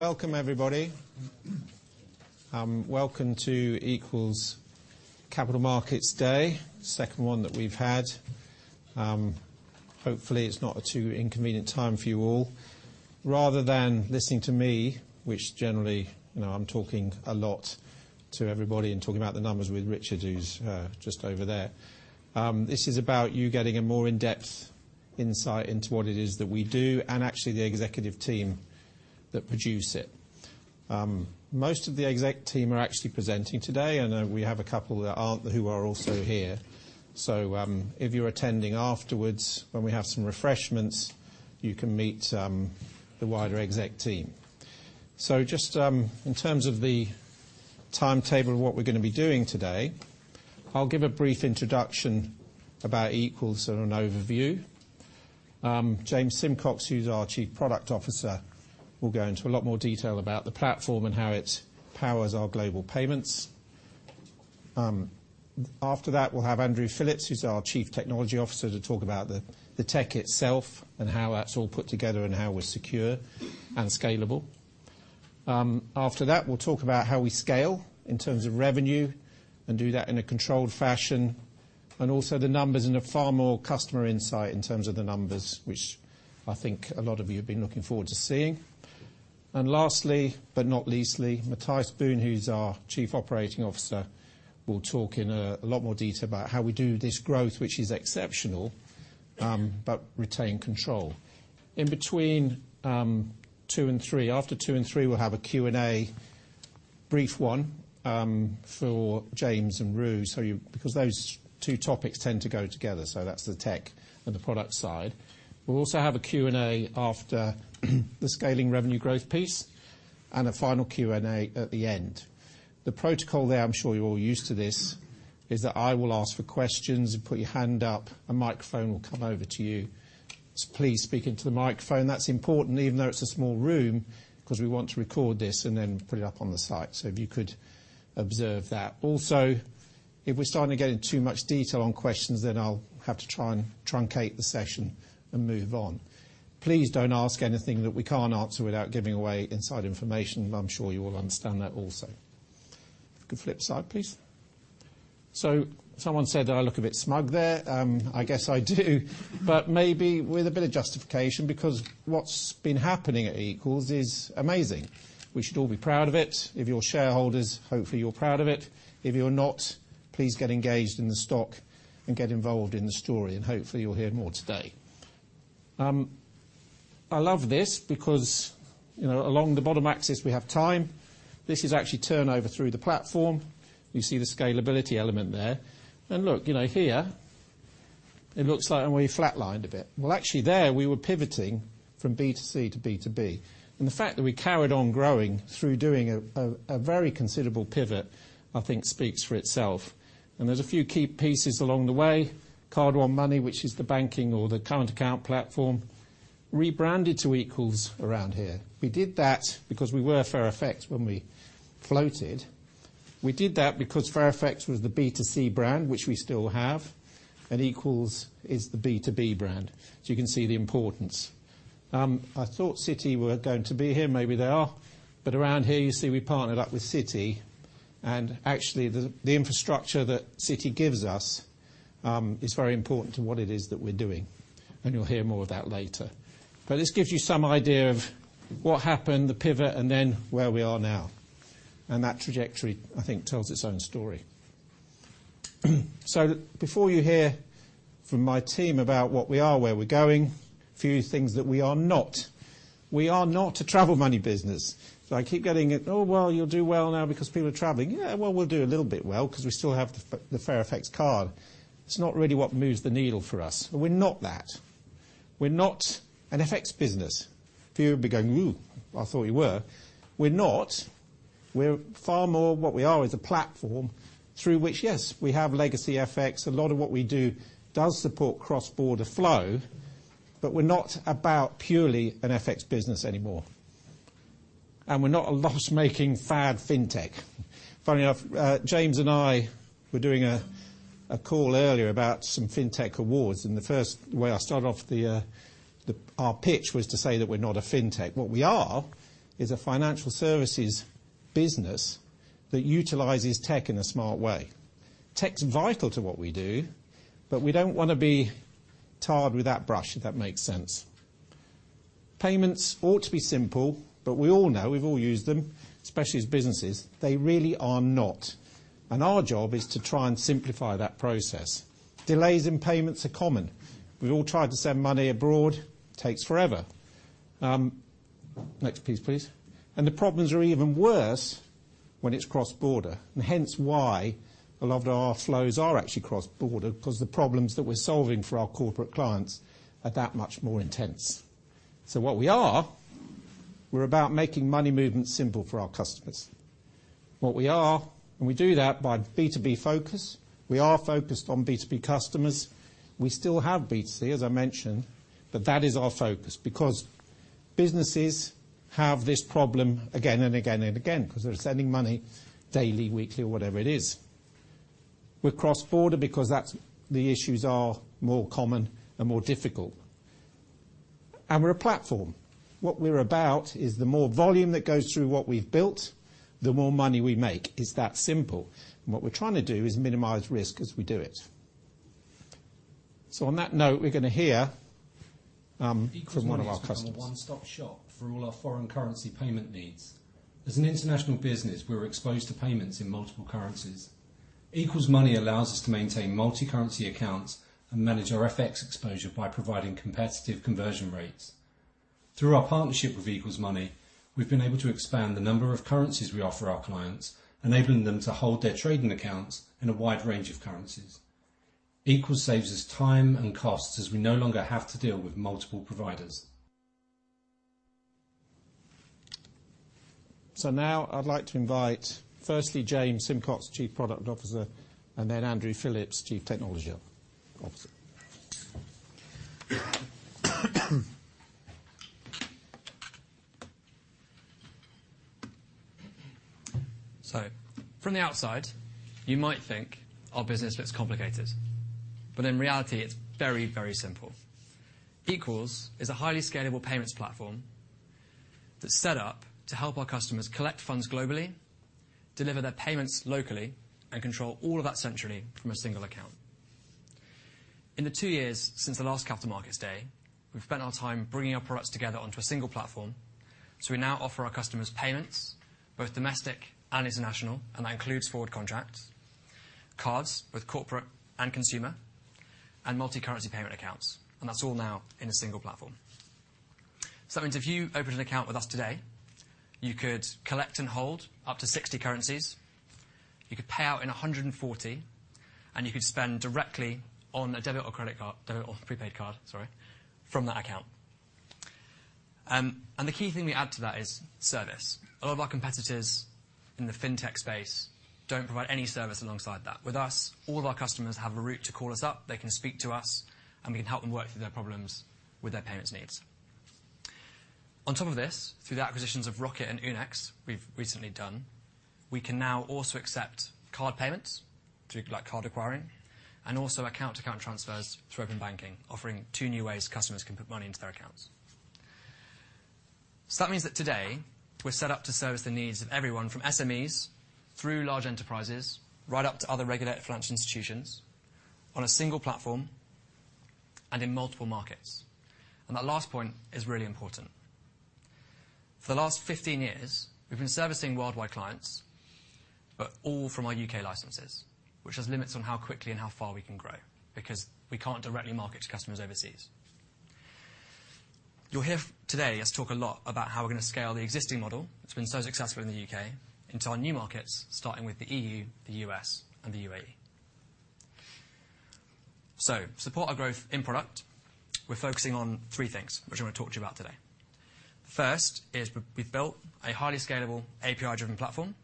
Welcome, everybody. Welcome to Equals Capital Markets Day. Second one that we've had. Hopefully it's not a too inconvenient time for you all. Rather than listening to me, which generally, you know, I'm talking a lot to everybody and talking about the numbers with Richard, who's just over there, this is about you getting a more in-depth insight into what it is that we do, and actually the executive team that produce it. Most of the exec team are actually presenting today, I know we have a couple that aren't, who are also here. If you're attending afterwards when we have some refreshments, you can meet the wider exec team. In terms of the timetable of what we're gonna be doing today, I'll give a brief introduction about Equals and an overview. James Simcox, who's our Chief Product Officer, will go into a lot more detail about the platform and how it powers our global payments. After that, we'll have Andrew Phillips, who's our Chief Technology Officer, to talk about the tech itself and how that's all put together and how we're secure and scalable. After that, we'll talk about how we scale in terms of revenue, do that in a controlled fashion. Also the numbers, a far more customer insight in terms of the numbers, which I think a lot of you have been looking forward to seeing. Lastly, but not leastly, Matthijs Boon, who's our Chief Operating Officer, will talk in a lot more detail about how we do this growth, which is exceptional, but retain control. In between, two and three... After two and three, we'll have a Q&A, brief one, for James and Andrew. Because those two topics tend to go together, so that's the tech and the product side. We'll also have a Q&A after the scaling revenue growth piece, and a final Q&A at the end. The protocol there, I'm sure you're all used to this, is that I will ask for questions. You put your hand up, a microphone will come over to you, so please speak into the microphone. That's important even though it's a small room, 'cause we want to record this and then put it up on the site. If you could observe that. Also, if we're starting to get in too much detail on questions, then I'll have to try and truncate the session and move on. Please don't ask anything that we can't answer without giving away inside information. I'm sure you all understand that also. You can flip side, please. Someone said that I look a bit smug there. I guess I do but maybe with a bit of justification, because what's been happening at Equals is amazing. We should all be proud of it. If you're shareholders, hopefully you're proud of it. If you're not, please get engaged in the stock and get involved in the story. Hopefully you'll hear more today. I love this because, you know, along the bottom axis we have time. This is actually turnover through the platform. You see the scalability element there. Look, you know, here, it looks like, we flatlined a bit. Well, actually there we were pivoting from B2C to B2B. The fact that we carried on growing through doing a very considerable pivot, I think speaks for itself. There's a few key pieces along the way. Card One Money, which is the banking or the current account platform, rebranded to Equals around here. We did that because we were FairFX when we floated. We did that because FairFX was the B2C brand, which we still have, and Equals is the B2B brand. You can see the importance. I thought Citi were going to be here, maybe they are. Around here you see we partnered up with Citi, and actually the infrastructure that Citi gives us is very important to what it is that we're doing, and you'll hear more of that later. This gives you some idea of what happened, the pivot, and then where we are now, and that trajectory, I think tells its own story. Before you hear from my team about what we are, where we're going, a few things that we are not. We are not a travel money business. I keep getting, "Oh, well, you'll do well now because people are traveling." Well, we'll do a little bit well 'cause we still have the FairFX card. It's not really what moves the needle for us, and we're not that. We're not an FX business. A few of you will be going, "Ooh, I thought you were." We're not. We're far more... What we are is a platform through which, yes, we have legacy FX, a lot of what we do does support cross-border flow. We're not about purely an FX business anymore. We're not a loss-making fad fintech. Funny enough, James and I were doing a call earlier about some fintech awards. The first way I started off our pitch was to say that we're not a fintech. What we are is a financial services business that utilizes tech in a smart way. Tech's vital to what we do. We don't wanna be tarred with that brush, if that makes sense. Payments ought to be simple. We all know, we've all used them, especially as businesses, they really are not. Our job is to try and simplify that process. Delays in payments are common. We've all tried to send money abroad, takes forever. Next piece please. The problems are even worse when it's cross-border, and hence why a lot of our flows are actually cross-border, 'cause the problems that we're solving for our corporate clients are that much more intense. What we are, we're about making money movement simple for our customers. And we do that by B2B focus. We are focused on B2B customers. We still have B2C, as I mentioned, but that is our focus because businesses have this problem again and again and again, 'cause they're sending money daily, weekly, or whatever it is. We're cross-border because the issues are more common and more difficult. We're a platform. What we're about is the more volume that goes through what we've built, the more money we make. It's that simple. What we're trying to do is minimize risk as we do it. On that note, we're gonna hear from one of our customers. Equals Money has become a one-stop shop for all our foreign currency payment needs. As an international business, we're exposed to payments in multiple currencies. Equals Money allows us to maintain multicurrency accounts and manage our FX exposure by providing competitive conversion rates. Through our partnership with Equals Money, we've been able to expand the number of currencies we offer our clients, enabling them to hold their trading accounts in a wide range of currencies. Equals saves us time and costs as we no longer have to deal with multiple providers. Now I'd like to invite, firstly, James Simcox, Chief Product Officer, and then Andrew Phillips, Chief Technology Officer. From the outside, you might think our business looks complicated, but in reality, it's very, very simple. Equals is a highly scalable payments platform that's set up to help our customers collect funds globally, deliver their payments locally, and control all of that centrally from a single account. In the two years since the last Capital Markets Day, we've spent our time bringing our products together onto a single platform, so we now offer our customers payments, both domestic and international, and that includes forward contracts, cards with corporate and consumer, and multicurrency payment accounts, and that's all now in a single platform. That means if you opened an account with us today, you could collect and hold up to 60 currencies, you could pay out in 140, and you could spend directly on a debit or prepaid card, sorry, from that account. The key thing we add to that is service. A lot of our competitors in the fintech space don't provide any service alongside that. With us, all of our customers have a route to call us up, they can speak to us, and we can help them work through their problems with their payment needs. On top of this, through the acquisitions of Roqqett and Oonex we've recently done, we can now also accept card payments, through like card acquiring, and also account-to-account transfers through open banking, offering two new ways customers can put money into their accounts. That means that today we're set up to service the needs of everyone from SMEs through large enterprises, right up to other regulated financial institutions on a single platform and in multiple markets. That last point is really important. For the last 15 years, we've been servicing worldwide clients, but all from our U.K. licenses, which has limits on how quickly and how far we can grow, because we can't directly market to customers overseas. You'll hear today us talk a lot about how we're going to scale the existing model that's been so successful in the U.K. into our new markets, starting with the EU, the U.S., and the UAE. To support our growth in product, we're focusing on three things, which I'm gonna talk to you about today. First is we've built a highly scalable API-driven platform.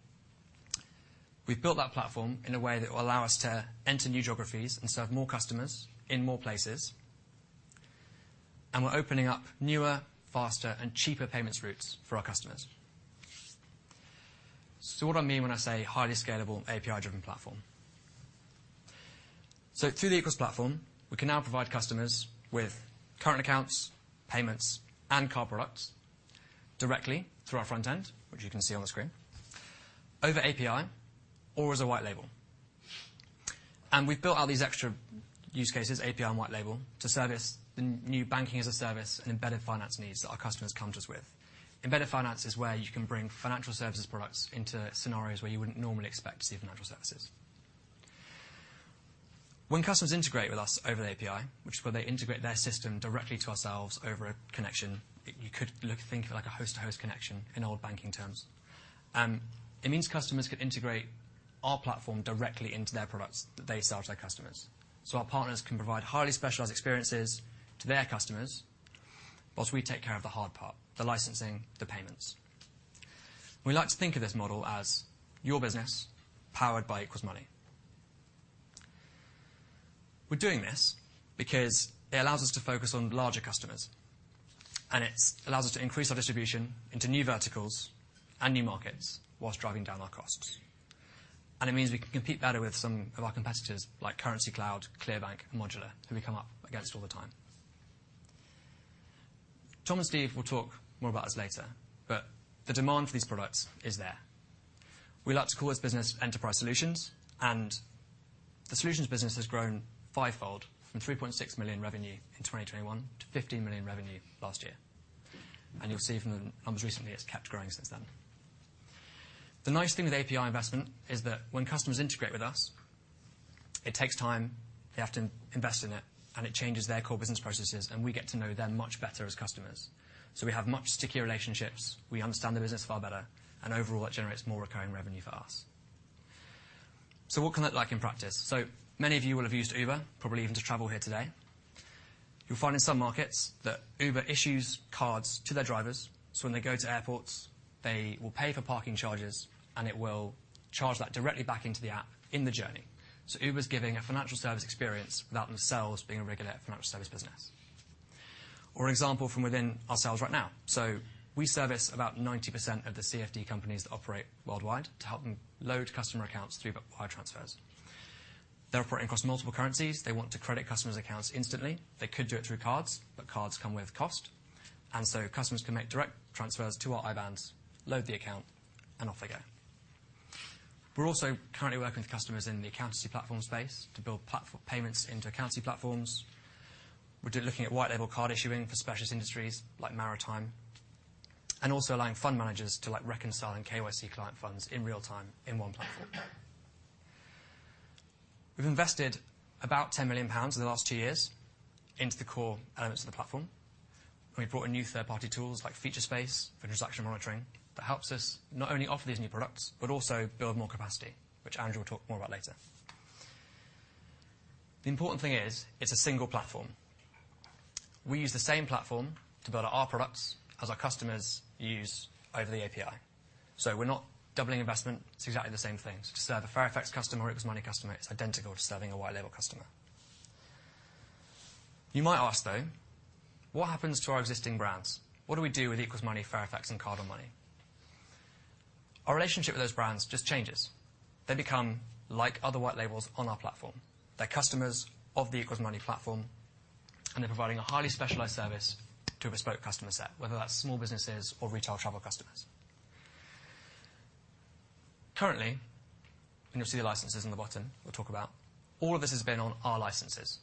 We've built that platform in a way that will allow us to enter new geographies and serve more customers in more places. We're opening up newer, faster, and cheaper payments routes for our customers. What do I mean when I say highly scalable API-driven platform? Through the Equals platform, we can now provide customers with current accounts, payments, and card products directly through our front end, which you can see on the screen, over API or as a white label. We've built out these extra use cases, API and white label, to service the new banking-as-a-service and embedded finance needs that our customers come to us with. Embedded finance is where you can bring financial services products into scenarios where you wouldn't normally expect to see financial services. When customers integrate with us over the API, which is where they integrate their system directly to ourselves over a connection, you could think of it like a host-to-host connection in old banking terms. It means customers can integrate our platform directly into their products that they sell to their customers. Our partners can provide highly specialized experiences to their customers, while we take care of the hard part, the licensing, the payments. We like to think of this model as your business powered by Equals Money. We're doing this because it allows us to focus on larger customers, it allows us to increase our distribution into new verticals and new markets while driving down our costs. It means we can compete better with some of our competitors, like Currencycloud, ClearBank, and Modulr, who we come up against all the time. Tom and Steve will talk more about this later, but the demand for these products is there. We like to call this business Enterprise Solutions, and the solutions business has grown five-fold from 3.6 million revenue in 2021 to 15 million revenue last year. You'll see from the numbers recently, it's kept growing since then. The nice thing with API investment is that when customers integrate with us, it takes time, they have to invest in it, and it changes their core business processes, and we get to know them much better as customers. We have much stickier relationships, we understand the business far better, and overall, it generates more recurring revenue for us. What can it look like in practice? Many of you will have used Uber, probably even to travel here today. You'll find in some markets that Uber issues cards to their drivers, so when they go to airports, they will pay for parking charges, and it will charge that directly back into the app in the journey. Uber's giving a financial service experience without themselves being a regulated financial service business. Example from within ourselves right now. We service about 90% of the CFD companies that operate worldwide to help them load customer accounts through the wire transfers. They're operating across multiple currencies. They want to credit customers' accounts instantly. They could do it through cards, but cards come with cost, and so customers can make direct transfers to our IBANs, load the account, and off they go. We're also currently working with customers in the accountancy platform space to build platform payments into accountancy platforms. We're looking at white label card issuing for specialist industries like maritime, and also allowing fund managers to like reconciling KYC client funds in real time in one platform. We've invested about 10 million pounds in the last two years into the core elements of the platform. We've brought in new third-party tools like Featurespace for transaction monitoring. That helps us not only offer these new products, but also build more capacity, which Andrew will talk more about later. The important thing is it's a single platform. We use the same platform to build out our products as our customers use over the API. We're not doubling investment. It's exactly the same thing. To serve a FairFX customer or Equals Money customer, it's identical to serving a white label customer. You might ask though, what happens to our existing brands? What do we do with Equals Money, FairFX, and Card One Money? Our relationship with those brands just changes. They become like other white labels on our platform. They're customers of the Equals Money platform, and they're providing a highly specialized service to a bespoke customer set, whether that's small businesses or retail travel customers. Currently, and you'll see the licenses in the bottom we'll talk about, all of this has been on our licenses.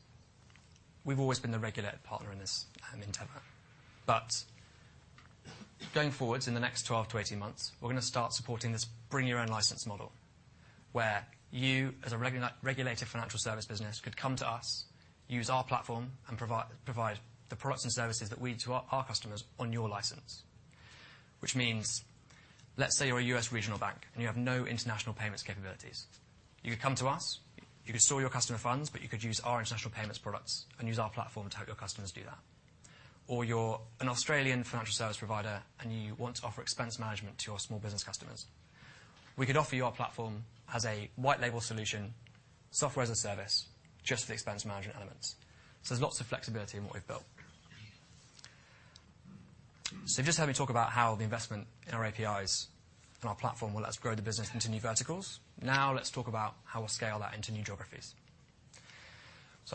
We've always been the regulated partner in this endeavor. Going forwards in the next 12 to 18 months, we're gonna start supporting this bring your own license model, where you, as a regulated financial service business, could come to us, use our platform and provide the products and services that we to our customers on your license. Which means, let's say you're a U.S. regional bank, and you have no international payments capabilities. You could come to us, you could store your customer funds, but you could use our international payments products and use our platform to help your customers do that. You're an Australian financial service provider, and you want to offer expense management to your small business customers. We could offer you our platform as a white label solution, software as a service, just for the expense management elements. There's lots of flexibility in what we've built. You've just heard me talk about how the investment in our APIs and our platform will let us grow the business into new verticals. Now let's talk about how we'll scale that into new geographies.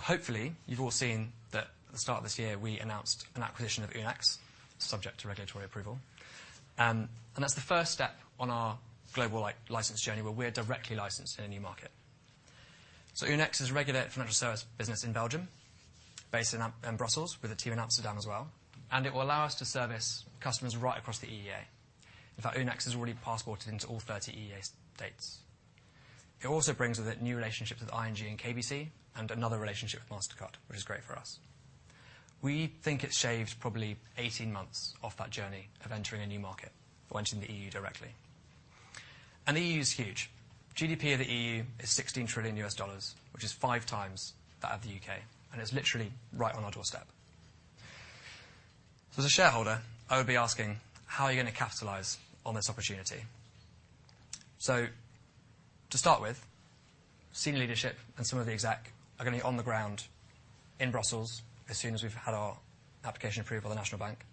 Hopefully you've all seen that at the start of this year, we announced an acquisition of Oonex, subject to regulatory approval. That's the first step on our global license journey, where we're directly licensed in a new market. Oonex is a regulated financial service business in Belgium, based in Brussels with a team in Amsterdam as well, it will allow us to service customers right across the EEA. In fact, Oonex is already passported into all 30 EEA states. It also brings with it new relationships with ING and KBC, another relationship with Mastercard, which is great for us. We think it's shaved probably 18 months off that journey of entering a new market. We're entering the EU directly. The EU is huge. GDP of the EU is $16 trillion, which is 5x that of the UK, it's literally right on our doorstep. As a shareholder, I would be asking, how are you gonna capitalize on this opportunity? To start with, senior leadership and some of the exec are gonna be on the ground in Brussels as soon as we've had our application approved by the national bank.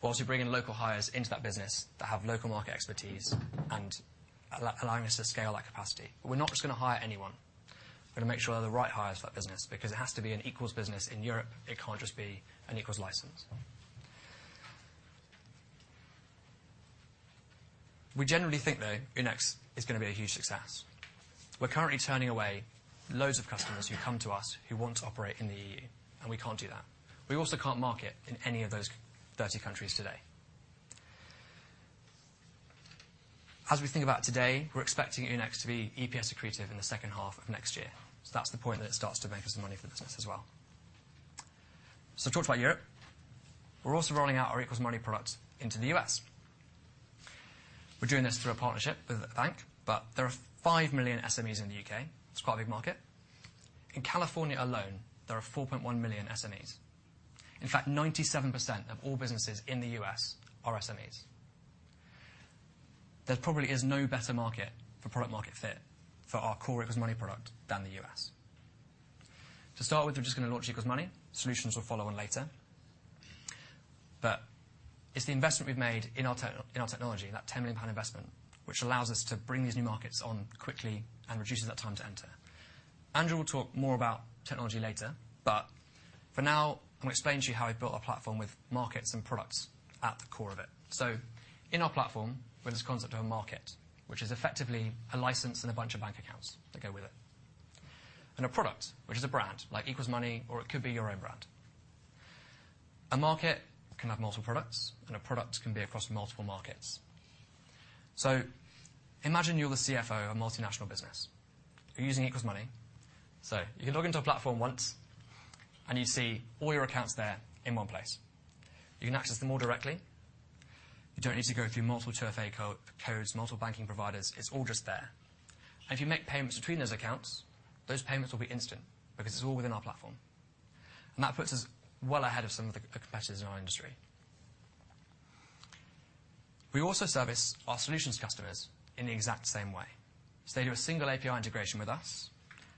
We'll also bring in local hires into that business that have local market expertise and allowing us to scale that capacity. We're not just gonna hire anyone. We're gonna make sure they're the right hires for that business because it has to be an Equals business in Europe. It can't just be an Equals license. We generally think, though, Oonex is gonna be a huge success. We're currently turning away loads of customers who come to us who want to operate in the EU, and we can't do that. We also can't market in any of those 30 countries today. As we think about today, we're expecting Oonex to be EPS accretive in the second half of next year. That's the point that it starts to make us some money for the business as well. I talked about Europe. We're also rolling out our Equals Money product into the U.S. We're doing this through a partnership with a bank. There are 5 million SMEs in the U.K. It's quite a big market. In California alone, there are 4.1 million SMEs. In fact, 97% of all businesses in the U.S. are SMEs. There probably is no better market for product market fit for our core Equals Money product than the U.S. To start with, we're just gonna launch Equals Money. Solutions will follow on later. It's the investment we've made in our technology, that 10 million pound investment, which allows us to bring these new markets on quickly and reduces that time to enter. Andrew will talk more about technology later, for now, I'm going to explain to you how we've built our platform with markets and products at the core of it. In our platform, we have this concept of a market, which is effectively a license and a bunch of bank accounts that go with it. A product, which is a brand like Equals Money, or it could be your own brand. A market can have multiple products, and a product can be across multiple markets. Imagine you're the CFO of a multinational business. You're using Equals Money. You can log into a platform once, and you see all your accounts there in one place. You can access them all directly. You don't need to go through multiple 2FA codes, multiple banking providers. It's all just there. If you make payments between those accounts, those payments will be instant because it's all within our platform. That puts us well ahead of some of the competitors in our industry. We also service our solutions customers in the exact same way. They do a single API integration with us,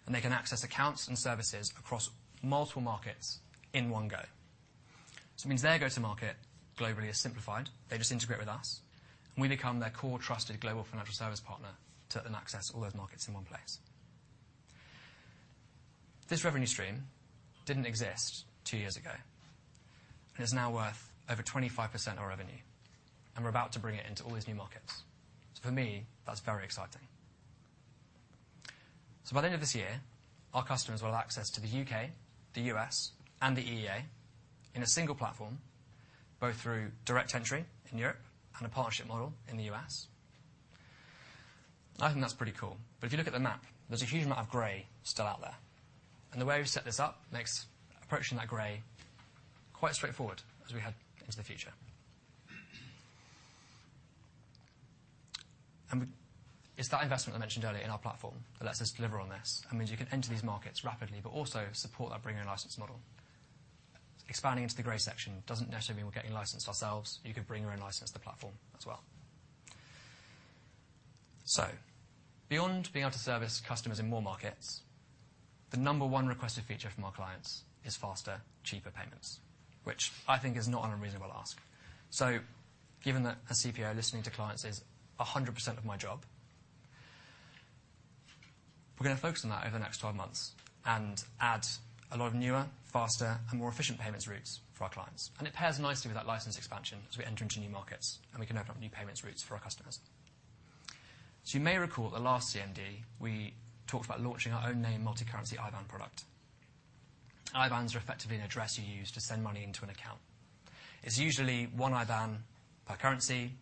and they can access accounts and services across multiple markets in one go. It means their go-to-market globally is simplified. They just integrate with us, and we become their core trusted global financial service partner to then access all those markets in one place. This revenue stream didn't exist 2 years ago, and it's now worth over 25% of our revenue, and we're about to bring it into all these new markets. For me, that's very exciting. By the end of this year, our customers will have access to the UK, the US, and the EEA in a single platform, both through direct entry in Europe and a partnership model in the US. I think that's pretty cool. If you look at the map, there's a huge amount of gray still out there, and the way we've set this up makes approaching that gray quite straightforward as we head into the future. It's that investment I mentioned earlier in our platform that lets us deliver on this and means you can enter these markets rapidly but also support that bring your own license model. Expanding into the gray section doesn't necessarily mean we're getting licensed ourselves. You could bring your own license to the platform as well. Beyond being able to service customers in more markets, the number 1 requested feature from our clients is faster, cheaper payments, which I think is not an unreasonable ask. Given that a CPO listening to clients is 100% of my job, we're gonna focus on that over the next 12 months and add a lot of newer, faster, and more efficient payments routes for our clients. It pairs nicely with that license expansion as we enter into new markets, and we can open up new payments routes for our customers. You may recall at last CMD, we talked about launching our own name multi-currency IBAN product. IBANs are effectively an address you use to send money into an account. It's usually 1 IBAN per currency.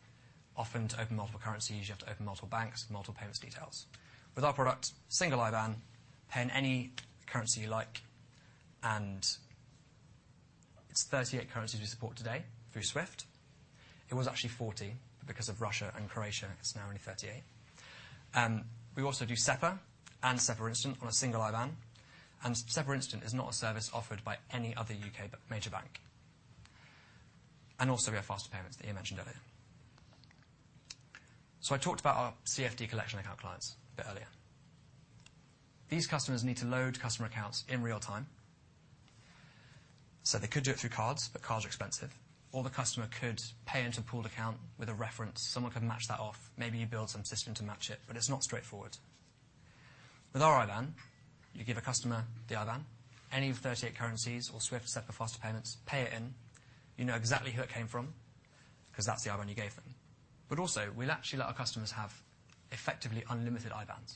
Often to open multiple currencies, you have to open multiple banks, multiple payments details. With our product, single IBAN, pay in any currency you like, it's 38 currencies we support today through Swift. It was actually 40. Because of Russia and Croatia, it's now only 38. We also do SEPA and SEPA Instant on a single IBAN. SEPA Instant is not a service offered by any other UK major bank. We have Faster Payments that Ian mentioned earlier. I talked about our CFD collection account clients a bit earlier. These customers need to load customer accounts in real time, so they could do it through cards, but cards are expensive. The customer could pay into a pooled account with a reference. Someone could match that off. Maybe you build some system to match it, but it's not straightforward. With our IBAN, you give a customer the IBAN, any of 38 currencies or Swift, SEPA Faster Payments, pay it in. You know exactly who it came from because that's the IBAN you gave them. Also, we'll actually let our customers have effectively unlimited IBANs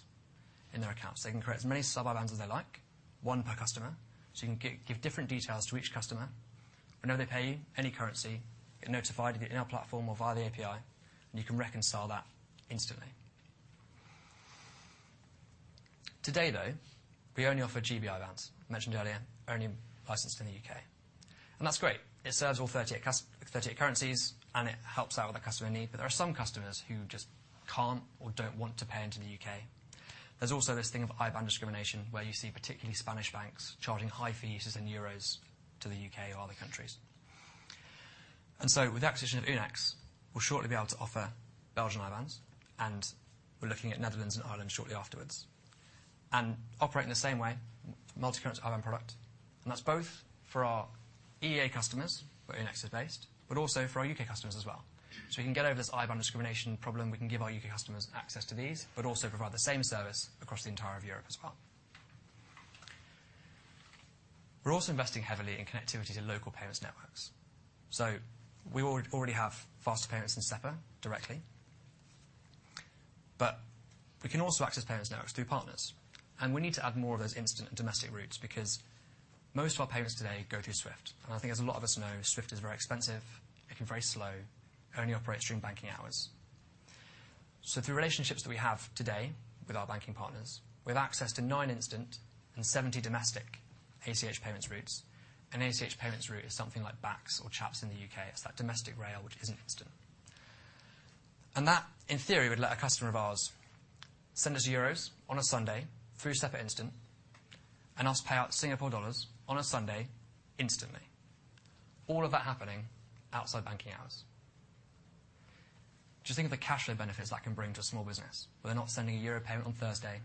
in their accounts. They can create as many sub-IBANs as they like, one per customer. You can give different details to each customer. We know they pay you any currency. Get notified either in our platform or via the API, and you can reconcile that instantly. Today, though, we only offer GB IBANs. I mentioned earlier, only licensed in the U.K. That's great. It serves all 38 currencies, and it helps out with the customer need. There are some customers who just can't or don't want to pay into the U.K. There's also this thing of IBAN discrimination, where you see particularly Spanish banks charging high fees as in euros to the UK or other countries. With the acquisition of Oonex, we'll shortly be able to offer Belgian IBANs, and we're looking at Netherlands and Ireland shortly afterwards. Operate in the same way, multi-currency IBAN product. That's both for our EEA customers, where Oonex is based, but also for our UK customers as well. We can get over this IBAN discrimination problem. We can give our UK customers access to these, but also provide the same service across the entire of Europe as well. We're also investing heavily in connectivity to local payments networks. We already have Faster Payments in SEPA directly, but we can also access payments networks through partners. We need to add more of those instant and domestic routes because most of our payments today go through Swift. I think as a lot of us know, Swift is very expensive. It can be very slow, only operates during banking hours. Through relationships that we have today with our banking partners, we have access to 9 instant and 70 domestic ACH payments routes. An ACH payments route is something like Bacs or CHAPS in the U.K. It's that domestic rail which isn't instant. That, in theory, would let a customer of ours send us EUR on a Sunday through SEPA Instant and us pay out SGD on a Sunday instantly. All of that happening outside banking hours. Just think of the cash flow benefits that can bring to a small business, where they're not sending a EUR payment on Thursday.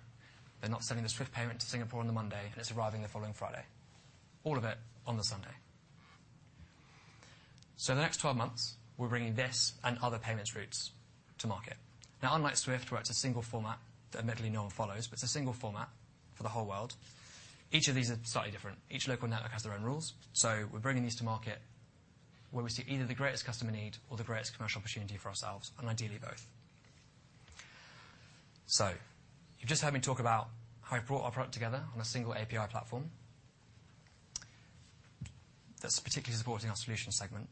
They're not sending the Swift payment to Singapore on Monday, and it's arriving the following Friday. All of it on Sunday. The next 12 months, we're bringing this and other payments routes to market. Now, unlike Swift, where it's a single format that admittedly no one follows, but it's a single format for the whole world, each of these are slightly different. Each local network has their own rules, so we're bringing these to market where we see either the greatest customer need or the greatest commercial opportunity for ourselves, and ideally, both. You've just heard me talk about how we've brought our product together on a single API platform that's particularly supporting our solutions segment.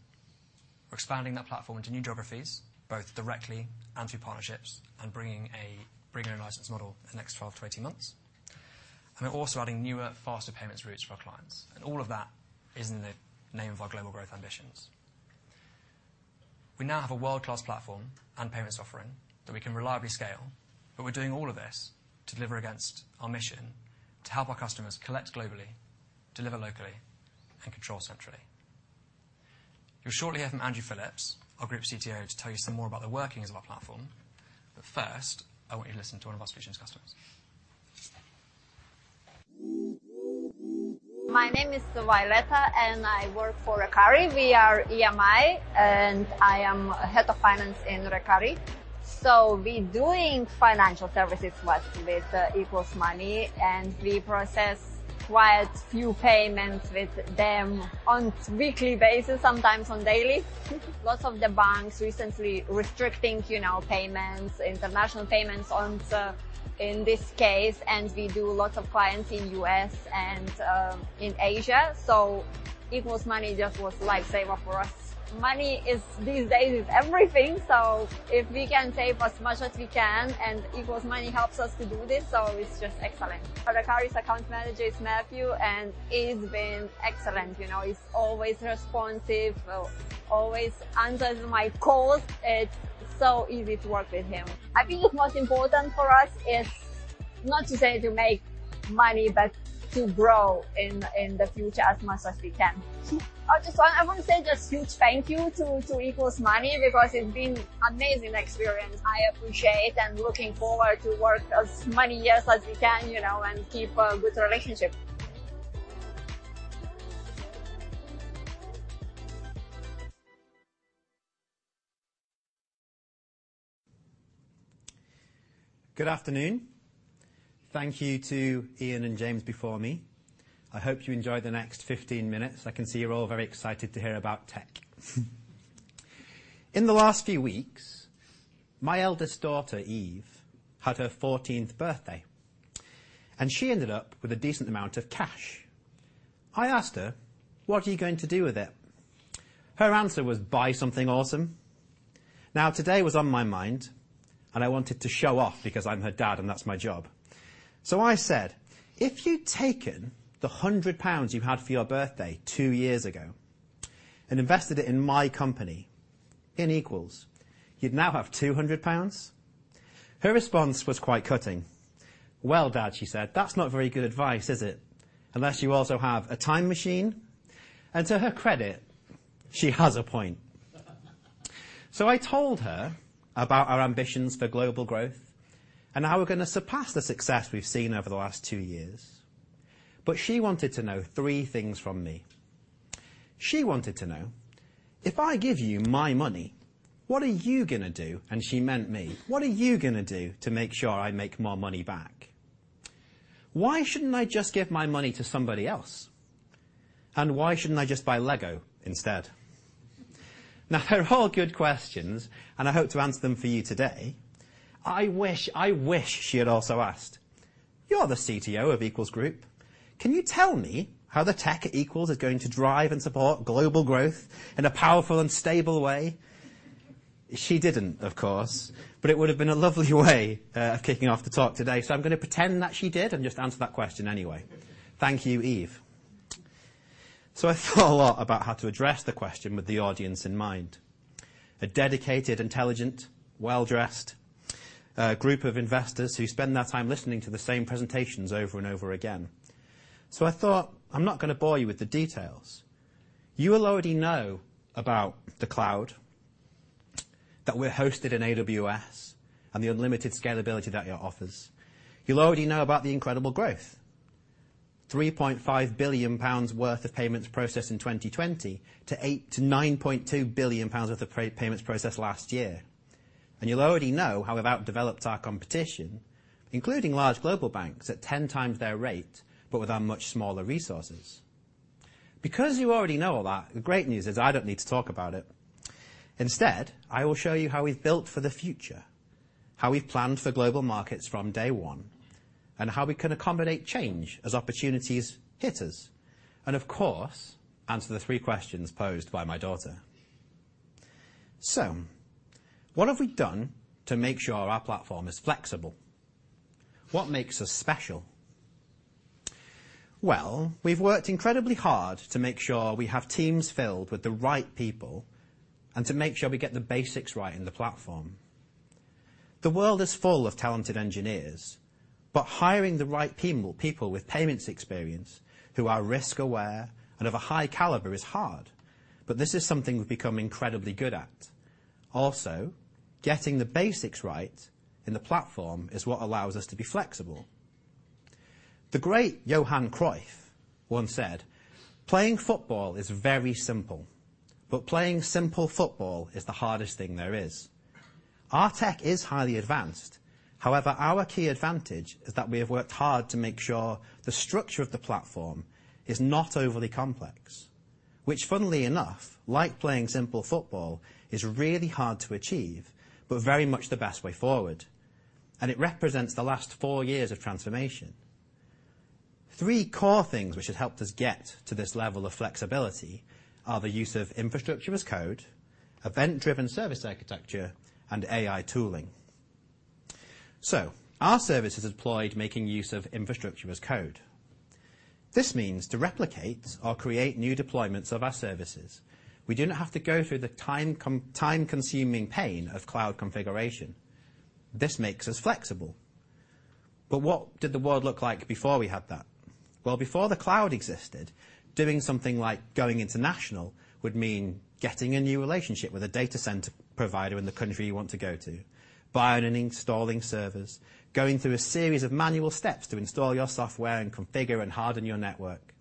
We're expanding that platform into new geographies, both directly and through partnerships and bringing a bring your own license model in the next 12-18 months. We're also adding newer, faster payments routes for our clients. All of that is in the name of our global growth ambitions. We now have a world-class platform and payments offering that we can reliably scale. We're doing all of this to deliver against our mission to help our customers collect globally, deliver locally. Control centrally. You'll shortly hear from Andrew Phillips, our Group CTO, to tell you some more about the workings of our platform. First, I want you to listen to one of our solutions customers. My name is Violeta. I work for Recare. We are EMI. I am head of finance in Recare. We doing financial services with Equals Money. We process quite few payments with them on weekly basis, sometimes on daily. Lots of the banks recently restricting, you know, payments, international payments on in this case. We do lots of clients in U.S. and in Asia. Equals Money just was life saver for us. Money is these days is everything. If we can save as much as we can, Equals Money helps us to do this. It's just excellent. For the Recare's account manager is Matthew. He's been excellent. You know, he's always responsive, always answers my calls. It's so easy to work with him. I think what's most important for us is not to say to make money, but to grow in the future as much as we can. I wanna say just huge thank you to Equals Money because it's been amazing experience. I appreciate and looking forward to work as many years as we can, you know, and keep a good relationship. Good afternoon. Thank you to Ian and James before me. I hope you enjoy the next 15 minutes. I can see you're all very excited to hear about tech. In the last few weeks, my eldest daughter, Eve, had her 14th birthday, and she ended up with a decent amount of cash. I asked her, "What are you going to do with it?" Her answer was, "Buy something awesome." Today was on my mind, and I wanted to show off because I'm her dad, and that's my job. I said, "If you'd taken the 100 pounds you had for your birthday two years ago and invested it in my company, in Equals, you'd now have 200 pounds." Her response was quite cutting. "Well, Dad," she said, "that's not very good advice, is it? Unless you also have a time machine." To her credit, she has a point. I told her about our ambitions for global growth and how we're gonna surpass the success we've seen over the last two years. She wanted to know three things from me. She wanted to know, "If I give you my money, what are you gonna do?" She meant me. "What are you gonna do to make sure I make my money back? Why shouldn't I just give my money to somebody else? Why shouldn't I just buy Lego instead?" Now, they're all good questions, and I hope to answer them for you today. I wish she had also asked, "You're the CTO of Equals Group. Can you tell me how the tech at Equals is going to drive and support global growth in a powerful and stable way?" She didn't, of course, but it would've been a lovely way of kicking off the talk today, I'm gonna pretend that she did and just answer that question anyway. Thank you, Eve. I thought a lot about how to address the question with the audience in mind. A dedicated, intelligent, well-dressed group of investors who spend their time listening to the same presentations over and over again. I thought, I'm not gonna bore you with the details. You will already know about the cloud, that we're hosted in AWS and the unlimited scalability that it offers. You'll already know about the incredible growth, 3.5 billion pounds worth of payments processed in 2020 to 8 billion-9.2 billion pounds worth of payments processed last year. You'll already know how we've outdeveloped our competition, including large global banks, at 10x their rate, but with our much smaller resources. You already know all that, the great news is I don't need to talk about it. Instead, I will show you how we've built for the future, how we've planned for global markets from day one, and how we can accommodate change as opportunities hit us and, of course, answer the three questions posed by my daughter. What have we done to make sure our platform is flexible? What makes us special? We've worked incredibly hard to make sure we have teams filled with the right people and to make sure we get the basics right in the platform. The world is full of talented engineers, but hiring the right people with payments experience who are risk-aware and of a high caliber is hard. This is something we've become incredibly good at. Getting the basics right in the platform is what allows us to be flexible. The great Johan Cruyff once said, "Playing football is very simple, but playing simple football is the hardest thing there is." Our tech is highly advanced. However, our key advantage is that we have worked hard to make sure the structure of the platform is not overly complex, which funnily enough, like playing simple football, is really hard to achieve, but very much the best way forward, and it represents the last 4 years of transformation. Three core things which have helped us get to this level of flexibility are the use of infrastructure as code, event-driven service architecture, and AI tooling. Our service is deployed making use of infrastructure as code. This means to replicate or create new deployments of our services, we do not have to go through the time-consuming pain of cloud configuration. This makes us flexible. What did the world look like before we had that? Well, before the cloud existed, doing something like going international would mean getting a new relationship with a data center provider in the country you want to go to, buying and installing servers, going through a series of manual steps to install your software and configure and harden your network.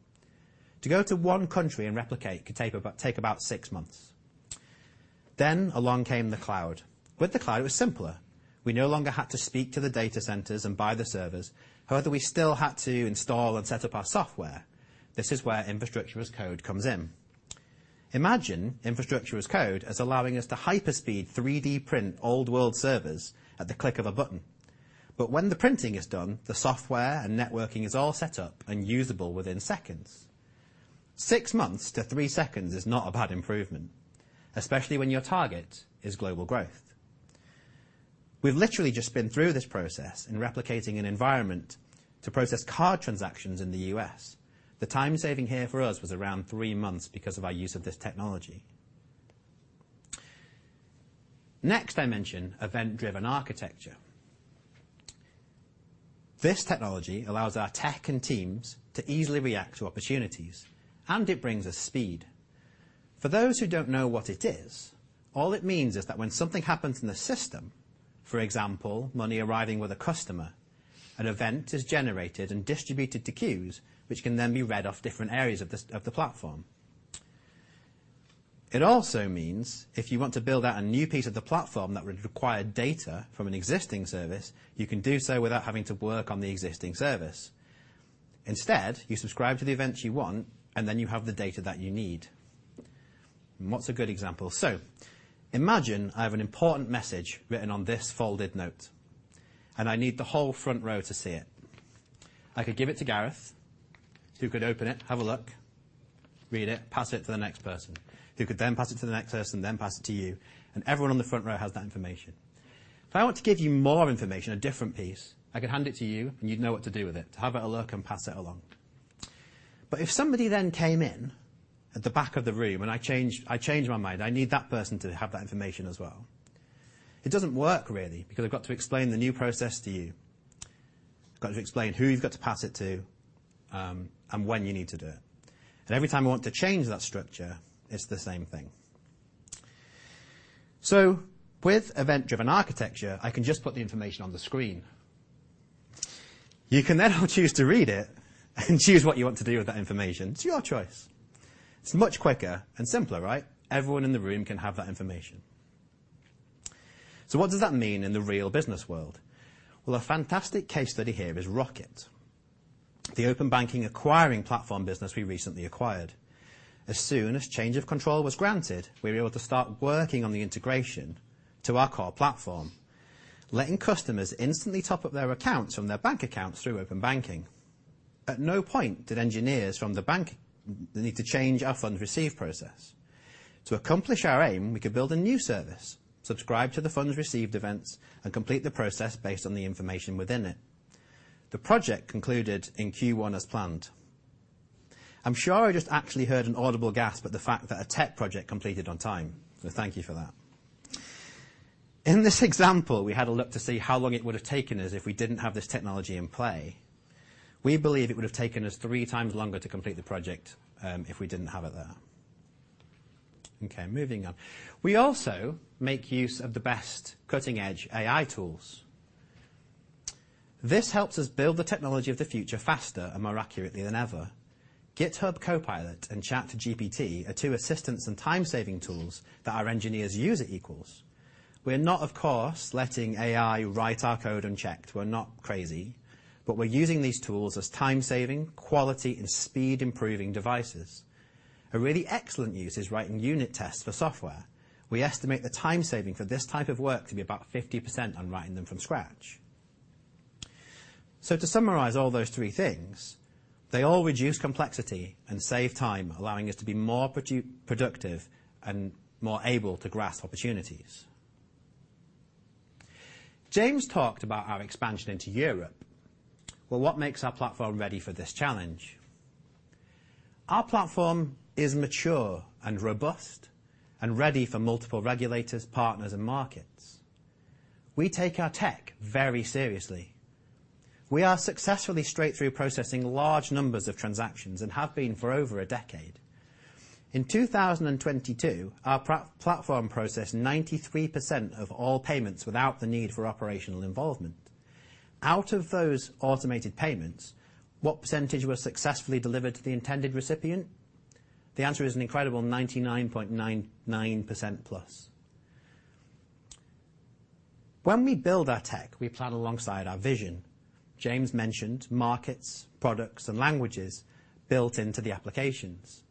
To go to one country and replicate could take about six months. Along came the cloud. With the cloud, it was simpler. We no longer had to speak to the data centers and buy the servers. However, we still had to install and set up our software. This is where infrastructure as code comes in. Imagine infrastructure as code as allowing us to hyper-speed 3D print old world servers at the click of a button. When the printing is done, the software and networking is all set up and usable within seconds. six months to three seconds is not a bad improvement, especially when your target is global growth. We've literally just been through this process in replicating an environment to process card transactions in the U.S. The time saving here for us was around three months because of our use of this technology. I mention event-driven architecture. This technology allows our tech and teams to easily react to opportunities, and it brings us speed. For those who don't know what it is, all it means is that when something happens in the system, for example, money arriving with a customer, an event is generated and distributed to queues, which can then be read off different areas of the platform. It also means if you want to build out a new piece of the platform that would require data from an existing service, you can do so without having to work on the existing service. Instead, you subscribe to the events you want, and then you have the data that you need. What's a good example? Imagine I have an important message written on this folded note, and I need the whole front row to see it. I could give it to Gareth, who could open it, have a look, read it, pass it to the next person, who could then pass it to the next person, then pass it to you, and everyone on the front row has that information. If I want to give you more information, a different piece, I could hand it to you, and you'd know what to do with it. To have a look and pass it along. If somebody then came in at the back of the room and I change my mind, I need that person to have that information as well. It doesn't work, really, because I've got to explain the new process to you. Got to explain who you've got to pass it to, and when you need to do it. Every time I want to change that structure, it's the same thing. With event-driven architecture, I can just put the information on the screen. You can then choose to read it and choose what you want to do with that information. It's your choice. It's much quicker and simpler, right? Everyone in the room can have that information. What does that mean in the real business world? A fantastic case study here is Roqqett, the open banking acquiring platform business we recently acquired. As soon as change of control was granted, we were able to start working on the integration to our core platform, letting customers instantly top up their accounts from their bank accounts through open banking. At no point did engineers from the bank need to change our funds receive process. To accomplish our aim, we could build a new service, subscribe to the funds received events, and complete the process based on the information within it. The project concluded in Q1 as planned. I'm sure I just actually heard an audible gasp at the fact that a tech project completed on time. Thank you for that. In this example, we had a look to see how long it would have taken us if we didn't have this technology in play. We believe it would have taken us three times longer to complete the project if we didn't have it there. Moving on. We also make use of the best cutting-edge AI tools. This helps us build the technology of the future faster and more accurately than ever. GitHub Copilot and ChatGPT are two assistance and time-saving tools that our engineers use at Equals. We're not, of course, letting AI write our code unchecked. We're not crazy. We're using these tools as time-saving, quality, and speed-improving devices. A really excellent use is writing unit tests for software. We estimate the time saving for this type of work to be about 50% on writing them from scratch. To summarize all those three things, they all reduce complexity and save time, allowing us to be more productive and more able to grasp opportunities. James talked about our expansion into Europe. What makes our platform ready for this challenge? Our platform is mature and robust and ready for multiple regulators, partners, and markets. We take our tech very seriously. We are successfully straight through processing large numbers of transactions and have been for over a decade. In 2022, our platform processed 93% of all payments without the need for operational involvement. Out of those automated payments, what percentage was successfully delivered to the intended recipient? The answer is an incredible 99.99% plus. When we build our tech, we plan alongside our vision. James mentioned markets, products, and languages built into the applications.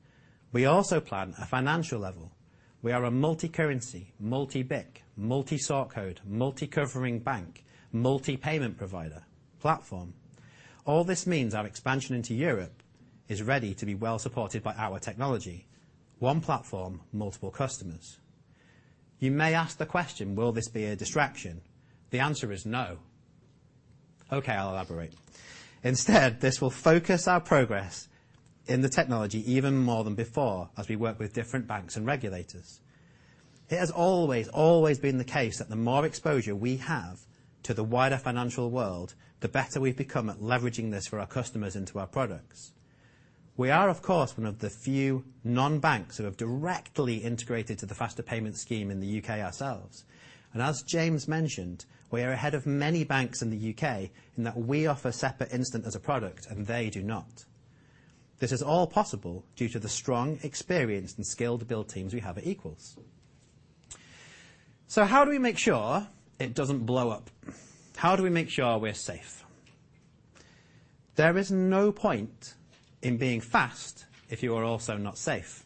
We also plan a financial level. We are a multi-currency, multi-BIC, multi-sort code, multi-covering bank, multi-payment provider platform. All this means our expansion into Europe is ready to be well supported by our technology. One platform, multiple customers. You may ask the question, will this be a distraction? The answer is no. Okay, I'll elaborate. Instead, this will focus our progress in the technology even more than before as we work with different banks and regulators. It has always been the case that the more exposure we have to the wider financial world, the better we've become at leveraging this for our customers into our products. We are, of course, one of the few non-banks who have directly integrated to the Faster Payments scheme in the UK ourselves. As James mentioned, we are ahead of many banks in the UK in that we offer SEPA Instant as a product, and they do not. This is all possible due to the strong, experienced, and skilled build teams we have at Equals. How do we make sure it doesn't blow up? How do we make sure we're safe? There is no point in being fast if you are also not safe.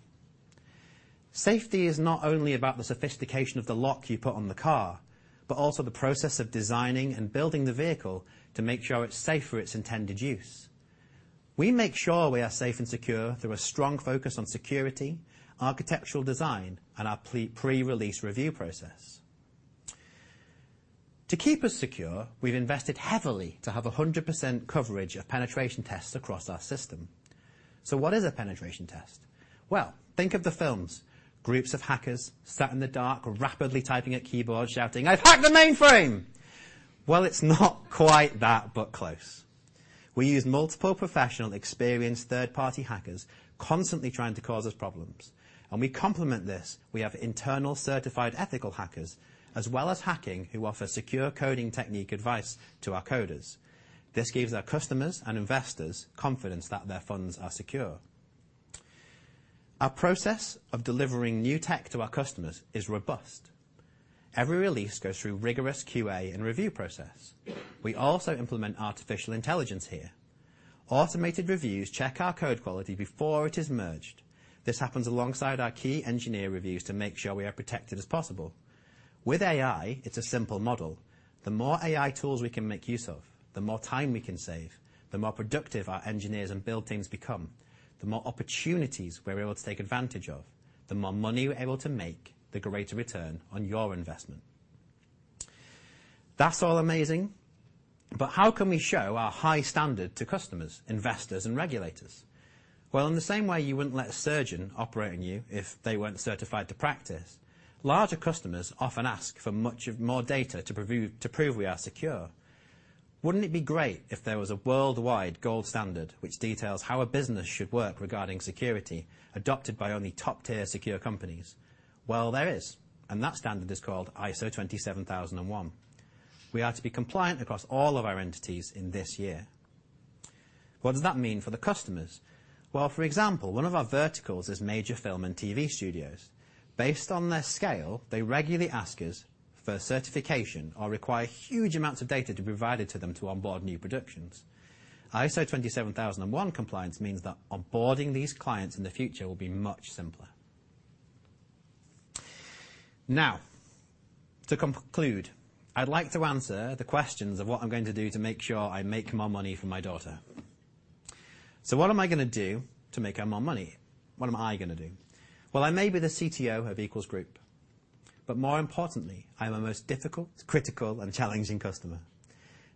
Safety is not only about the sophistication of the lock you put on the car, but also the process of designing and building the vehicle to make sure it's safe for its intended use. We make sure we are safe and secure through a strong focus on security, architectural design, and our pre-release review process. To keep us secure, we've invested heavily to have 100% coverage of penetration tests across our system. What is a penetration test? Well, think of the films. Groups of hackers sat in the dark rapidly typing at keyboards, shouting, "I've hacked the mainframe." Well, it's not quite that, but close. We use multiple professional experienced third-party hackers constantly trying to cause us problems, and we complement this. We have internal certified ethical hackers, as well as hacking, who offer secure coding technique advice to our coders. This gives our customers and investors confidence that their funds are secure. Our process of delivering new tech to our customers is robust. Every release goes through rigorous QA and review process. We also implement artificial intelligence here. Automated reviews check our code quality before it is merged. This happens alongside our key engineer reviews to make sure we are protected as possible. With AI, it's a simple model. The more AI tools we can make use of, the more time we can save, the more productive our engineers and build teams become, the more opportunities we're able to take advantage of, the more money we're able to make, the greater return on your investment. That's all amazing. How can we show our high standard to customers, investors, and regulators? Well, in the same way you wouldn't let a surgeon operate on you if they weren't certified to practice, larger customers often ask for much more data to prove we are secure. Wouldn't it be great if there was a worldwide gold standard which details how a business should work regarding security, adopted by only top-tier secure companies? Well, there is, that standard is called ISO 27001. We are to be compliant across all of our entities in this year. What does that mean for the customers? Well, for example, one of our verticals is major film and TV studios. Based on their scale, they regularly ask us for certification or require huge amounts of data to be provided to them to onboard new productions. ISO 27001 compliance means that onboarding these clients in the future will be much simpler. To conclude, I'd like to answer the questions of what I'm going to do to make sure I make more money for my daughter. What am I gonna do to make her more money? What am I gonna do? Well, I may be the CTO of Equals Group, more importantly, I'm her most difficult, critical, and challenging customer.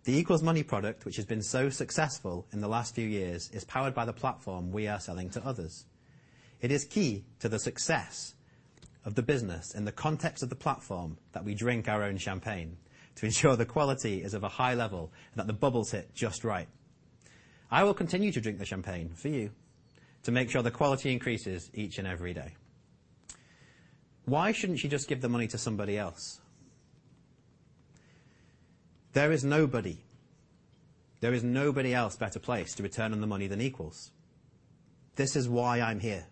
The Equals Money product, which has been so successful in the last few years, is powered by the platform we are selling to others. It is key to the success of the business in the context of the platform that we drink our own champagne to ensure the quality is of a high level, that the bubbles hit just right. I will continue to drink the champagne for you to make sure the quality increases each and every day. Why shouldn't she just give the money to somebody else? There is nobody else better placed to return on the money than Equals. This is why I'm here.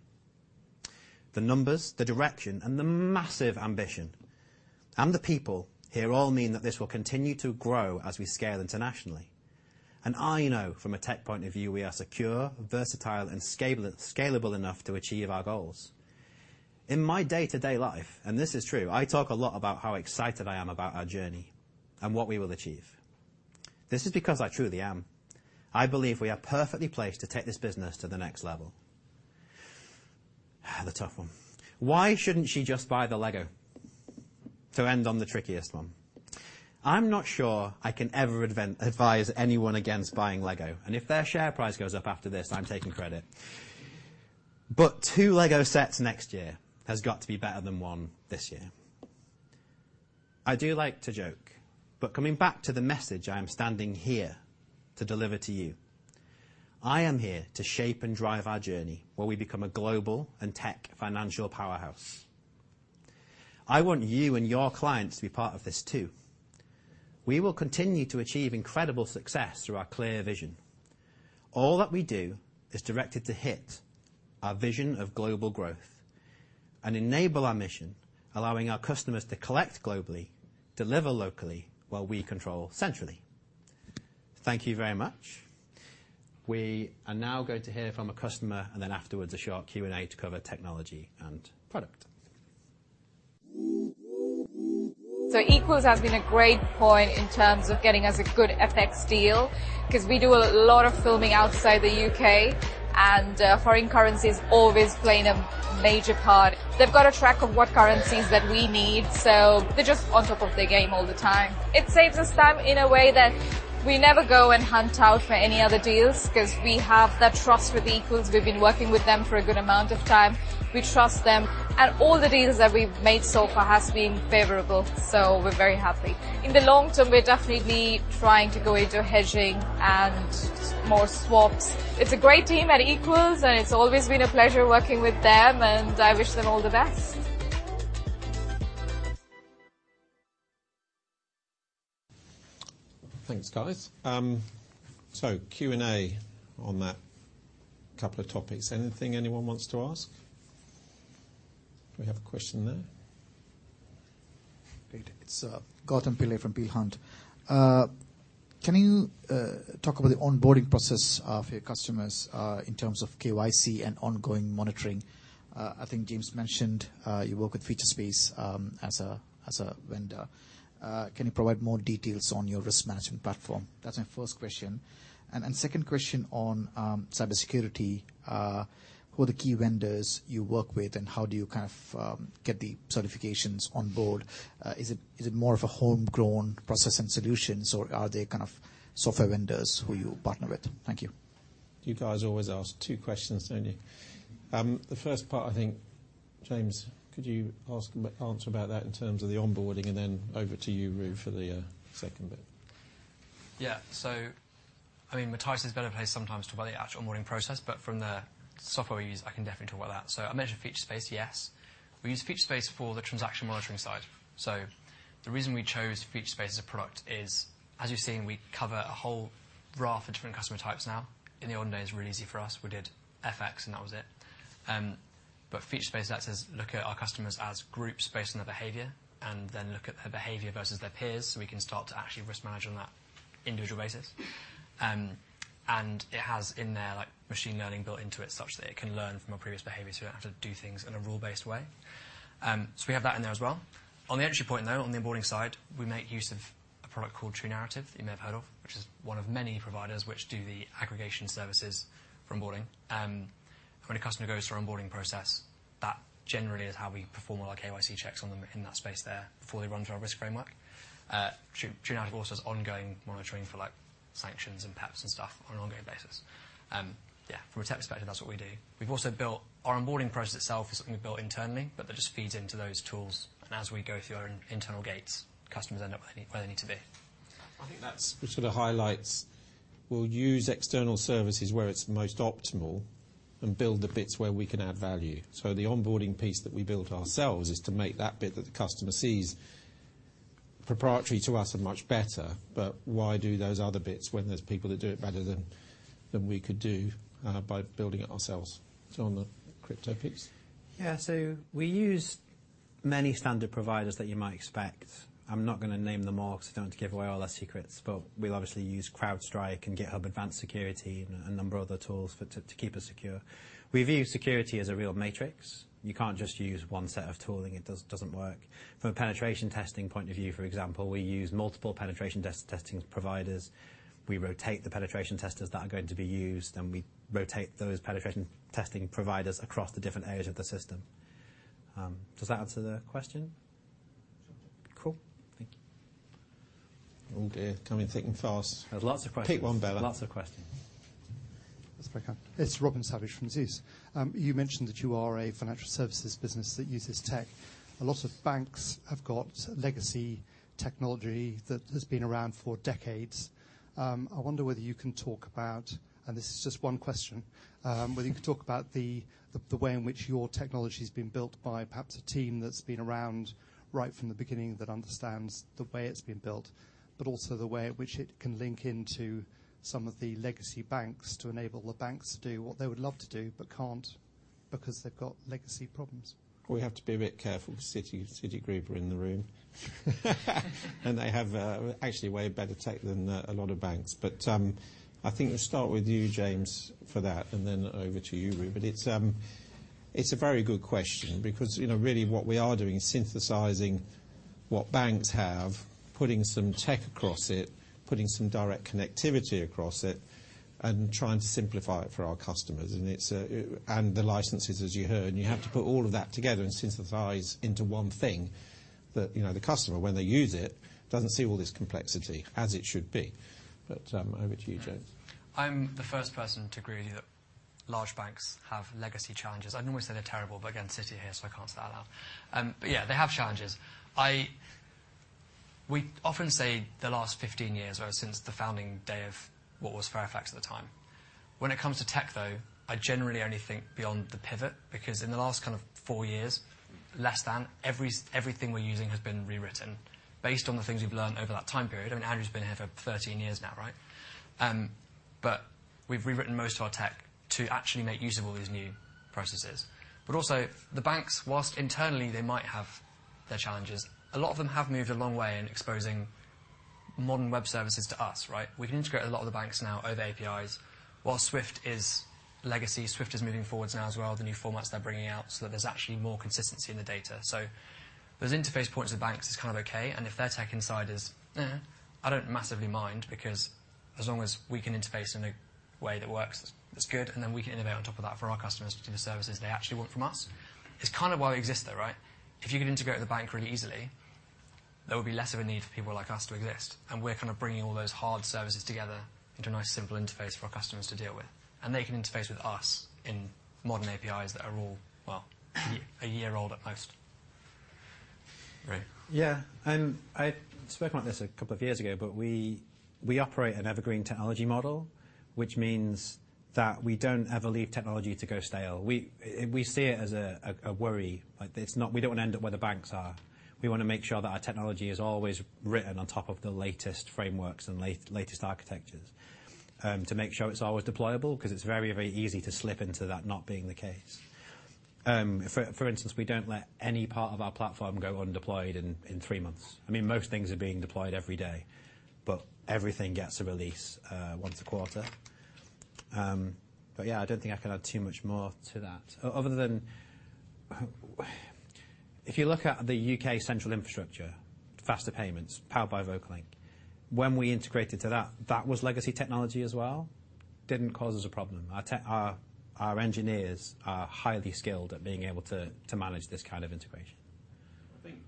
The numbers, the direction, and the massive ambition, and the people here all mean that this will continue to grow as we scale internationally. I know from a tech point of view, we are secure, versatile, and scalable enough to achieve our goals. In my day-to-day life, this is true, I talk a lot about how excited I am about our journey and what we will achieve. This is because I truly am. I believe we are perfectly placed to take this business to the next level. The tough one. Why shouldn't she just buy the Lego? To end on the trickiest one. I'm not sure I can ever advise anyone against buying Lego, and if their share price goes up after this, I'm taking credit. Two Lego sets next year has got to be better than one this year. I do like to joke, coming back to the message I am standing here to deliver to you, I am here to shape and drive our journey, where we become a global and tech financial powerhouse. I want you and your clients to be part of this too. We will continue to achieve incredible success through our clear vision. All that we do is directed to hit our vision of global growth and enable our mission, allowing our customers to collect globally, deliver locally, while we control centrally. Thank you very much. We are now going to hear from a customer, and then afterwards, a short Q&A to cover technology and product. Equals has been a great point in terms of getting us a good FX deal, 'cause we do a lot of filming outside the U.K., and foreign currency is always playing a major part. They've got a track of what currencies that we need, so they're just on top of their game all the time. It saves us time in a way that we never go and hunt out for any other deals, 'cause we have that trust with Equals. We've been working with them for a good amount of time. We trust them, and all the deals that we've made so far has been favorable, so we're very happy. In the long term, we'll definitely be trying to go into hedging and more swaps. It's a great team at Equals, and it's always been a pleasure working with them, and I wish them all the best. Thanks, guys. Q&A on that couple of topics. Anything anyone wants to ask? Do we have a question there? Great. It's Gautam Pillai from Peel Hunt. Can you talk about the onboarding process for your customers in terms of KYC and ongoing monitoring? I think James mentioned you work with Featurespace as a vendor. Can you provide more details on your risk management platform? That's my first question. Then second question on cybersecurity. Who are the key vendors you work with, and how do you kind of get the certifications on board? Is it more of a homegrown process and solutions, or are they kind of software vendors who you partner with? Thank you. You guys always ask two questions, don't you? The first part, I think, James, could you answer about that in terms of the onboarding? Over to you, Andrew, for the second bit. I mean, Matthijs is better placed sometimes to talk about the actual onboarding process, but from the software we use, I can definitely talk about that. I mentioned Featurespace. Yes, we use Featurespace for the transaction monitoring side. The reason we chose Featurespace as a product is, as you've seen, we cover a whole raft of different customer types now. In the olden days, really easy for us, we did FX and that was it. Featurespace lets us look at our customers as groups based on their behavior and then look at their behavior versus their peers so we can start to actually risk manage on that individual basis. It has in there, like, machine learning built into it such that it can learn from a previous behavior, so we don't have to do things in a rule-based way. We have that in there as well. On the entry point, though, on the onboarding side, we make use of a product called TruNarrative that you may have heard of, which is one of many providers which do the aggregation services for onboarding. When a customer goes through our onboarding process, that generally is how we perform all our KYC checks on them in that space there before they run through our risk framework. TruNarrative also has ongoing monitoring for, like, sanctions and PEPs and stuff on an ongoing basis. From a tech perspective, that's what we do. Our onboarding process itself is something we've built internally, but that just feeds into those tools, and as we go through our own internal gates, customers end up where they need to be. I think that's. It sort of highlights we'll use external services where it's most optimal and build the bits where we can add value. The onboarding piece that we built ourselves is to make that bit that the customer sees proprietary to us and much better. Why do those other bits when there's people that do it better than we could do by building it ourselves? On the crypto piece. We use many standard providers that you might expect. I'm not gonna name them all 'cause I don't want to give away all our secrets, but we'll obviously use CrowdStrike and GitHub Advanced Security and a number of other tools for, to keep us secure. We view security as a real matrix. You can't just use one set of tooling. It doesn't work. From a penetration testing point of view, for example, we use multiple penetration testing providers. We rotate the penetration testers that are going to be used, and we rotate those penetration testing providers across the different areas of the system. Does that answer the question? Sure. Cool. Thank you. Oh, dear. Coming thick and fast. There's lots of questions. Pick one, Bella. Lots of questions. That's very kind. It's Robin Savage from Zeus. You mentioned that you are a financial services business that uses tech. A lot of banks have got legacy technology that has been around for decades. I wonder whether you can talk about, and this is just one question, whether you can talk about the way in which your technology's been built by perhaps a team that's been around right from the beginning that understands the way it's been built, but also the way in which it can link into some of the legacy banks to enable the banks to do what they would love to do but can't because they've got legacy problems? We have to be a bit careful. Citi, Citigroup are in the room. They have, actually way better tech than a lot of banks. I think we'll start with you, James, for that, and then over to you, Andrew. It's a very good question because, you know, really what we are doing is synthesizing what banks have, putting some tech across it, putting some direct connectivity across it, and trying to simplify it for our customers. It's. The licenses, as you heard, you have to put all of that together and synthesize into one thing that, you know, the customer, when they use it, doesn't see all this complexity as it should be. Over to you, James. I'm the first person to agree with you that large banks have legacy challenges. I'd normally say they're terrible, Citi are here, so I can't say that out loud. They have challenges. We often say the last 15 years or since the founding day of what was FairFX at the time. When it comes to tech, though, I generally only think beyond the pivot, because in the last kind of four years, less than, everything we're using has been rewritten based on the things we've learned over that time period. I mean, Andrew's been here for 13 years now, right? We've rewritten most of our tech to actually make use of all these new processes. Also the banks, whilst internally they might have their challenges, a lot of them have moved a long way in exposing modern web services to us, right? We can integrate a lot of the banks now over APIs. While Swift is legacy, Swift is moving forwards now as well, the new formats they're bringing out, so that there's actually more consistency in the data. Those interface points with banks is kind of okay, and if their tech inside is, I don't massively mind, because as long as we can interface in a way that works, that's good, and then we can innovate on top of that for our customers between the services they actually want from us. It's kind of why we exist though, right? If you could integrate with the bank really easily, there would be less of a need for people like us to exist. We're kind of bringing all those hard services together into a nice simple interface for our customers to deal with. They can interface with us in modern APIs that are all, well, a year old at most. Andrew. Yeah. I spoke about this two years ago, we operate an evergreen technology model, which means that we don't ever leave technology to go stale. We see it as a worry. Like, we don't want to end up where the banks are. We wanna make sure that our technology is always written on top of the latest frameworks and latest architectures to make sure it's always deployable, 'cause it's very, very easy to slip into that not being the case. For instance, we don't let any part of our platform go undeployed in 3 months. I mean, most things are being deployed every day, everything gets a release once a quarter. Yeah, I don't think I can add too much more to that other than. If you look at the UK central infrastructure, Faster Payments powered by Vocalink, when we integrated to that was legacy technology as well. Didn't cause us a problem. Our engineers are highly skilled at being able to manage this kind of integration. I think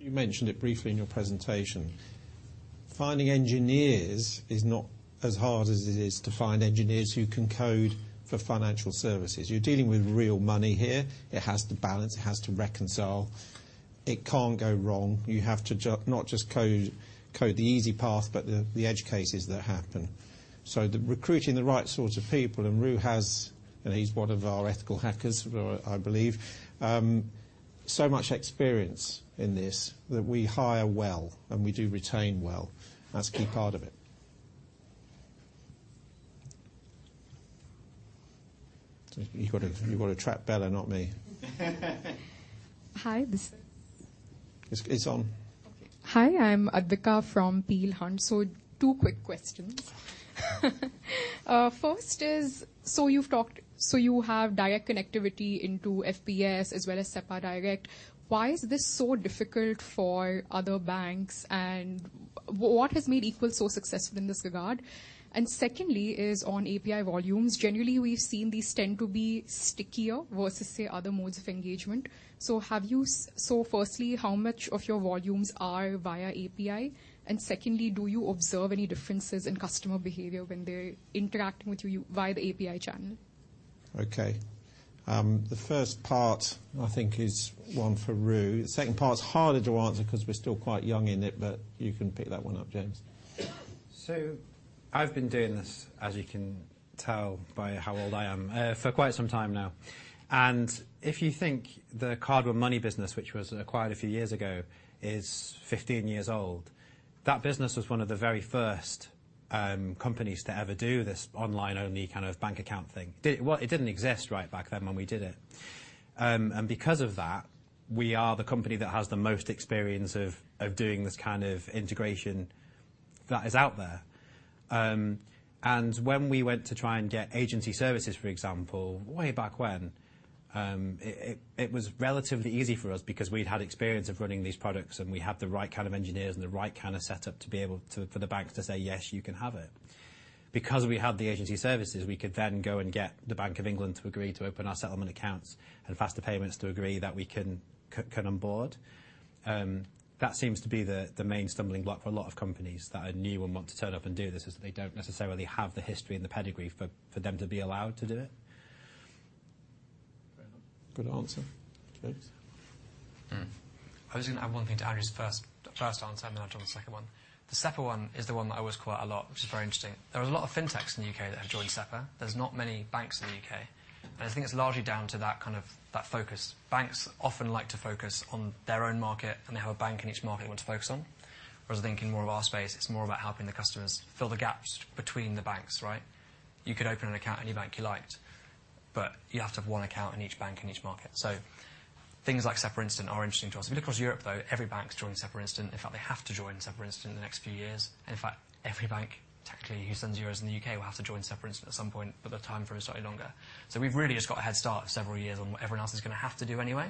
you mentioned it briefly in your presentation. Finding engineers is not as hard as it is to find engineers who can code for financial services. You're dealing with real money here. It has to balance. It has to reconcile. It can't go wrong. You have to not just code the easy path, but the edge cases that happen. The recruiting the right sorts of people, and Roo has, and he's one of our ethical hackers, I believe, so much experience in this that we hire well, and we do retain well. That's a key part of it. You gotta trap Bella, not me. Hi. It's on. Okay. Hi, I'm Advika from Peel Hunt. Two quick questions. First is, you have direct connectivity into FPS as well as SEPA direct. Why is this so difficult for other banks, and what has made Equals so successful in this regard? Secondly is on API volumes. Generally, we've seen these tend to be stickier versus, say, other modes of engagement. Firstly, how much of your volumes are via API? Secondly, do you observe any differences in customer behavior when they're interacting with you via the API channel? Okay. The first part I think is one for Roo. The second part's harder to answer 'cause we're still quite young in it, but you can pick that one up, James. I've been doing this, as you can tell by how old I am, for quite some time now. If you think the Card One Money business, which was acquired a few years ago, is 15 years old. That business was one of the very first companies to ever do this online-only kind of bank account thing. Well, it didn't exist right back then when we did it. Because of that, we are the company that has the most experience of doing this kind of integration that is out there. When we went to try and get agency services, for example, way back when, it was relatively easy for us because we'd had experience of running these products, and we had the right kind of engineers and the right kind of setup to be able to, for the bank to say, "Yes, you can have it." We had the agency services, we could then go and get the Bank of England to agree to open our settlement accounts and Faster Payments to agree that we can onboard. That seems to be the main stumbling block for a lot of companies that are new and want to turn up and do this, is they don't necessarily have the history and the pedigree for them to be allowed to do it. Good answer. James? I was gonna add one thing to Andrew's first answer. Then I'll jump to the second one. The SEPA one is the one that I was quite a lot, which is very interesting. There are a lot of fintechs in the U.K. that have joined SEPA. There's not many banks in the U.K. I think it's largely down to that kind of, that focus. Banks often like to focus on their own market. They have a bank in each market they want to focus on. Whereas thinking more of our space, it's more about helping the customers fill the gaps between the banks, right? You could open an account in any bank you liked. You have to have one account in each bank in each market. Things like SEPA Instant are interesting to us. When you look across Europe, every bank's joined SEPA Instant. They have to join SEPA Instant in the next few years. Every bank technically who sends euros in the U.K. will have to join SEPA Instant at some point, the time for it is slightly longer. We've really just got a head start of several years on what everyone else is gonna have to do anyway.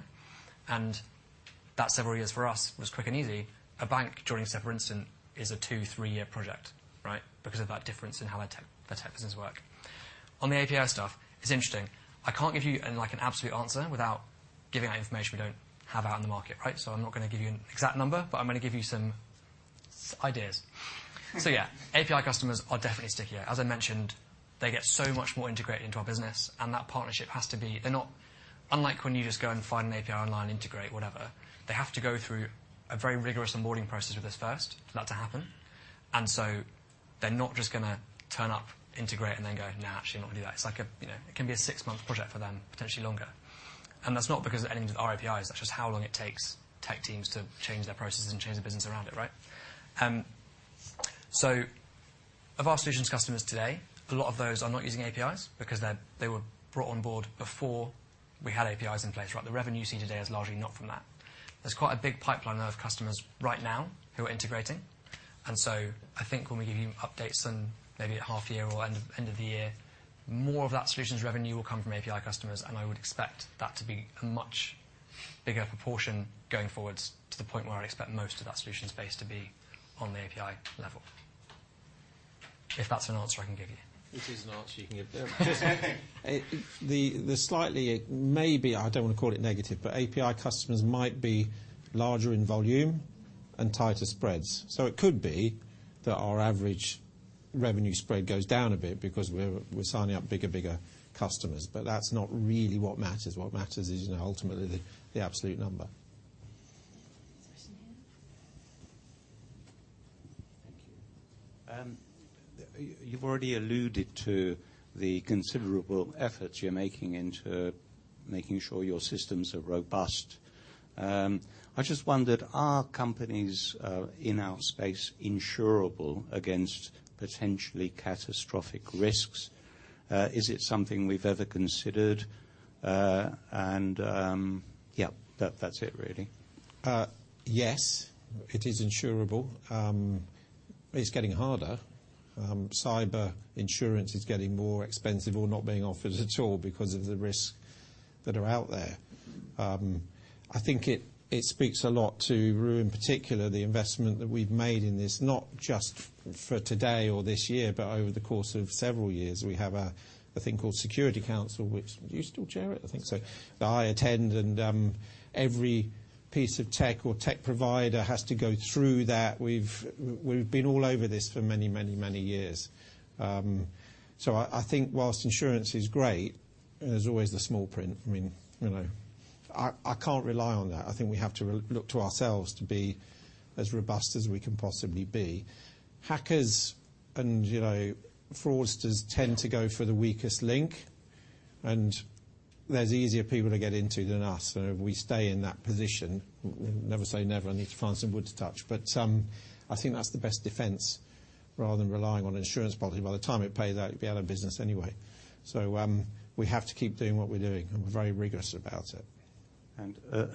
That several years for us was quick and easy. A bank joining SEPA Instant is a two, three-year project, right? Because of that difference in how our the tech business work. On the API stuff, it's interesting. I can't give you like an absolute answer without giving out information we don't have out in the market, right? I'm not gonna give you an exact number, I'm gonna give you some ideas. Yeah, API customers are definitely stickier. As I mentioned, they get so much more integrated into our business, and that partnership has to be, unlike when you just go and find an API online, integrate, whatever, they have to go through a very rigorous onboarding process with us first for that to happen. They're not just gonna turn up, integrate, and then go, "Nah, actually not gonna do that." It's like a, you know, it can be a six-month project for them, potentially longer. That's not because of anything to do with our APIs. That's just how long it takes tech teams to change their processes and change the business around it, right? Of our solutions customers today, a lot of those are not using APIs because they were brought on board before we had APIs in place, right? The revenue you see today is largely not from that. There's quite a big pipeline of customers right now who are integrating. I think when we give you updates in maybe at half year or end of the year, more of that solutions revenue will come from API customers, and I would expect that to be a much bigger proportion going forward to the point where I expect most of that solutions base to be on the API level. If that's an answer I can give you. It is an answer you can give. Just the slightly, maybe, I don't want to call it negative, but API customers might be larger in volume and tighter spreads. It could be that our average revenue spread goes down a bit because we're signing up bigger and bigger customers, but that's not really what matters. What matters is, you know, ultimately the absolute number. Thank you. You've already alluded to the considerable efforts you're making into making sure your systems are robust. I just wondered, are companies in our space insurable against potentially catastrophic risks? Is it something we've ever considered? Yeah, that's it really. Yes. It is insurable. It's getting harder. Cyber insurance is getting more expensive or not being offered at all because of the risks that are out there. I think it speaks a lot to Roo in particular, the investment that we've made in this, not just for today or this year, but over the course of several years. We have a thing called security council, which Do you still chair it? I think so. That I attend, every piece of tech or tech provider has to go through that. We've been all over this for many, many, many years. I think whilst insurance is great, there's always the small print. I mean, you know. I can't rely on that. I think we have to re-look to ourselves to be as robust as we can possibly be. Hackers, you know, fraudsters tend to go for the weakest link, and there's easier people to get into than us. If we stay in that position, never say never, I need to find some wood to touch. I think that's the best defense rather than relying on an insurance policy. By the time it pays out, you'd be out of business anyway. We have to keep doing what we're doing, and we're very rigorous about it.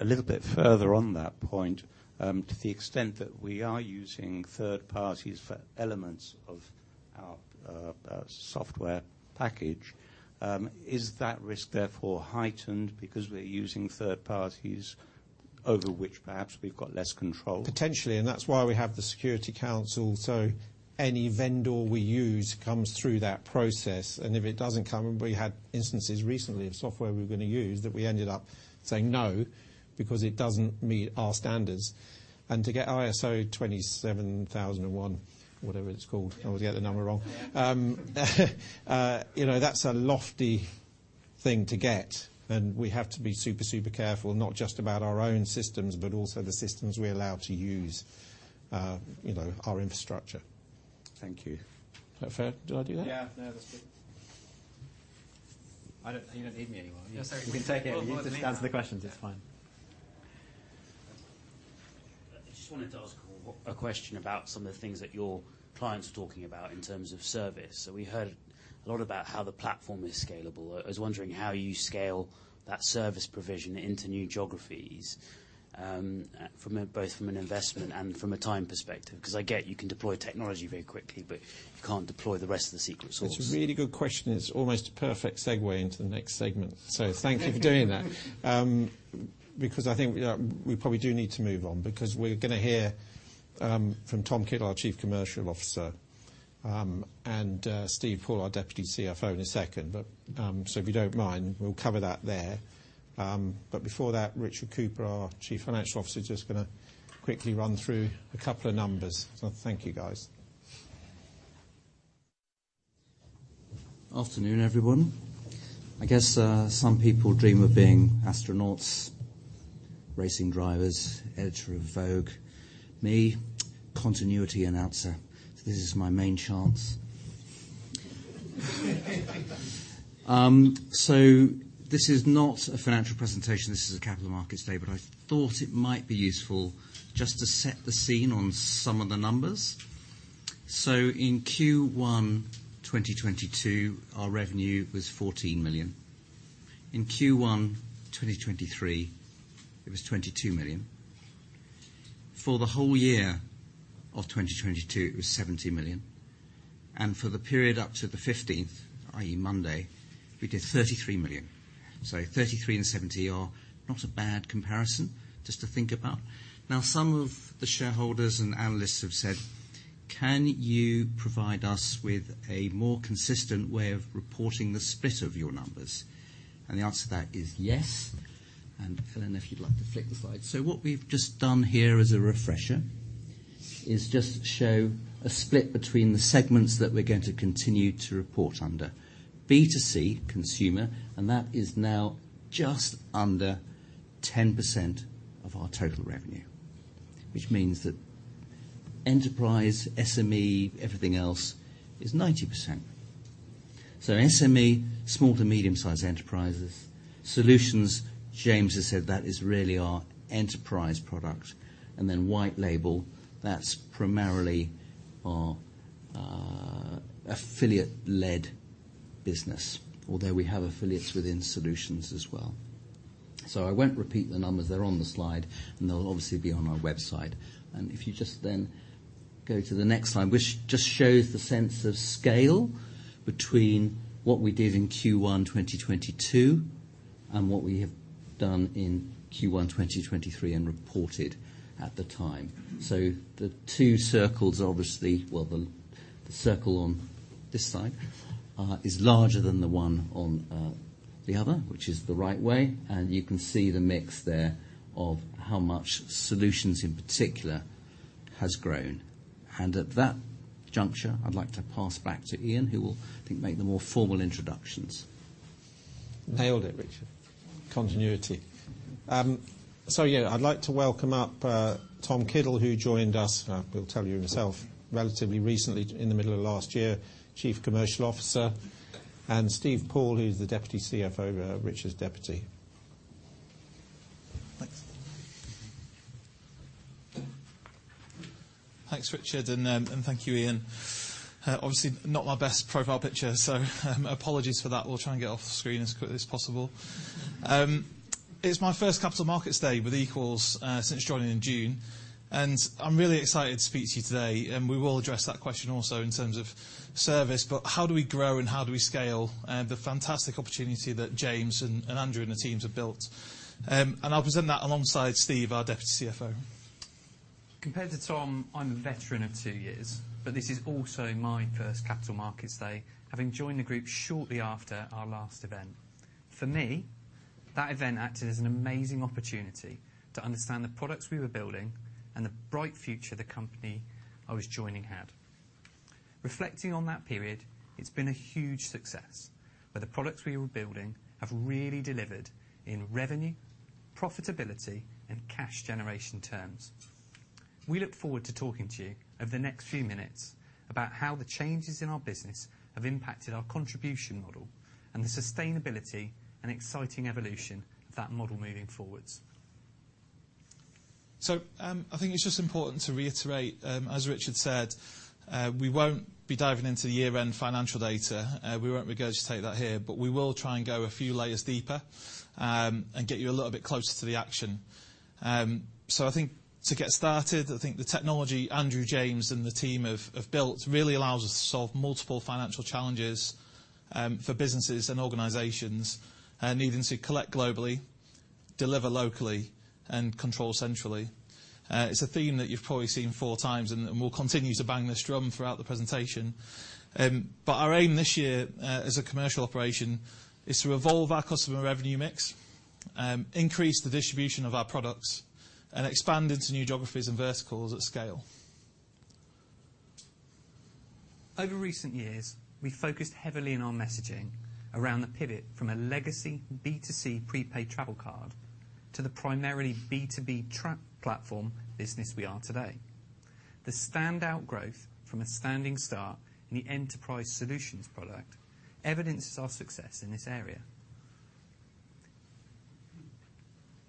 A little bit further on that point, to the extent that we are using third parties for elements of our software package, is that risk therefore heightened because we're using third parties over which perhaps we've got less control? Potentially. That's why we have the security council. Any vendor we use comes through that process, and if it doesn't come... We had instances recently of software we were gonna use that we ended up saying no because it doesn't meet our standards. To get ISO 27001, whatever it's called, I always get the number wrong. you know, that's a lofty thing to get, and we have to be super careful not just about our own systems, but also the systems we allow to use, you know, our infrastructure. Thank you. Is that fair? Did I do that? Yeah. No, that's good. You don't need me anymore. No, sorry. You can take it. You can just answer the questions. It's fine. I just wanted to ask a question about some of the things that your clients were talking about in terms of service. We heard a lot about how the platform is scalable. I was wondering how you scale that service provision into new geographies, both from an investment and from a time perspective. 'Cause I get you can deploy technology very quickly, but you can't deploy the rest of the secret sauce. That's a really good question. It's almost a perfect segue into the next segment. Thank you for doing that. I think we probably do need to move on because we're gonna hear from Tom Kiddle, our Chief Commercial Officer, and Steve Poole, our Deputy CFO in a second. If you don't mind, we'll cover that there. Before that, Richard Cooper, our Chief Financial Officer, is just gonna quickly run through a couple of numbers. Thank you, guys. Afternoon, everyone. I guess, some people dream of being astronauts, racing drivers, editor of Vogue. Me, continuity announcer. This is my main chance. This is not a financial presentation. This is a capital markets day. I thought it might be useful just to set the scene on some of the numbers. In Q1 2022, our revenue was 14 million. In Q1 2023, it was 22 million. For the whole year of 2022, it was 70 million. For the period up to the 15th, i.e. Monday, we did 33 million. 33 and 70 are not a bad comparison just to think about. Some of the shareholders and analysts have said, "Can you provide us with a more consistent way of reporting the split of your numbers?" The answer to that is yes. Helena, if you'd like to flick the slide. What we've just done here as a refresher is just show a split between the segments that we're going to continue to report under. B2C, consumer, and that is now just under 10% of our total revenue, which means that enterprise, SME, everything else is 90%. SME, small to medium-sized enterprises. Solutions, James has said that is really our enterprise product. White label, that's primarily our affiliate-led business, although we have affiliates within solutions as well. I won't repeat the numbers. They're on the slide, and they'll obviously be on our website. If you just then go to the next slide, which just shows the sense of scale between what we did in Q1 2022 and what we have done in Q1 2023 and reported at the time. The two circles are obviously... Well, the circle on this side is larger than the one on the other, which is the right way. You can see the mix there of how much solutions in particular has grown. At that juncture, I'd like to pass back to Ian, who will, I think, make the more formal introductions. Nailed it, Richard. Continuity. Yeah, I'd like to welcome up Tom Kiddle, who joined us, he'll tell you himself, relatively recently, in the middle of last year, Chief Commercial Officer, and Steve Poole, who's the Deputy CFO, Richard's deputy. Thanks. Thanks, Richard, and thank you, Ian. Obviously, not my best profile picture, so apologies for that. We'll try and get off the screen as quickly as possible. It's my first Capital Markets Day with Equals since joining in June, and I'm really excited to speak to you today. We will address that question also in terms of service, but how do we grow and how do we scale the fantastic opportunity that James and Andrew and the teams have built? I'll present that alongside Steve, our Deputy CFO. Compared to Tom Kiddle, I'm a veteran of two years. This is also my first Capital Markets Day, having joined the group shortly after our last event. For me, that event acted as an amazing opportunity to understand the products we were building and the bright future the company I was joining had. Reflecting on that period, it's been a huge success, where the products we were building have really delivered in revenue, profitability, and cash generation terms. We look forward to talking to you over the next few minutes about how the changes in our business have impacted our contribution model and the sustainability and exciting evolution of that model moving forwards. I think it's just important to reiterate, as Richard said, we won't be diving into the year-end financial data. We won't regurgitate that here, but we will try and go a few layers deeper and get you a little bit closer to the action. I think to get started, I think the technology Andrew, James, and the team have built really allows us to solve multiple financial challenges for businesses and organizations needing to collect globally, deliver locally, and control centrally. It's a theme that you've probably seen four times and we'll continue to bang this drum throughout the presentation. Our aim this year, as a commercial operation is to evolve our customer revenue mix, increase the distribution of our products, and expand into new geographies and verticals at scale. Over recent years, we focused heavily on our messaging around the pivot from a legacy B2C prepaid travel card to the primarily B2B platform business we are today. The standout growth from a standing start in the Enterprise Solutions product evidences our success in this area.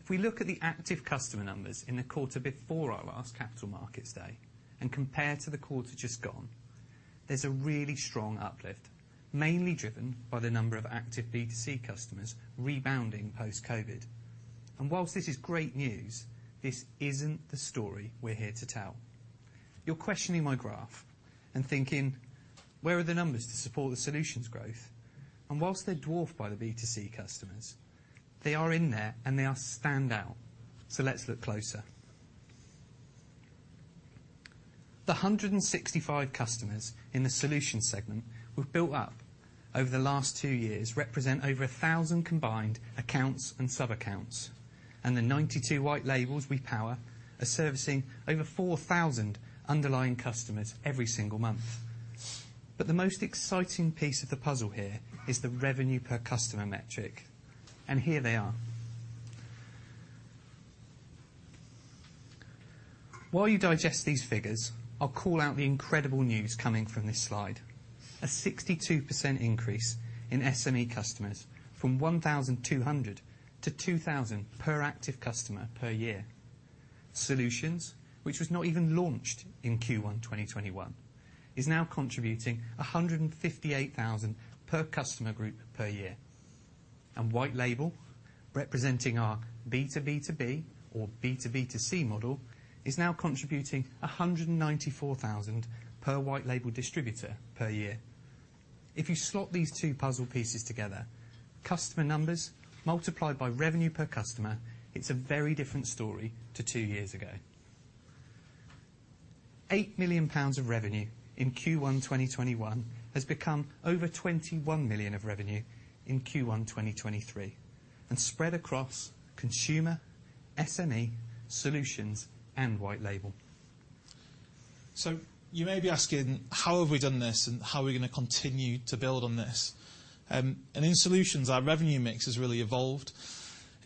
If we look at the active customer numbers in the quarter before our last Capital Markets Day and compare to the quarter just gone, there's a really strong uplift, mainly driven by the number of active B2C customers rebounding post-COVID. Whilst this is great news, this isn't the story we're here to tell. You're questioning my graph and thinking, "Where are the numbers to support the solutions growth?" Whilst they're dwarfed by the B2C customers, they are in there, and they are standout. Let's look closer. The 165 customers in the solutions segment we've built up over the last 2 years represent over 1,000 combined accounts and sub-accounts. The 92 white labels we power are servicing over 4,000 underlying customers every single month. The most exciting piece of the puzzle here is the revenue per customer metric. Here they are. While you digest these figures, I'll call out the incredible news coming from this slide. A 62% increase in SME customers from 1,200 to 2,000 per active customer per year. Solutions, which was not even launched in Q1 2021, is now contributing 158,000 per customer group per year. White label, representing our B2B2B or B2B2C model, is now contributing 194,000 per white label distributor per year. If you slot these two puzzle pieces together, customer numbers multiplied by revenue per customer, it's a very different story to two years ago. 8 million pounds of revenue in Q1 2021 has become over 21 million of revenue in Q1 2023, and spread across consumer, SME, solutions, and white label. You may be asking, how have we done this, and how are we gonna continue to build on this? In solutions, our revenue mix has really evolved.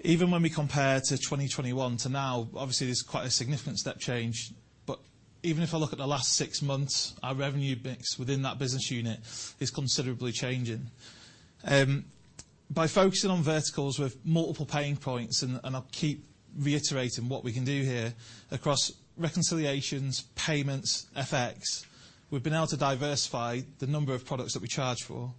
Even when we compare to 2021 to now, obviously there's quite a significant step change, but even if I look at the last six months, our revenue mix within that business unit is considerably changing. By focusing on verticals with multiple paying points, and I'll keep reiterating what we can do here, across reconciliations, payments, FX, we've been able to diversify the number of products that we charge for.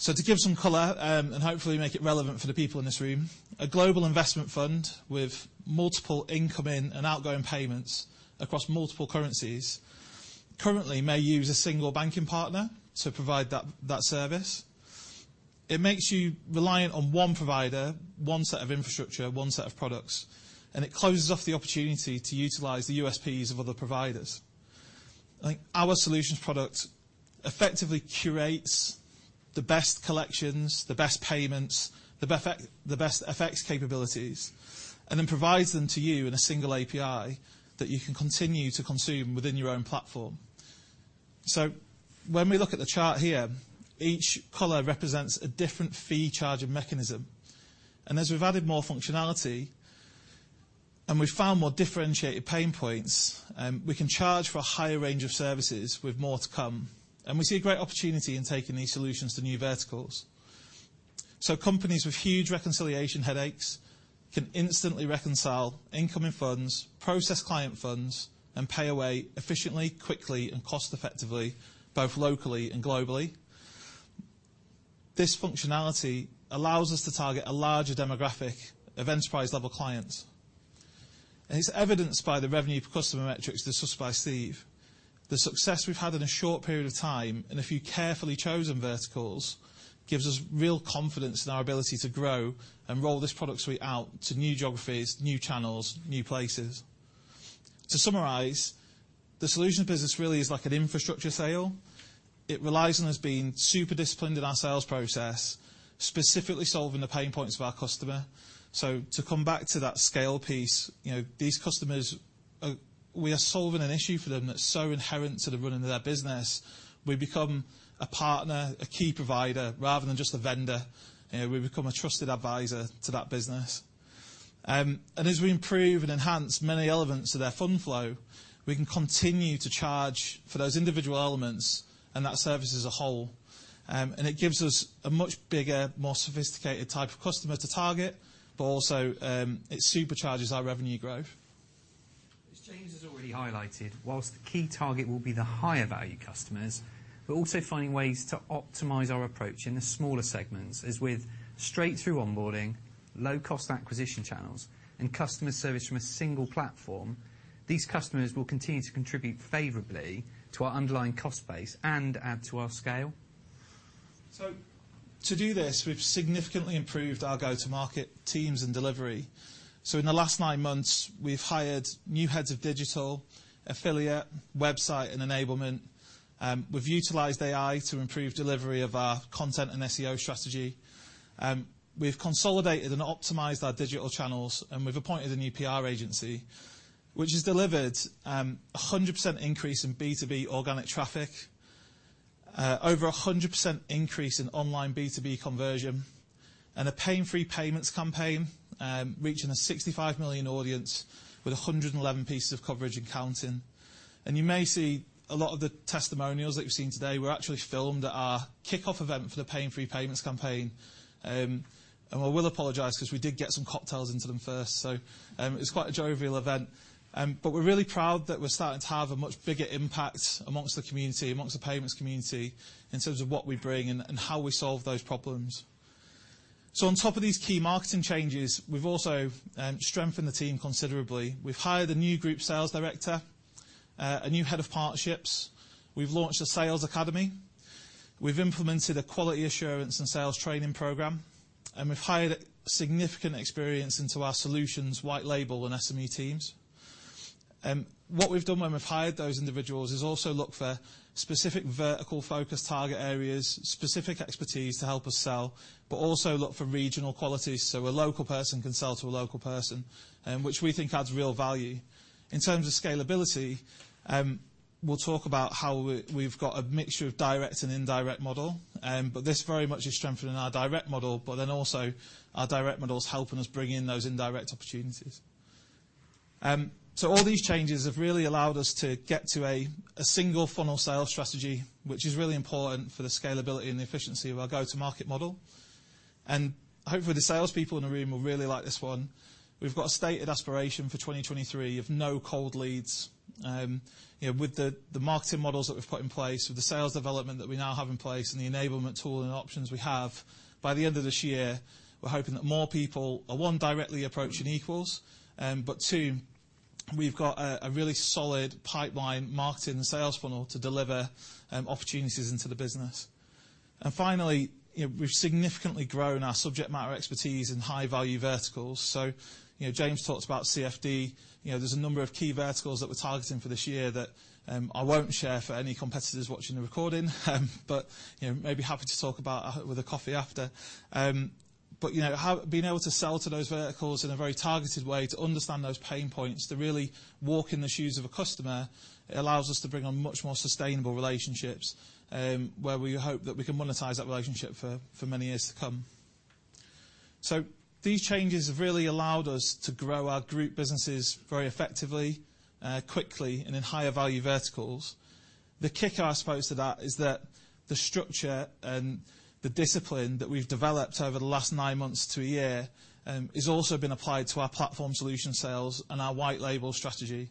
To give some color, and hopefully make it relevant for the people in this room, a global investment fund with multiple incoming and outgoing payments across multiple currencies currently may use a single banking partner to provide that service. It makes you reliant on one provider, one set of infrastructure, one set of products, and it closes off the opportunity to utilize the USPs of other providers. I think our solutions product effectively curates the best collections, the best payments, the best FX capabilities, and then provides them to you in a single API that you can continue to consume within your own platform. When we look at the chart here, each color represents a different fee charging mechanism. As we've added more functionality, and we've found more differentiated pain points, we can charge for a higher range of services with more to come. We see a great opportunity in taking these solutions to new verticals. Companies with huge reconciliation headaches can instantly reconcile incoming funds, process client funds, and pay away efficiently, quickly, and cost-effectively, both locally and globally. This functionality allows us to target a larger demographic of enterprise-level clients, and it's evidenced by the revenue per customer metrics discussed by Steve Paul. The success we've had in a short period of time in a few carefully chosen verticals gives us real confidence in our ability to grow and roll this product suite out to new geographies, new channels, new places. To summarize, the solution business really is like an infrastructure sale. It relies on us being super disciplined in our sales process, specifically solving the pain points of our customer. To come back to that scale piece, you know, We are solving an issue for them that's so inherent to the running of their business, we become a partner, a key provider rather than just a vendor. You know, we become a trusted advisor to that business. As we improve and enhance many elements of their fund flow, we can continue to charge for those individual elements and that service as a whole. It gives us a much bigger, more sophisticated type of customer to target, but also, it supercharges our revenue growth. As James has already highlighted, whilst the key target will be the higher value customers, we're also finding ways to optimize our approach in the smaller segments. As with straight-through onboarding, low-cost acquisition channels, and customer service from a single platform, these customers will continue to contribute favorably to our underlying cost base and add to our scale. To do this, we've significantly improved our go-to-market teams and delivery. In the last nine months, we've hired new heads of digital, affiliate, website, and enablement. We've utilized AI to improve delivery of our content and SEO strategy. We've consolidated and optimized our digital channels, and we've appointed a new PR agency, which has delivered a 100% increase in B2B organic traffic, over a 100% increase in online B2B conversion, and a Pain-Free Payments campaign, reaching a 65 million audience with 111 pieces of coverage and counting. You may see a lot of the testimonials that you've seen today were actually filmed at our kickoff event for the Pain-Free Payments campaign. We will apologize 'cause we did get some cocktails into them first, so it was quite a jovial event. We're really proud that we're starting to have a much bigger impact amongst the community, amongst the payments community, in terms of what we bring and how we solve those problems. On top of these key marketing changes, we've also strengthened the team considerably. We've hired a new group sales director, a new head of partnerships. We've launched a sales academy. We've implemented a quality assurance and sales training program, and we've hired significant experience into our solutions, white label and SME teams. What we've done when we've hired those individuals is also look for specific vertical focus target areas, specific expertise to help us sell, but also look for regional qualities so a local person can sell to a local person, which we think adds real value. In terms of scalability, we'll talk about how we've got a mixture of direct and indirect model, but this very much is strengthening our direct model, but then also our direct model's helping us bring in those indirect opportunities. All these changes have really allowed us to get to a single funnel sales strategy, which is really important for the scalability and the efficiency of our go-to-market model. Hopefully the sales people in the room will really like this one. We've got a stated aspiration for 2023 of no cold leads. You know, with the marketing models that we've put in place, with the sales development that we now have in place and the enablement tool and options we have, by the end of this year, we're hoping that more people are, one, directly approaching Equals, but two, we've got a really solid pipeline marketing and sales funnel to deliver opportunities into the business. Finally, you know, we've significantly grown our subject matter expertise in high value verticals. You know, James talked about CFD. You know, there's a number of key verticals that we're targeting for this year that I won't share for any competitors watching the recording. You know, maybe happy to talk about with a coffee after. You know. Being able to sell to those verticals in a very targeted way to understand those pain points, to really walk in the shoes of a customer, it allows us to bring on much more sustainable relationships, where we hope that we can monetize that relationship for many years to come. These changes have really allowed us to grow our group businesses very effectively, quickly and in higher value verticals. The kicker I suppose to that is that the structure and the discipline that we've developed over the last nine months to one year has also been applied to our platform solution sales and our white label strategy.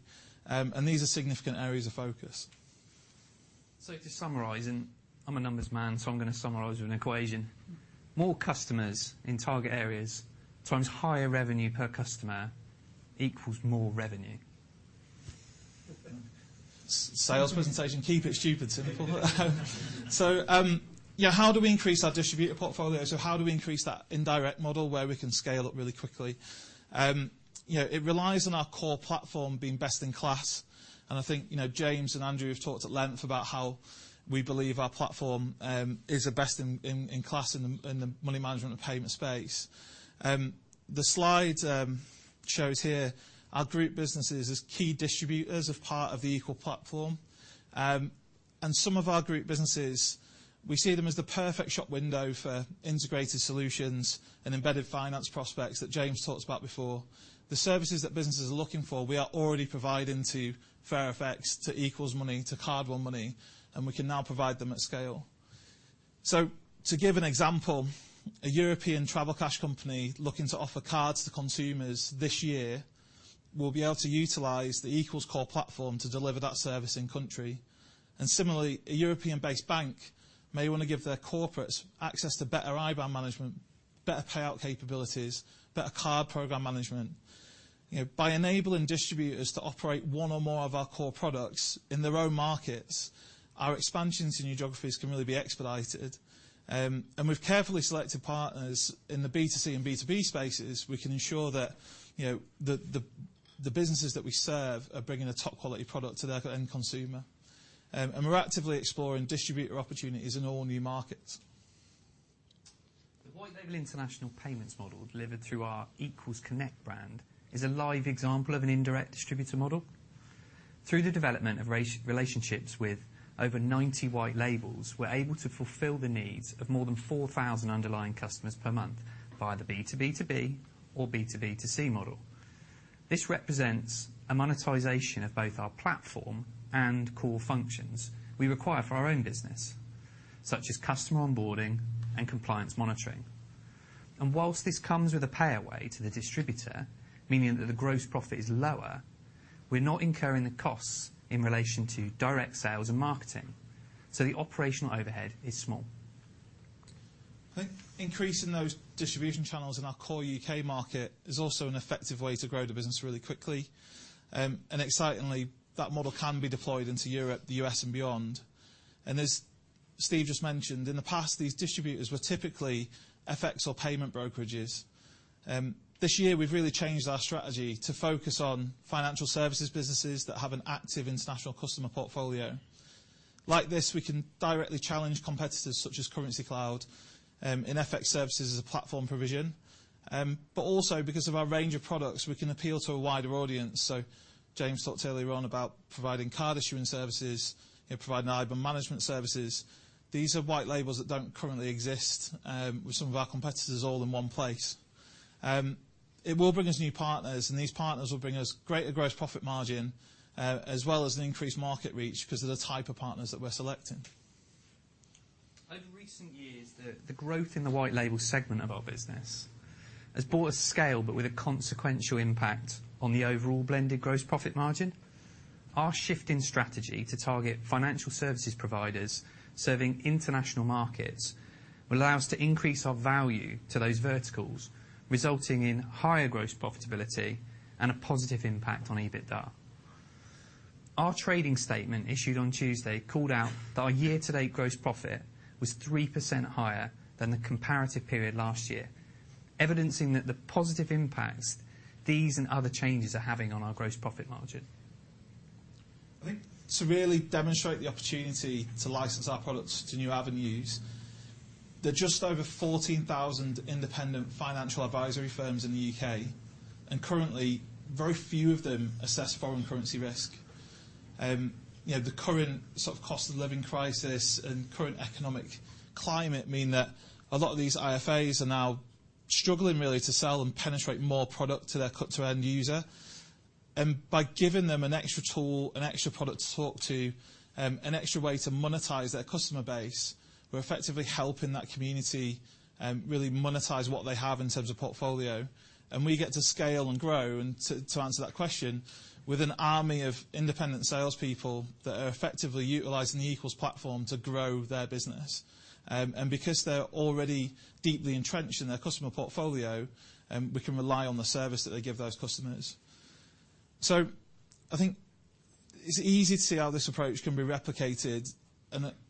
These are significant areas of focus. To summarize, and I'm a numbers man, so I'm gonna summarize with an equation. More customers in target areas times higher revenue per customer equals more revenue. Sales presentation, keep it stupid simple. How do we increase our distributor portfolio? How do we increase that indirect model where we can scale up really quickly? you know, it relies on our core platform being best in class, and I think, you know, James and Andrew have talked at length about how we believe our platform is the best in class in the money management and payment space. The slide shows here our group businesses as key distributors of part of the Equals platform. Some of our group businesses, we see them as the perfect shop window for integrated solutions and embedded finance prospects that James talked about before. The services that businesses are looking for, we are already providing to FairFX, to Equals Money, to CardOneMoney, and we can now provide them at scale. To give an example, a European travel cash company looking to offer cards to consumers this year will be able to utilize the Equals core platform to deliver that service in country. Similarly, a European-based bank may want to give their corporates access to better IBAN management, better payout capabilities, better card program management. You know, by enabling distributors to operate one or more of our core products in their own markets, our expansions in new geographies can really be expedited. We've carefully selected partners in the B2C and B2B spaces. We can ensure that, you know, the businesses that we serve are bringing a top-quality product to their end consumer. We're actively exploring distributor opportunities in all new markets. The white label international payments model delivered through our Equals Connect brand is a live example of an indirect distributor model. Through the development of relationships with over 90 white labels, we're able to fulfill the needs of more than 4,000 underlying customers per month by the B2B2B or B2B2C model. This represents a monetization of both our platform and core functions we require for our own business, such as customer onboarding and compliance monitoring. Whilst this comes with a payway to the distributor, meaning that the gross profit is lower, we're not incurring the costs in relation to direct sales and marketing. The operational overhead is small. I think increasing those distribution channels in our core UK market is also an effective way to grow the business really quickly. Excitingly, that model can be deployed into Europe, the US, and beyond. As Steve just mentioned, in the past, these distributors were typically FX or payment brokerages. This year we've really changed our strategy to focus on financial services businesses that have an active international customer portfolio. Like this, we can directly challenge competitors such as Currencycloud in FX services as a platform provision, but also because of our range of products, we can appeal to a wider audience. James talked earlier on about providing card issuing services and providing IBAN management services. These are white labels that don't currently exist with some of our competitors all in one place. It will bring us new partners, and these partners will bring us greater gross profit margin, as well as an increased market reach because of the type of partners that we're selecting. Over recent years, the growth in the white label segment of our business has brought a scale, but with a consequential impact on the overall blended gross profit margin. Our shift in strategy to target financial services providers serving international markets will allow us to increase our value to those verticals, resulting in higher gross profitability and a positive impact on EBITDA. Our trading statement issued on Tuesday called out that our year-to-date gross profit was 3% higher than the comparative period last year, evidencing that the positive impacts these and other changes are having on our gross profit margin. I think to really demonstrate the opportunity to license our products to new avenues, there are just over 14,000 independent financial advisory firms in the U.K., currently very few of them assess foreign currency risk. You know, the current sort of cost of living crisis and current economic climate mean that a lot of these IFAs are now struggling really to sell and penetrate more product to their to end user. By giving them an extra tool, an extra product to talk to, an extra way to monetize their customer base, we're effectively helping that community really monetize what they have in terms of portfolio. We get to scale and grow, to answer that question, with an army of independent salespeople that are effectively utilizing the Equals platform to grow their business. Because they're already deeply entrenched in their customer portfolio, we can rely on the service that they give those customers. I think it's easy to see how this approach can be replicated.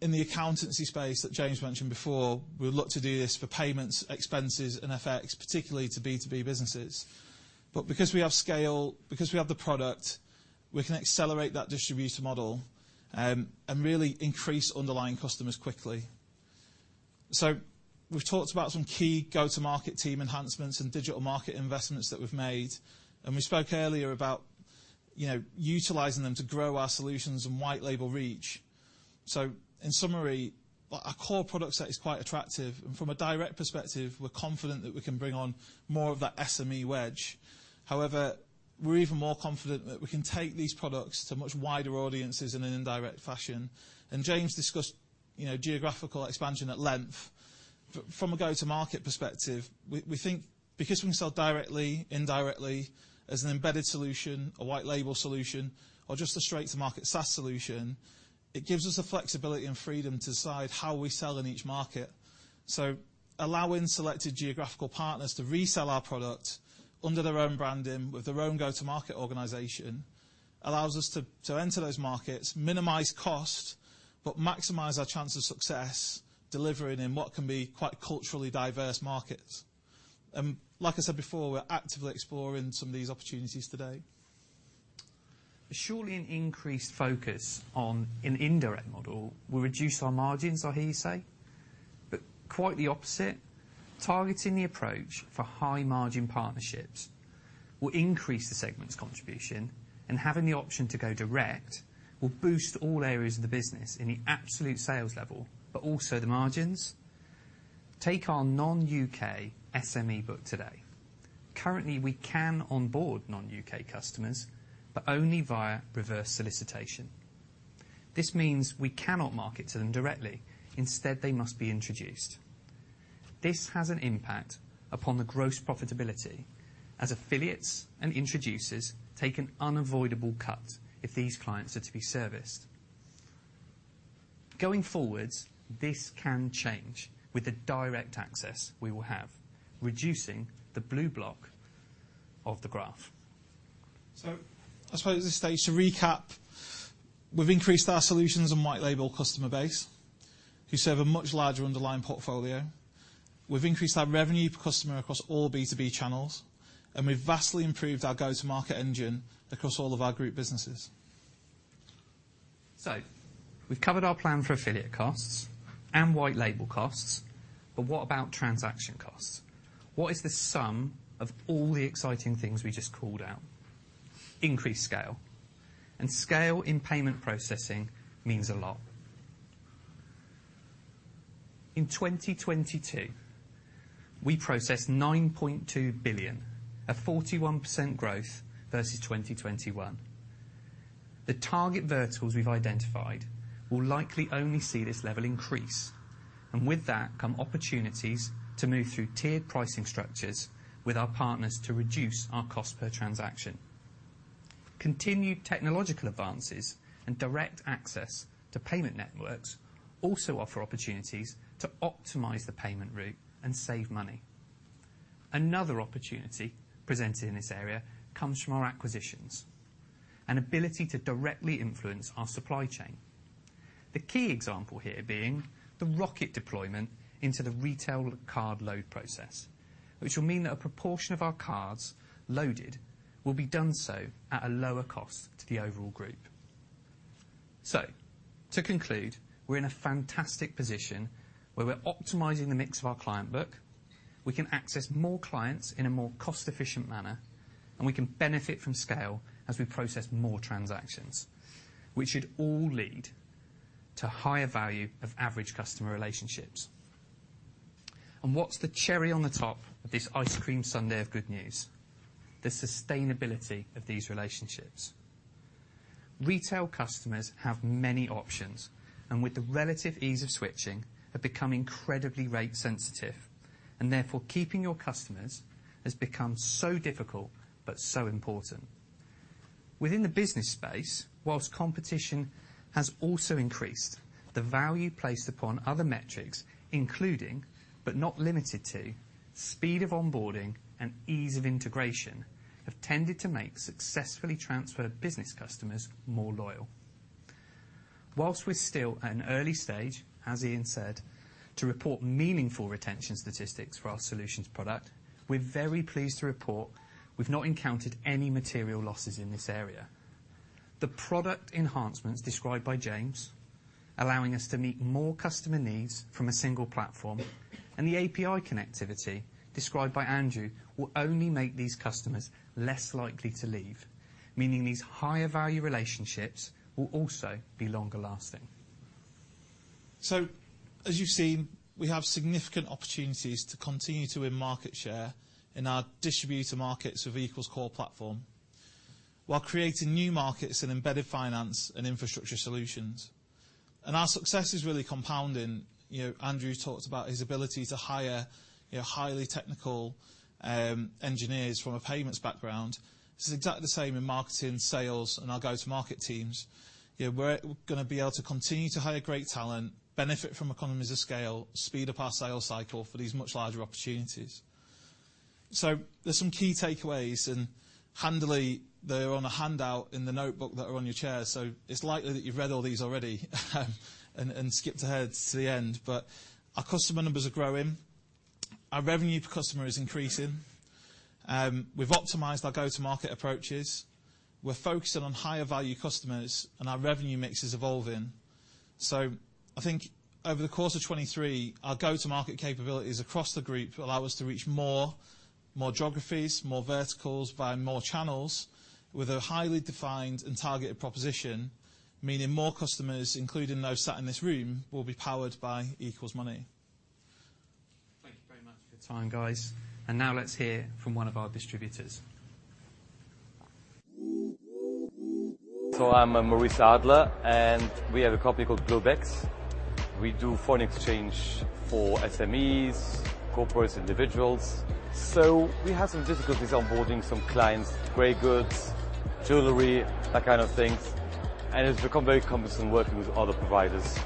In the accountancy space that James mentioned before, we look to do this for payments, expenses, and FX, particularly to B2B businesses. Because we have scale, because we have the product, we can accelerate that distributor model and really increase underlying customers quickly. We've talked about some key go-to-market team enhancements and digital market investments that we've made, and we spoke earlier about, you know, utilizing them to grow our solutions and white label reach. In summary, our core product set is quite attractive. From a direct perspective, we're confident that we can bring on more of that SME wedge. However, we're even more confident that we can take these products to much wider audiences in an indirect fashion. James discussed, you know, geographical expansion at length. From a go-to-market perspective, we think because we can sell directly, indirectly as an embedded solution or white label solution or just a straight-to-market SaaS solution, it gives us the flexibility and freedom to decide how we sell in each market. Allowing selected geographical partners to resell our product under their own branding with their own go-to-market organization allows us to enter those markets, minimize cost, but maximize our chance of success delivering in what can be quite culturally diverse markets. Like I said before, we're actively exploring some of these opportunities today. Surely an increased focus on an indirect model will reduce our margins, I hear you say, but quite the opposite. Targeting the approach for high margin partnerships will increase the segment's contribution, and having the option to go direct will boost all areas of the business in the absolute sales level, but also the margins. Take our non-UK SME book today. Currently, we can onboard non-UK customers, but only via reverse solicitation. This means we cannot market to them directly. Instead, they must be introduced. This has an impact upon the gross profitability as affiliates and introducers take an unavoidable cut if these clients are to be serviced. Going forwards, this can change with the direct access we will have, reducing the blue block of the graph. I suppose at this stage, to recap, we've increased our solutions and white label customer base. We serve a much larger underlying portfolio. We've increased our revenue per customer across all B2B channels, and we've vastly improved our go-to market engine across all of our group businesses. We've covered our plan for affiliate costs and white label costs. What about transaction costs? What is the sum of all the exciting things we just called out? Increased scale. Scale in payment processing means a lot. In 2022, we processed 9.2 billion, a 41% growth versus 2021. The target verticals we've identified will likely only see this level increase, and with that come opportunities to move through tiered pricing structures with our partners to reduce our cost per transaction. Continued technological advances and direct access to payment networks also offer opportunities to optimize the payment route and save money. Another opportunity presented in this area comes from our acquisitions and ability to directly influence our supply chain. The key example here being the Roqqett deployment into the retail card load process, which will mean that a proportion of our cards loaded will be done so at a lower cost to the overall group. To conclude, we're in a fantastic position where we're optimizing the mix of our client book. We can access more clients in a more cost-efficient manner, and we can benefit from scale as we process more transactions, which should all lead to higher value of average customer relationships. What's the cherry on the top of this ice cream sundae of good news? The sustainability of these relationships. Retail customers have many options, and with the relative ease of switching, have become incredibly rate sensitive, and therefore keeping your customers has become so difficult but so important. Within the business space, whilst competition has also increased, the value placed upon other metrics, including, but not limited to, speed of onboarding and ease of integration, have tended to make successfully transferred business customers more loyal. Whilst we're still at an early stage, as Ian said, to report meaningful retention statistics for our solutions product, we're very pleased to report we've not encountered any material losses in this area. The product enhancements described by James, allowing us to meet more customer needs from a single platform, and the API connectivity described by Andrew, will only make these customers less likely to leave, meaning these higher value relationships will also be longer lasting. As you've seen, we have significant opportunities to continue to win market share in our distributor markets with Equals core platform, while creating new markets in embedded finance and infrastructure solutions. Our success is really compounding. You know, Andrew talked about his ability to hire, you know, highly technical engineers from a payments background. This is exactly the same in marketing, sales, and our go-to-market teams. You know, we're gonna be able to continue to hire great talent, benefit from economies of scale, speed up our sales cycle for these much larger opportunities. There's some key takeaways, and handily they're on a handout in the notebook that are on your chair. It's likely that you've read all these already and skipped ahead to the end. Our customer numbers are growing. Our revenue per customer is increasing. We've optimized our go-to-market approaches. We're focusing on higher value customers, and our revenue mix is evolving. I think over the course of 23, our go-to-market capabilities across the group will allow us to reach more, more geographies, more verticals, via more channels with a highly defined and targeted proposition, meaning more customers, including those sat in this room, will be powered by Equals Money. Thank you very much for your time, guys. Now let's hear from one of our distributors. I'm Maurice Adler, and we have a company called Globex. We do foreign exchange for SMEs, corporates, individuals. We have some difficulties onboarding some clients, gray goods, jewelry, that kind of things, and it's become very cumbersome working with other providers.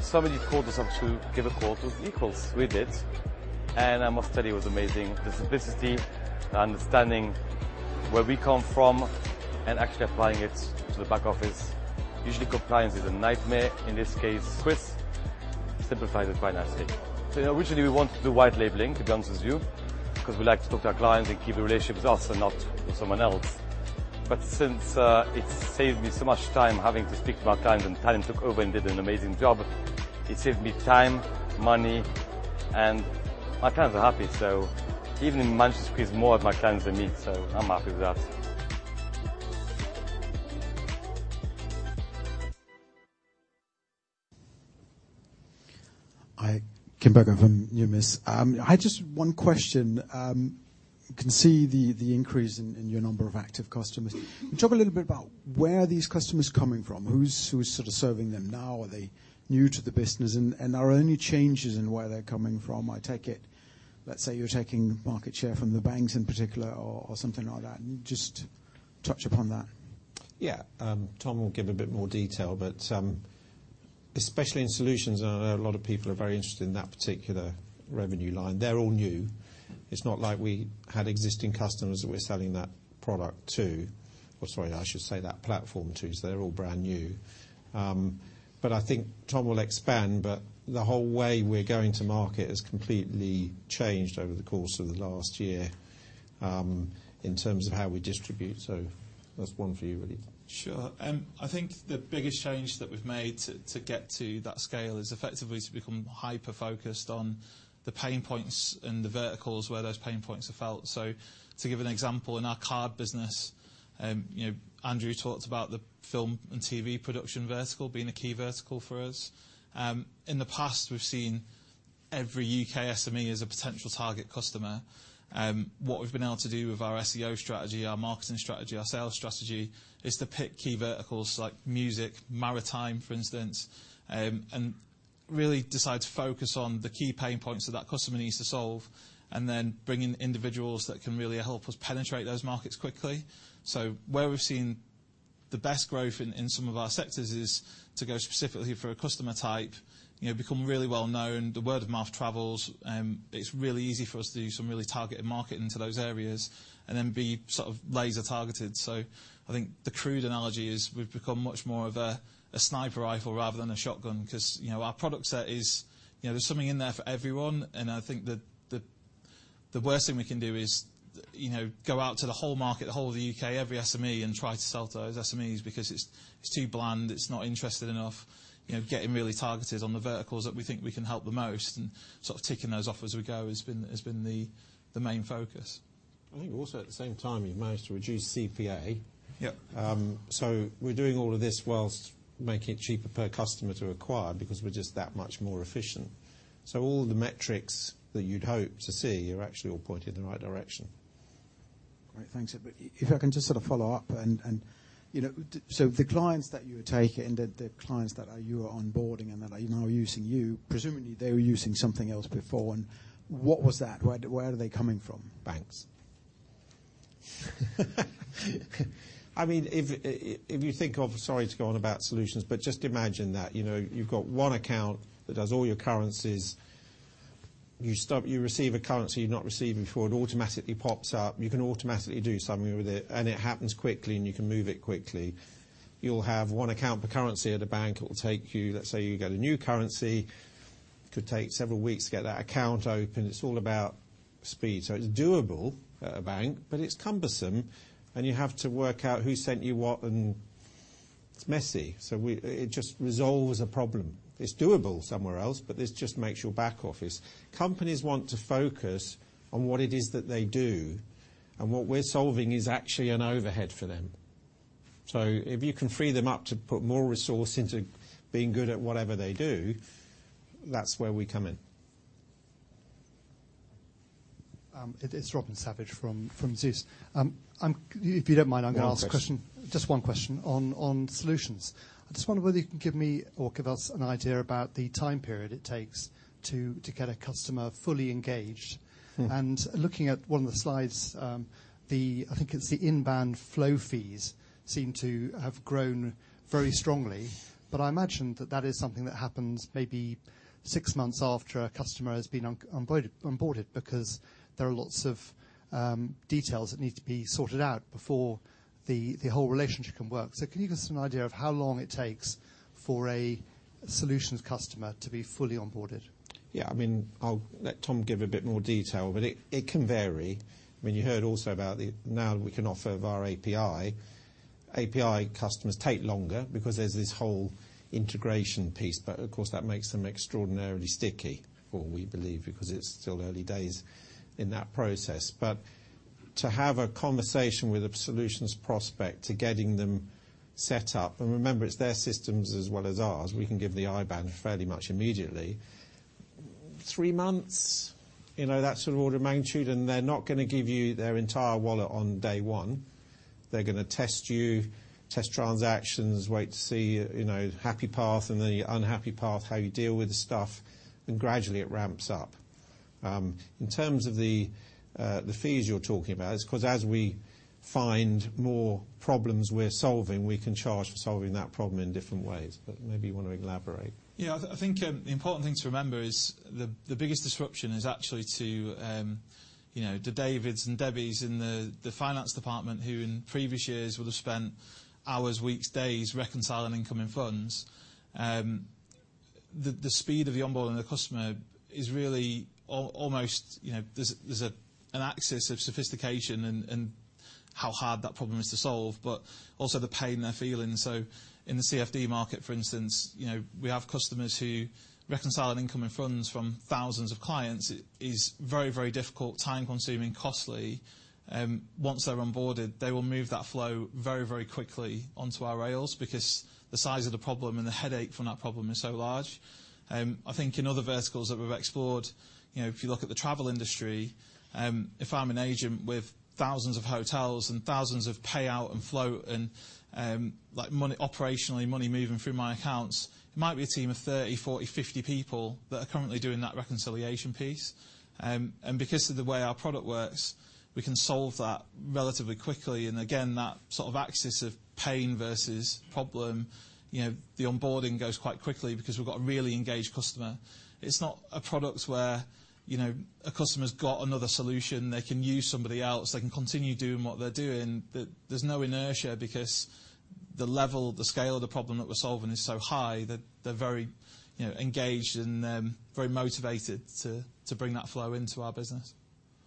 Somebody called us up to give a call to Equals. We did, and I must tell you, it was amazing. The simplicity, the understanding where we come from, and actually applying it to the back office. Usually compliance is a nightmare. In this case, SwissSimplifies it quite nicely. Originally we wanted to do white labeling, to be honest with you, 'cause we like to talk to our clients and keep the relationship with us and not with someone else. Since it's saved me so much time having to speak to my clients. Talent took over and did an amazing job. It saved me time, money, and my clients are happy. Even in managed to squeeze more of my clients that meet. I'm happy with that. Hi. Kim Berger from UMIS. I just one question. Can see the increase in your number of active customers. Can you talk a little bit about where are these customers coming from? Who's sort of serving them now? Are they new to the business and are there any changes in where they're coming from? I take it, let's say you're taking market share from the banks in particular or something like that. Just touch upon that. Yeah. Tom will give a bit more detail, but especially in Enterprise Solutions, I know a lot of people are very interested in that particular revenue line. They're all new. It's not like we had existing customers that we're selling that product to, or sorry, I should say that Equals platform to, so they're all brand new. I think Tom will expand. The whole way we're going to market has completely changed over the course of the last year, in terms of how we distribute. That's one for you, really. Sure. I think the biggest change that we've made to get to that scale is effectively to become hyper-focused on the pain points and the verticals where those pain points are felt. To give an example, in our card business, you know, Andrew talked about the film and TV production vertical being a key vertical for us. In the past, we've seen every UK SME as a potential target customer. What we've been able to do with our SEO strategy, our marketing strategy, our sales strategy is to pick key verticals like music, maritime, for instance, really decide to focus on the key pain points that customer needs to solve, and then bring in individuals that can really help us penetrate those markets quickly. Where we've seen the best growth in some of our sectors is to go specifically for a customer type, you know, become really well-known. The word of mouth travels. It's really easy for us to do some really targeted marketing to those areas and then be sort of laser targeted. I think the crude analogy is we've become much more of a sniper rifle rather than a shotgun 'cause, you know, our product set is, you know, there's something in there for everyone, and I think the worst thing we can do is, you know, go out to the whole market, the whole of the UK, every SME and try to sell to those SMEs because it's too bland, it's not interested enough. You know, getting really targeted on the verticals that we think we can help the most and sort of ticking those off as we go has been the main focus. I think also at the same time, you managed to reduce CPA. Yeah. We're doing all of this while making it cheaper per customer to acquire because we're just that much more efficient. All the metrics that you'd hope to see are actually all pointed in the right direction. Great. Thanks. If I can just sort of follow up and you know, so the clients that you're taking, the clients that you are onboarding and that are now using you, presumably they were using something else before. What was that? Where are they coming from? Banks. I mean, Sorry to go on about solutions, just imagine that, you know, you've got one account that does all your currencies. You receive a currency you've not received before. It automatically pops up. You can automatically do something with it, and it happens quickly, and you can move it quickly. You'll have one account per currency at a bank. It will take you. Let's say you get a new currency. It could take several weeks to get that account open. It's all about speed. It's doable at a bank. It's cumbersome, and you have to work out who sent you what, and it's messy, so it just resolves a problem. It's doable somewhere else. This just makes your back office. Companies want to focus on what it is that they do, what we're solving is actually an overhead for them. If you can free them up to put more resource into being good at whatever they do, that's where we come in. It's Robin Savage from Zeus. If you don't mind, I'm gonna ask a question? One question. Just one question on solutions. I just wonder whether you can give me or give us an idea about the time period it takes to get a customer fully engaged. Mm-hmm. Looking at one of the slides, I think it's the in-band flow fees seem to have grown very strongly, but I imagine that that is something that happens maybe six months after a customer has been onboarded because there are lots of details that need to be sorted out before the whole relationship can work. Can you give us an idea of how long it takes for a solutions customer to be fully onboarded? Yeah, I mean, I'll let Tom Kiddle give a bit more detail, but it can vary. I mean, you heard also. We can offer via API. API customers take longer because there's this whole integration piece, but of course, that makes them extraordinarily sticky, or we believe because it's still early days in that process. To have a conversation with a solutions prospect, to getting them set up, and remember, it's their systems as well as ours, we can give the IBAN fairly much immediately. 3 months, you know, that sort of order of magnitude. They're not gonna give you their entire wallet on day one. They're gonna test you, test transactions, wait to see, you know, happy path and the unhappy path, how you deal with the stuff. Gradually it ramps up. In terms of the fees you're talking about, it's 'cause as we find more problems we're solving, we can charge for solving that problem in different ways. Maybe you wanna elaborate. Yeah, I think the important thing to remember is the biggest disruption is actually to Davids and Debbies in the finance department who in previous years would have spent hours, weeks, days reconciling incoming funds. The speed of the onboarding the customer is really almost an axis of sophistication in how hard that problem is to solve, but also the pain they're feeling. In the CFD market, for instance, we have customers who reconciling incoming funds from thousands of clients is very difficult, time-consuming, costly. Once they're onboarded, they will move that flow very quickly onto our rails because the size of the problem and the headache from that problem is so large. I think in other verticals that we've explored, you know, if you look at the travel industry, if I'm an agent with thousands of hotels and thousands of payout and flow and money operationally, money moving through my accounts, it might be a team of 30, 40, 50 people that are currently doing that reconciliation piece. Because of the way our product works, we can solve that relatively quickly. Again, that sort of axis of pain versus problem, you know, the onboarding goes quite quickly because we've got a really engaged customer. It's not a product where, you know, a customer's got another solution. They can use somebody else, they can continue doing what they're doing. There's no inertia because the level, the scale of the problem that we're solving is so high that they're very, you know, engaged and very motivated to bring that flow into our business.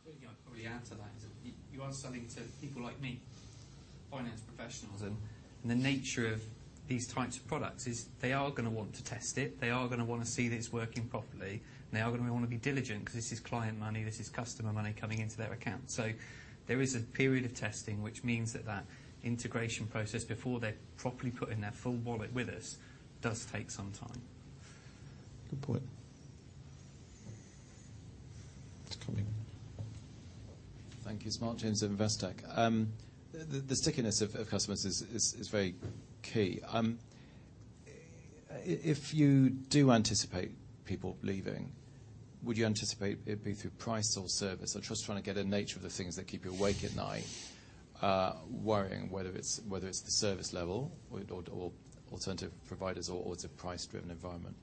I think I'd probably add to that is you are selling to people like me, finance professionals, and the nature of these types of products is they are gonna want to test it. They are gonna wanna see that it's working properly, and they are gonna wanna be diligent 'cause this is client money, this is customer money coming into their account. There is a period of testing, which means that that integration process before they properly put in their full wallet with us does take some time. Good point. It's coming. Thank you. James Smart of Investec. The stickiness of customers is very key. If you do anticipate people leaving, would you anticipate it'd be through price or service? I'm just trying to get a nature of the things that keep you awake at night, worrying whether it's the service level or alternative providers or it's a price driven environment.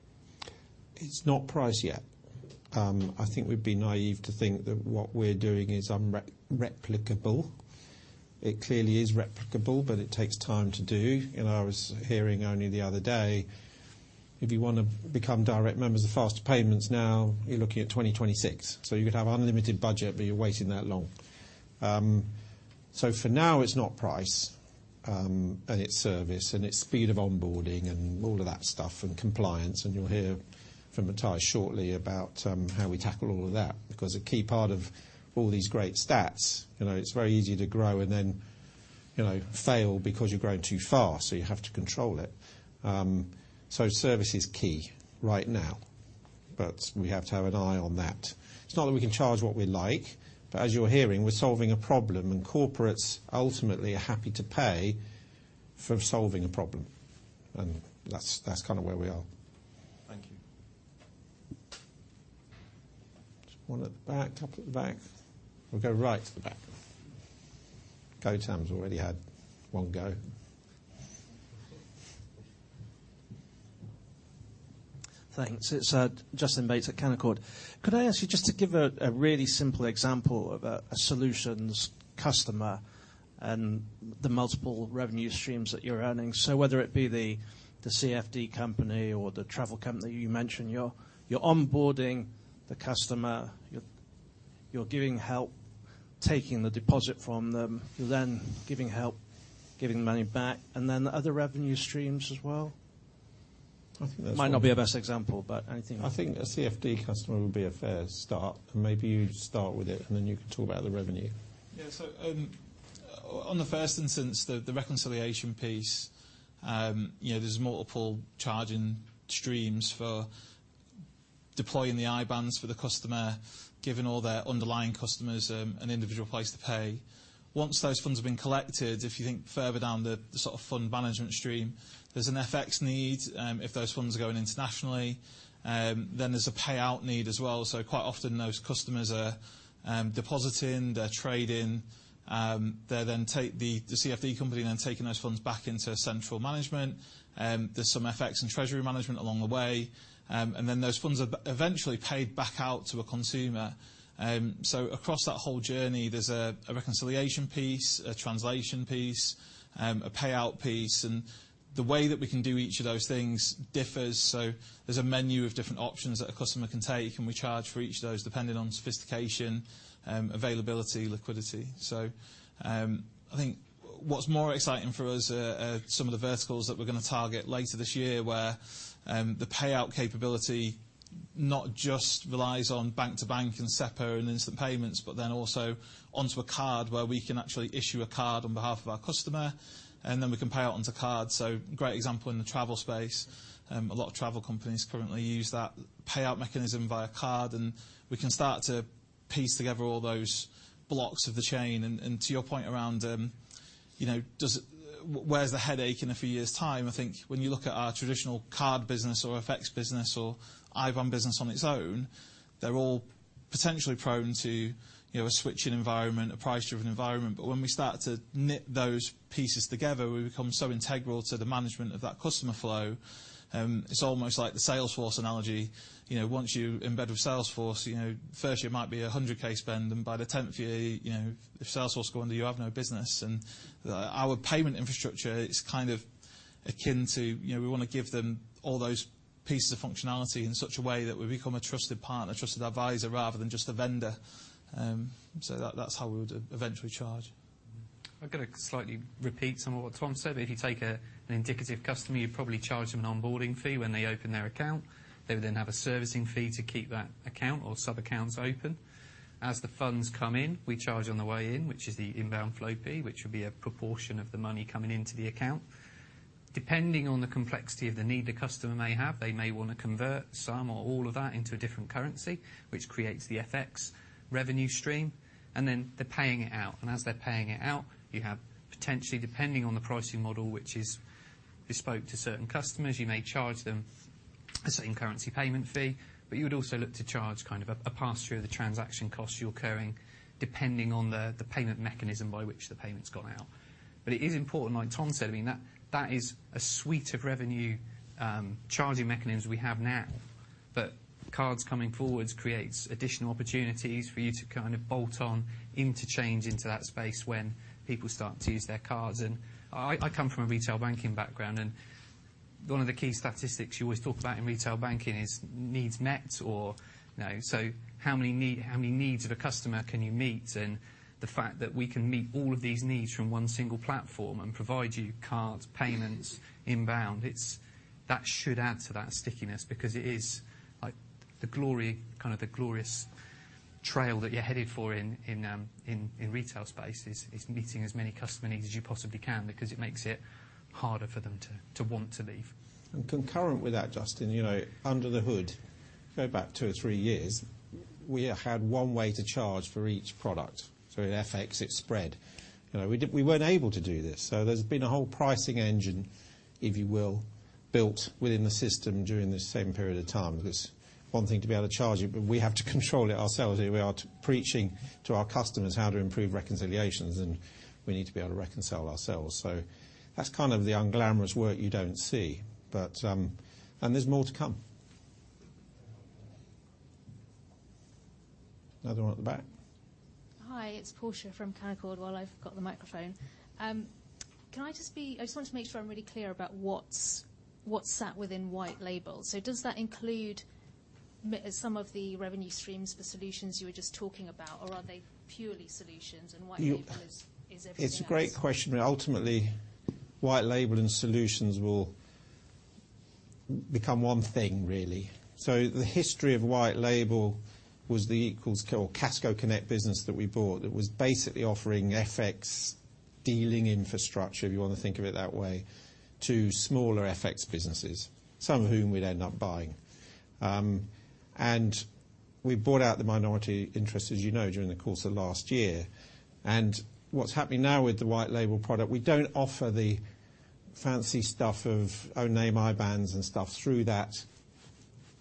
It's not price yet. I think we'd be naive to think that what we're doing is replicable. It clearly is replicable, but it takes time to do. You know, I was hearing only the other day, if you want to become direct members of Faster Payments now you're looking at 2026. You could have unlimited budget, but you're waiting that long. For now it's not price, and it's service and it's speed of onboarding and all of that stuff, and compliance. You'll hear from Matthijs shortly about how we tackle all of that. A key part of all these great stats, you know, it's very easy to grow and then, you know, fail because you're growing too fast, so you have to control it. Service is key right now, but we have to have an eye on that. It's not that we can charge what we like, but as you're hearing, we're solving a problem and corporates ultimately are happy to pay for solving a problem. That's kind of where we are. Thank you. One at the back. Couple at the back. We'll go right to the back. Gautam's already had one go. Thanks. It's Justin Bates at Canaccord. Could I ask you just to give a really simple example of a solutions customer and the multiple revenue streams that you're earning. Whether it be the CFD company or the travel company, you mentioned you're onboarding the customer, you're giving help taking the deposit from them. You're then giving help giving money back, then other revenue streams as well. I think that's-. It might not be a best example, but anything. I think a CFD customer would be a fair start. Maybe you start with it and then you can talk about the revenue. Yeah. On the first instance, the reconciliation piece, you know, there's multiple charging streams for deploying the IBANs for the customer, giving all their underlying customers an individual place to pay. Once those funds have been collected, if you think further down the fund management stream, there's an FX need, if those funds are going internationally, then there's a payout need as well. Quite often those customers are depositing, they're trading, the CFD company then taking those funds back into central management. There's some FX and treasury management along the way. Those funds are eventually paid back out to a consumer. Across that whole journey, there's a reconciliation piece, a translation piece, a payout piece, and the way that we can do each of those things differs. There's a menu of different options that a customer can take, and we charge for each of those depending on sophistication, availability, liquidity. I think what's more exciting for us are some of the verticals that we're gonna target later this year, where the payout capability not just relies on bank to bank and SEPA and instant payments. Also onto a card where we can actually issue a card on behalf of our customer, and then we can pay out onto card. Great example in the travel space, a lot of travel companies currently use that payout mechanism via card, and we can start to piece together all those blocks of the chain. To your point around, you know, where's the headache in a few years' time? I think when you look at our traditional card business or FX business or IBAN business on its own, they're all potentially prone to, you know, a switching environment, a price driven environment. When we start to knit those pieces together, we become so integral to the management of that customer flow. It's almost like the Salesforce analogy. You know, once you embed with Salesforce, you know, first it might be a 100k spend and by the 10th year, you know, if Salesforce go under, you have no business. our payment infrastructure is kind of- Akin to, you know, we wanna give them all those pieces of functionality in such a way that we become a trusted partner, trusted advisor, rather than just a vendor. That, that's how we would eventually charge. I'm gonna slightly repeat some of what Tom said. If you take an indicative customer, you probably charge them an onboarding fee when they open their account. They would then have a servicing fee to keep that account or sub-accounts open. As the funds come in, we charge on the way in, which is the inbound flow fee, which would be a proportion of the money coming into the account. Depending on the complexity of the need the customer may have, they may wanna convert some or all of that into a different currency, which creates the FX revenue stream, and then they're paying it out. As they're paying it out, you have potentially, depending on the pricing model, which is bespoke to certain customers, you may charge them a same currency payment fee, but you would also look to charge kind of a pass-through of the transaction costs you're occurring depending on the payment mechanism by which the payment's gone out. It is important, like Tom said, I mean, that is a suite of revenue charging mechanisms we have now. Cards coming forwards creates additional opportunities for you to kind of bolt on interchange into that space when people start to use their cards. I come from a retail banking background, and one of the key statistics you always talk about in retail banking is needs met or, you know, so how many needs of a customer can you meet? The fact that we can meet all of these needs from one single platform and provide you cards, payments, inbound, it's. That should add to that stickiness because it is like the glory, kind of the glorious trail that you're headed for in retail space is meeting as many customer needs as you possibly can because it makes it harder for them to want to leave. Concurrent with that, Justin, you know, under the hood, go back two or three years, we had one way to charge for each product. In FX, it's spread. You know, we weren't able to do this. There's been a whole pricing engine, if you will, built within the system during the same period of time. There's one thing to be able to charge it. We have to control it ourselves. We are preaching to our customers how to improve reconciliations. We need to be able to reconcile ourselves. That's kind of the unglamorous work you don't see. There's more to come. Another one at the back. Hi, it's Portia from Canaccord. Well, I've got the microphone. I just want to make sure I'm really clear about what's sat within white label. Does that include some of the revenue streams for solutions you were just talking about, or are they purely solutions and white label is everything else? It's a great question. Ultimately, white label and solutions will become one thing really. The history of white label was the Equals or Casco Connect business that we bought that was basically offering FX dealing infrastructure, if you wanna think of it that way, to smaller FX businesses, some of whom we'd end up buying. We bought out the minority interest, as you know, during the course of last year. What's happening now with the white label product, we don't offer the fancy stuff of Oonex, IBANs and stuff through that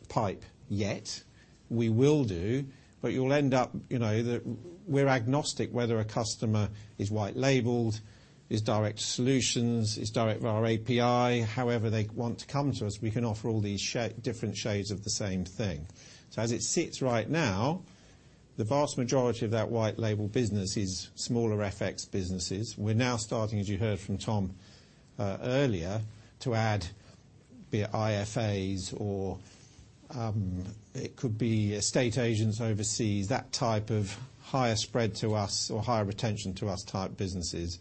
pipe yet. We will do, you'll end up, you know, We're agnostic whether a customer is white labeled, is direct solutions, is direct via our API. However they want to come to us, we can offer all these different shades of the same thing. As it sits right now, the vast majority of that white label business is smaller FX businesses. We're now starting, as you heard from Tom earlier, to add be it IFAs or it could be estate agents overseas, that type of higher spread to us or higher retention to us type businesses.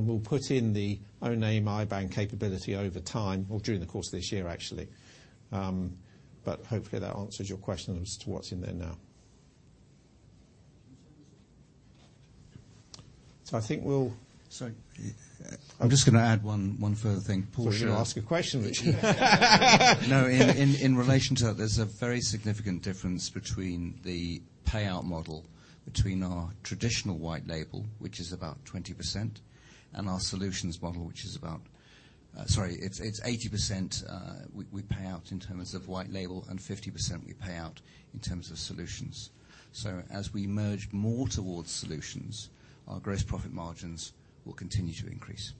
We'll put in the Oonex, IBAN capability over time or during the course of this year actually. Hopefully, that answers your question as to what's in there now. I think. Sorry. I'm just gonna add one further thing. I was gonna ask a question, but sure. In relation to that, there's a very significant difference between the payout model between our traditional white label, which is about 20%, and our solutions model, which is about. Sorry, it's 80%, we pay out in terms of white label and 50% we pay out in terms of solutions. As we merge more towards solutions, our gross profit margins will continue to increase.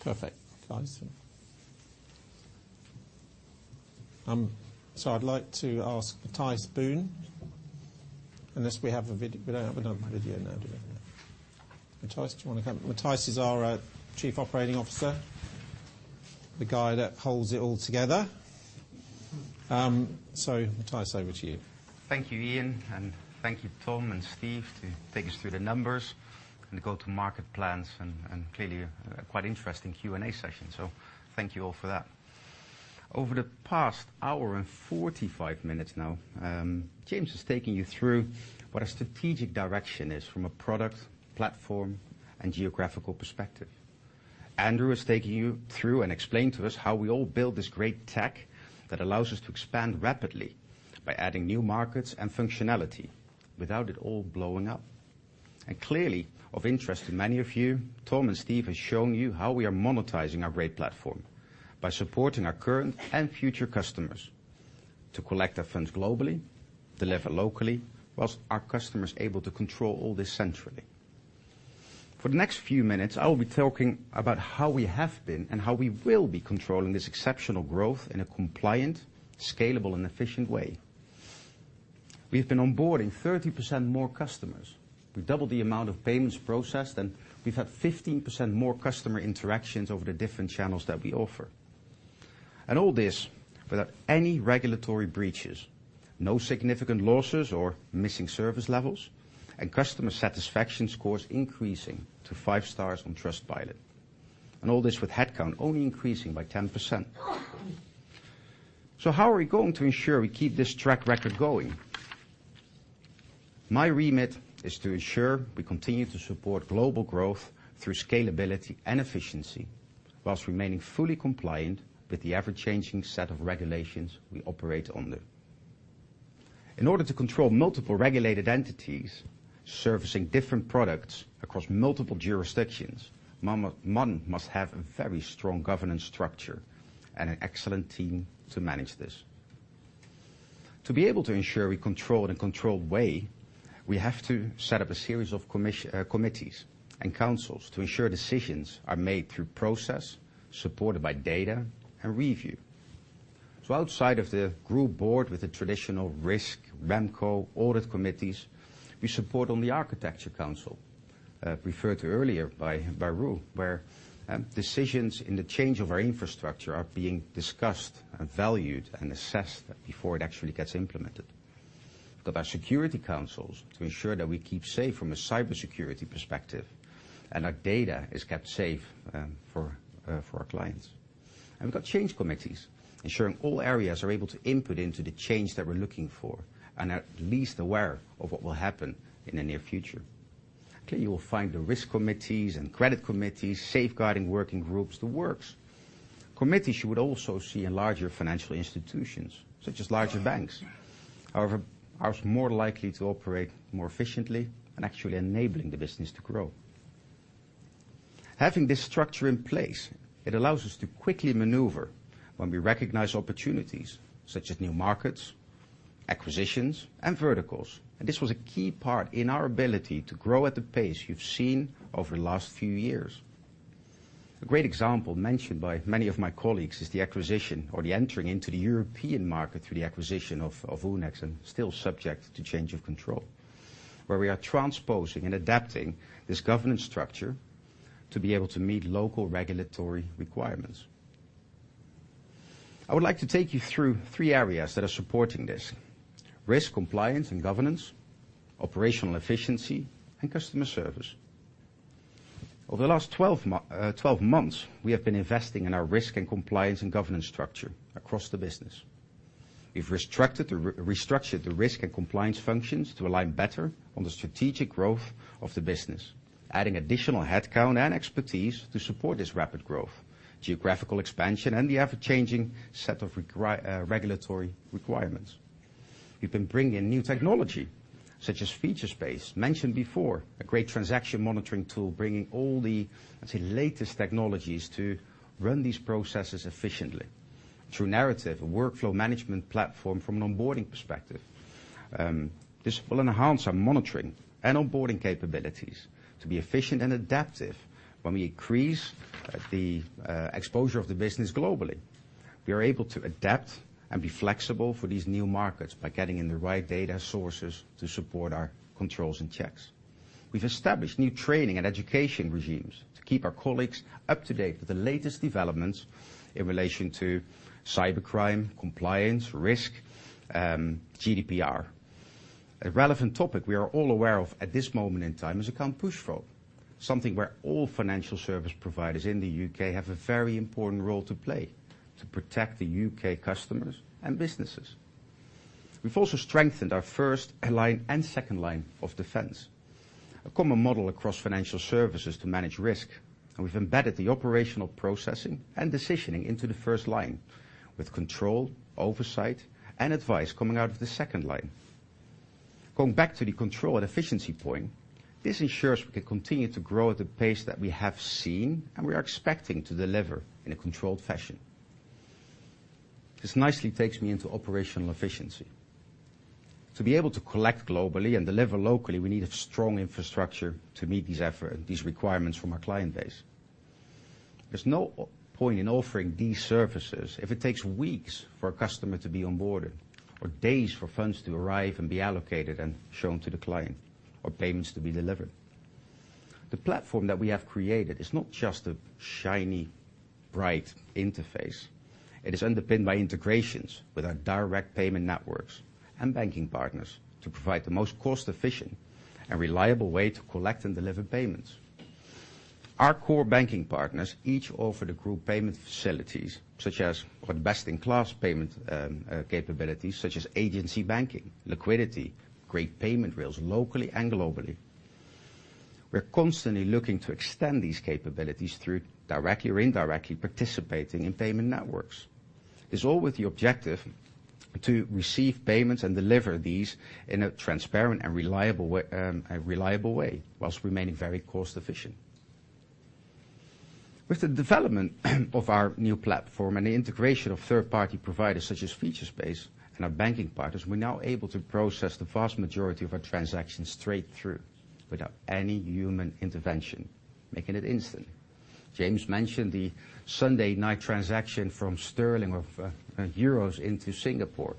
Perfect. Thanks. I'd like to ask Matthijs Boon, unless we have a we don't have another video now, do we? Matthijs, do you wanna come? Matthijs is our Chief Operating Officer, the guy that holds it all together. Matthijs, over to you. Thank you, Ian. Thank you, Tom and Steve, to take us through the numbers and the go-to-market plans and clearly a quite interesting Q&A session. Thank you all for that. Over the past 1 hour and 45 minutes now, James has taken you through what a strategic direction is from a product, platform and geographical perspective. Andrew has taken you through and explained to us how we build this great tech that allows us to expand rapidly by adding new markets and functionality without it all blowing up. Clearly of interest to many of you, Tom and Steve have shown you how we are monetizing our great platform by supporting our current and future customers to collect their funds globally, deliver locally, whilst our customer is able to control all this centrally. For the next few minutes, I will be talking about how we have been and how we will be controlling this exceptional growth in a compliant, scalable and efficient way. We've been onboarding 30% more customers. We've doubled the amount of payments processed, We've had 15% more customer interactions over the different channels that we offer. All this without any regulatory breaches, no significant losses or missing service levels, and customer satisfaction scores increasing to five stars on Trustpilot. All this with headcount only increasing by 10%. How are we going to ensure we keep this track record going? My remit is to ensure we continue to support global growth through scalability and efficiency, while remaining fully compliant with the ever-changing set of regulations we operate under. In order to control multiple regulated entities, servicing different products across multiple jurisdictions, mon must have a very strong governance structure and an excellent team to manage this. To be able to ensure we control in a controlled way, we have to set up a series of committees and councils to ensure decisions are made through process, supported by data and review. Outside of the group board with the traditional risk REMCO audit committees, we support on the architecture council, referred to earlier by Ru, where decisions in the change of our infrastructure are being discussed and valued and assessed before it actually gets implemented. We've got our security councils to ensure that we keep safe from a cybersecurity perspective, and our data is kept safe for our clients. We've got change committees, ensuring all areas are able to input into the change that we're looking for, and are at least aware of what will happen in the near future. You will find the risk committees and credit committees, safeguarding working groups, the works. Committees you would also see in larger financial institutions, such as larger banks. However, ours are more likely to operate more efficiently and actually enabling the business to grow. Having this structure in place, it allows us to quickly maneuver when we recognize opportunities, such as new markets, acquisitions, and verticals. This was a key part in our ability to grow at the pace you've seen over the last few years. A great example mentioned by many of my colleagues is the acquisition or the entering into the European market through the acquisition of Oonex, and still subject to change of control, where we are transposing and adapting this governance structure to be able to meet local regulatory requirements. I would like to take you through three areas that are supporting this: risk compliance and governance, operational efficiency, and customer service. Over the last 12 months, we have been investing in our risk and compliance and governance structure across the business. We've restructured the risk and compliance functions to align better on the strategic growth of the business, adding additional headcount and expertise to support this rapid growth, geographical expansion, and the ever-changing set of regulatory requirements. We've been bringing in new technology, such as Featurespace, mentioned before, a great transaction monitoring tool, bringing all the, I'd say, latest technologies to run these processes efficiently. TruNarrative, a workflow management platform from an onboarding perspective. This will enhance our monitoring and onboarding capabilities to be efficient and adaptive when we increase the exposure of the business globally. We are able to adapt and be flexible for these new markets by getting in the right data sources to support our controls and checks. We've established new training and education regimes to keep our colleagues up to date with the latest developments in relation to cybercrime, compliance, risk, GDPR. A relevant topic we are all aware of at this moment in time is authorised push payment fraud, something where all financial service providers in the U.K. have a very important role to play to protect the U.K. customers and businesses. We've also strengthened our first line and second line of defense, a common model across financial services to manage risk. We've embedded the operational processing and decisioning into the first line, with control, oversight, and advice coming out of the second line. Going back to the control and efficiency point, this ensures we can continue to grow at the pace that we have seen and we are expecting to deliver in a controlled fashion. This nicely takes me into operational efficiency. To be able to collect globally and deliver locally, we need a strong infrastructure to meet these requirements from our client base. There's no point in offering these services if it takes weeks for a customer to be onboarded or days for funds to arrive and be allocated and shown to the client or payments to be delivered. The platform that we have created is not just a shiny, bright interface. It is underpinned by integrations with our direct payment networks and banking partners to provide the most cost-efficient and reliable way to collect and deliver payments. Our core banking partners each offer the group payment facilities, such as or the best-in-class payment capabilities, such as agency banking, liquidity, great payment rails, locally and globally. We're constantly looking to extend these capabilities through directly or indirectly participating in payment networks. It's all with the objective to receive payments and deliver these in a transparent and reliable way, whilst remaining very cost efficient. With the development of our new platform and the integration of third-party providers such as Featurespace and our banking partners, we're now able to process the vast majority of our transactions straight through without any human intervention, making it instant. James mentioned the Sunday night transaction from sterling of euros into Singapore.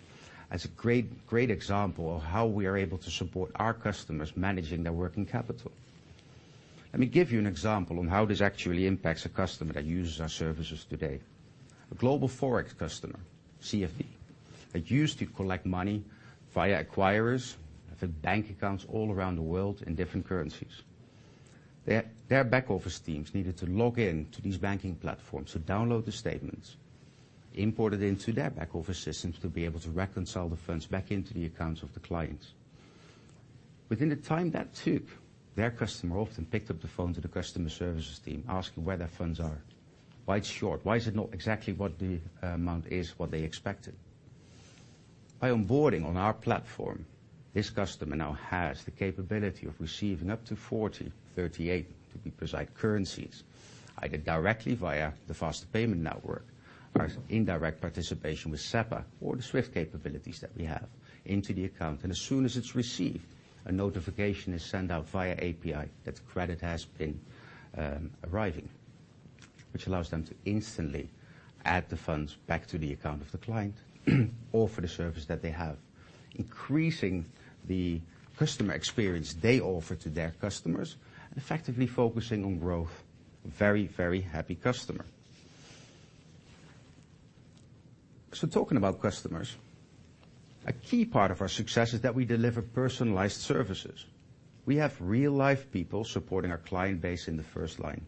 That's a great example of how we are able to support our customers managing their working capital. Let me give you an example on how this actually impacts a customer that uses our services today. A global Forex customer, CFE, that used to collect money via acquirers, they've bank accounts all around the world in different currencies. Their back office teams needed to log in to these banking platforms to download the statements, import it into their back office systems to be able to reconcile the funds back into the accounts of the clients. Within the time that took, their customer often picked up the phone to the customer services team, asking where their funds are, why it's short, why is it not exactly what the amount is what they expected. By onboarding on our platform, this customer now has the capability of receiving up to 40, 38 to be precise, currencies, either directly via the faster payment network or indirect participation with SEPA or the Swift capabilities that we have into the account. As soon as it's received, a notification is sent out via API that the credit has been arriving. Which allows them to instantly add the funds back to the account of the client or for the service that they have, increasing the customer experience they offer to their customers and effectively focusing on growth. Very, very happy customer. Talking about customers, a key part of our success is that we deliver personalized services. We have real-life people supporting our client base in the first line.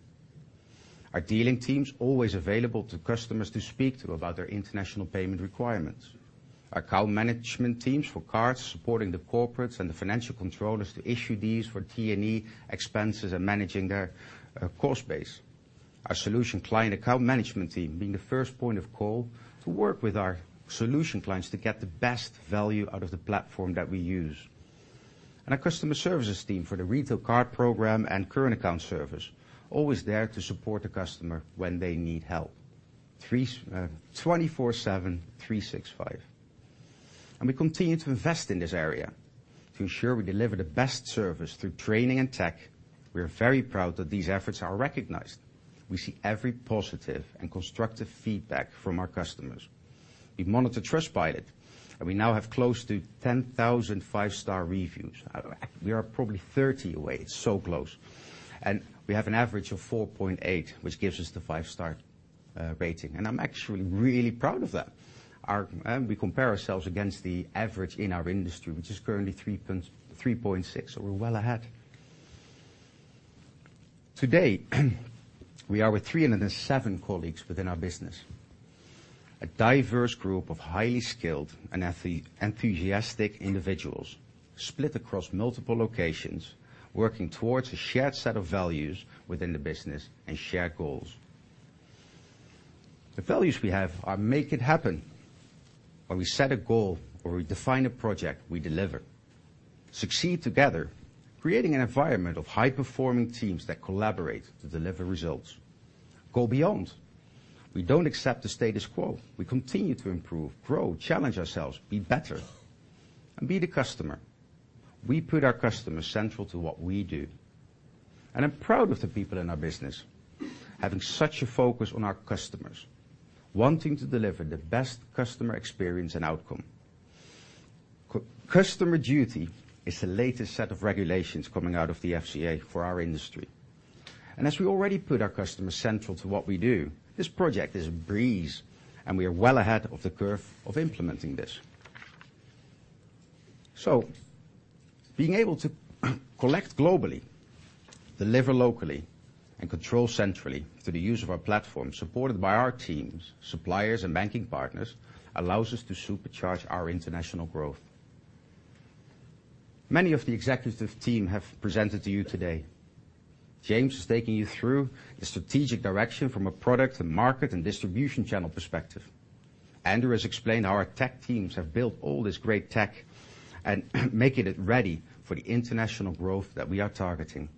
Our dealing team's always available to customers to speak to about their international payment requirements. Our account management teams for cards supporting the corporates and the financial controllers to issue these for T&E expenses and managing their cost base. Our solution client account management team being the first point of call to work with our solution clients to get the best value out of the platform that we use. Our customer services team for the retail card program and current account service, always there to support the customer when they need help. 24/7, 365. We continue to invest in this area to ensure we deliver the best service through training and tech. We are very proud that these efforts are recognized. We see every positive and constructive feedback from our customers. We monitor Trustpilot, and we now have close to 10,000 five-star reviews. We are probably 30 away. It's so close. We have an average of 4.8, which gives us the five-star rating, and I'm actually really proud of that. We compare ourselves against the average in our industry, which is currently 3.6. We're well ahead. Today, we are with 307 colleagues within our business. A diverse group of highly skilled and enthusiastic individuals split across multiple locations, working towards a shared set of values within the business and shared goals. The values we have are make it happen, where we set a goal, where we define a project we deliver. Succeed together, creating an environment of high-performing teams that collaborate to deliver results. Go beyond. We don't accept the status quo. We continue to improve, grow, challenge ourselves, be better. Be the customer. We put our customers central to what we do. I'm proud of the people in our business, having such a focus on our customers, wanting to deliver the best customer experience and outcome. Consumer Duty is the latest set of regulations coming out of the FCA for our industry. As we already put our customers central to what we do, this project is a breeze, and we are well ahead of the curve of implementing this. Being able to collect globally, deliver locally, and control centrally through the use of our platform supported by our teams, suppliers and banking partners, allows us to supercharge our international growth. Many of the executive team have presented to you today. James is taking you through the strategic direction from a product and market and distribution channel perspective. Andrew has explained how our tech teams have built all this great tech and making it ready for the international growth that we are targeting.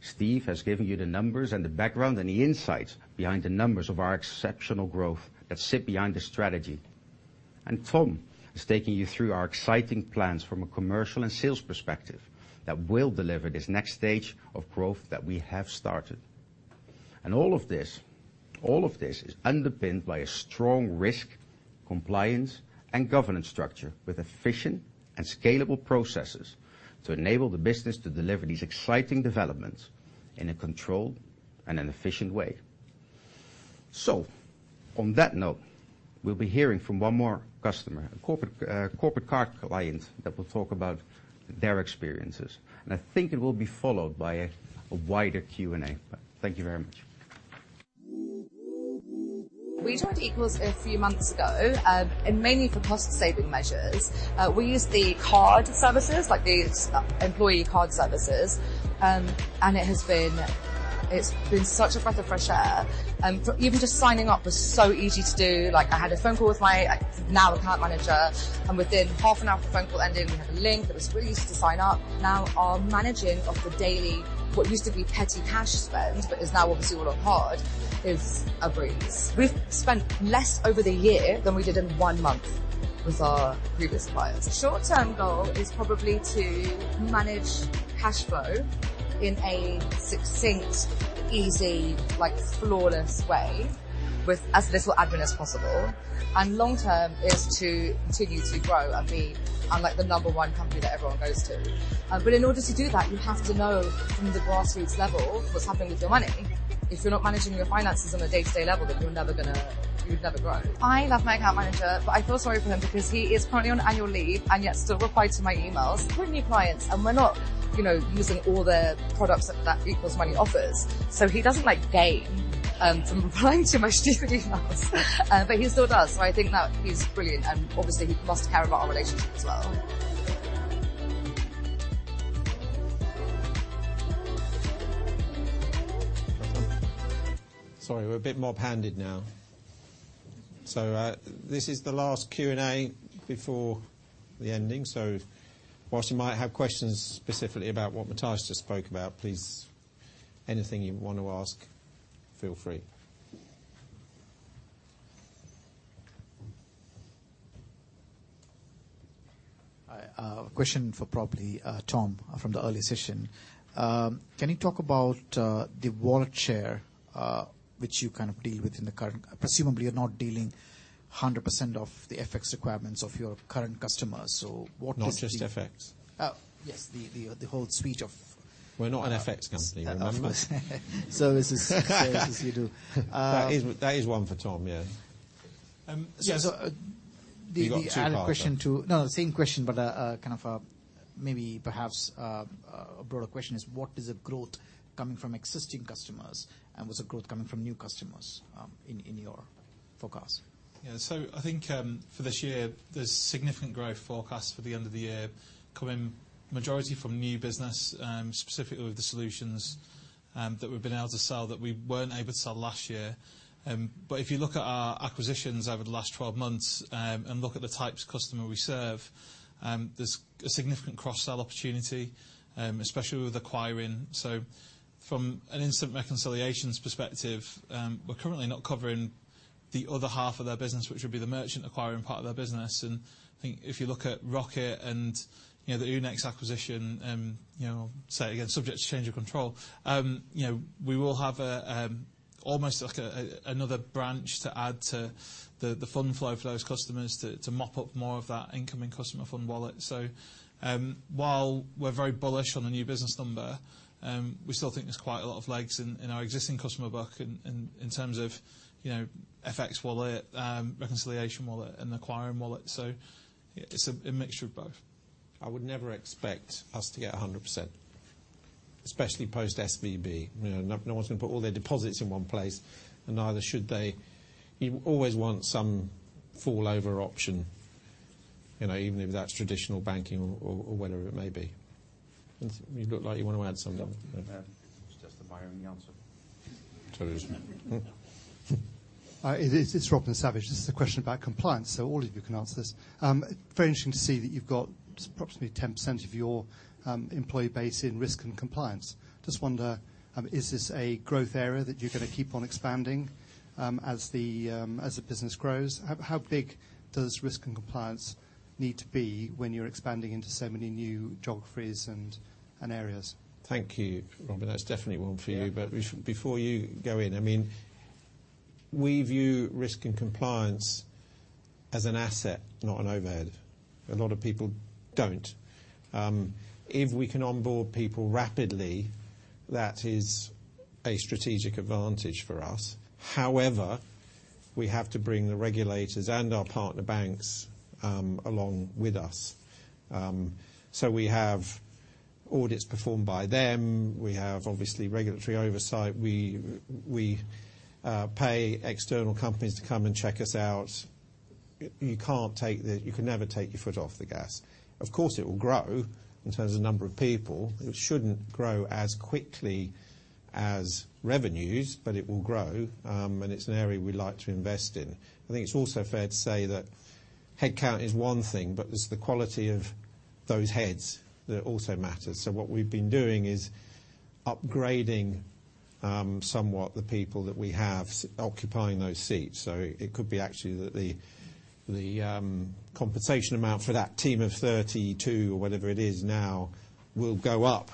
Steve has given you the numbers and the background and the insights behind the numbers of our exceptional growth that sit behind the strategy. Tom is taking you through our exciting plans from a commercial and sales perspective that will deliver this next stage of growth that we have started. All of this, all of this is underpinned by a strong risk, compliance and governance structure with efficient and scalable processes to enable the business to deliver these exciting developments in a controlled and an efficient way. On that note, we'll be hearing from 1 more customer, a corporate corporate card client that will talk about their experiences. I think it will be followed by a wider Q&A. Thank you very much. We joined Equals a few months ago, mainly for cost-saving measures. We use the card services, like the employee card services. It's been such a breath of fresh air. Even just signing up was so easy to do. Like, I had a phone call with my now account manager, within half an hour of the phone call ending, we had a link that was really easy to sign up. Now our managing of the daily, what used to be petty cash spend, but is now obviously all on card, is a breeze. We've spent less over the year than we did in 1 month with our previous clients. Short-term goal is probably to manage cash flow in a succinct, easy, like flawless way with as little admin as possible. Long-term is to continue to grow and be, like the number 1 company that everyone goes to. In order to do that, you have to know from the grassroots level what's happening with your money. If you're not managing your finances on a day-to-day level, you're never gonna... You'll never grow. I love my account manager, I feel sorry for him because he is currently on annual leave, yet still replies to my emails. We're new clients, we're not, you know, using all the products that Equals Money offers. He doesn't like gain from replying to my stupid emails. He still does, I think that he's brilliant and obviously he must care about our relationship as well. Sorry, we're a bit mob-handed now. This is the last Q&A before the ending, so whilst you might have questions specifically about what Matias just spoke about, please, anything you wanna ask, feel free. Hi. A question for probably Tom from the earlier session. Can you talk about the wallet share which you kind of deal with in the current? Presumably, you're not dealing 100% of the FX requirements of your current customers, so what is the. Not just FX. Oh, yes, the whole suite of- We're not an FX company, remember? Services. Yes, yes, you do. That is one for Tom, yeah. Um, so- Yes. You've got a two-parter. No, the same question a kind of a maybe perhaps a broader question is what is the growth coming from existing customers, and what's the growth coming from new customers, in your forecast? Yeah. I think, for this year, there's significant growth forecast for the end of the year coming majority from new business, specifically with the solutions that we've been able to sell that we weren't able to sell last year. If you look at our acquisitions over the last 12 months, and look at the types of customer we serve, there's a significant cross-sell opportunity, especially with acquiring. From an instant reconciliations perspective, we're currently not covering the other half of their business, which would be the merchant acquiring part of their business. I think if you look at Roqqett and, you know, the Oonex acquisition, you know, say again subject to change of control, you know, we will have a, almost like a another branch to add to the fund flow for those customers to mop up more of that incoming customer fund wallet. While we're very bullish on the new business number, we still think there's quite a lot of legs in our existing customer book in terms of, you know, FX wallet, reconciliation wallet and acquiring wallet. It's a mixture of both. I would never expect us to get 100%, especially post-SVB. You know, no one's gonna put all their deposits in one place, and neither should they. You always want some fall-over option, you know, even if that's traditional banking or whatever it may be. You look like you wanna add something? No. It was just admiring the answer. It was. It's Robin Savage. All of you can answer this. Very interesting to see that you've got approximately 10% of your employee base in risk and compliance. Just wonder, is this a growth area that you're gonna keep on expanding as the business grows? How big does risk and compliance need to be when you're expanding into so many new geographies and areas? Thank you, Robin. That's definitely one for you. Yeah. Before you go in, I mean, we view risk and compliance as an asset, not an overhead. A lot of people don't. If we can onboard people rapidly, that is a strategic advantage for us. However, we have to bring the regulators and our partner banks along with us. We have audits performed by them. We have, obviously, regulatory oversight. We pay external companies to come and check us out. You can never take your foot off the gas. Of course, it will grow in terms of number of people. It shouldn't grow as quickly as revenues, but it will grow. It's an area we like to invest in. I think it's also fair to say that headcount is one thing, but it's the quality of those heads that also matters. What we've been doing is upgrading, somewhat the people that we have occupying those seats. It could be actually that the compensation amount for that team of 32 or whatever it is now will go up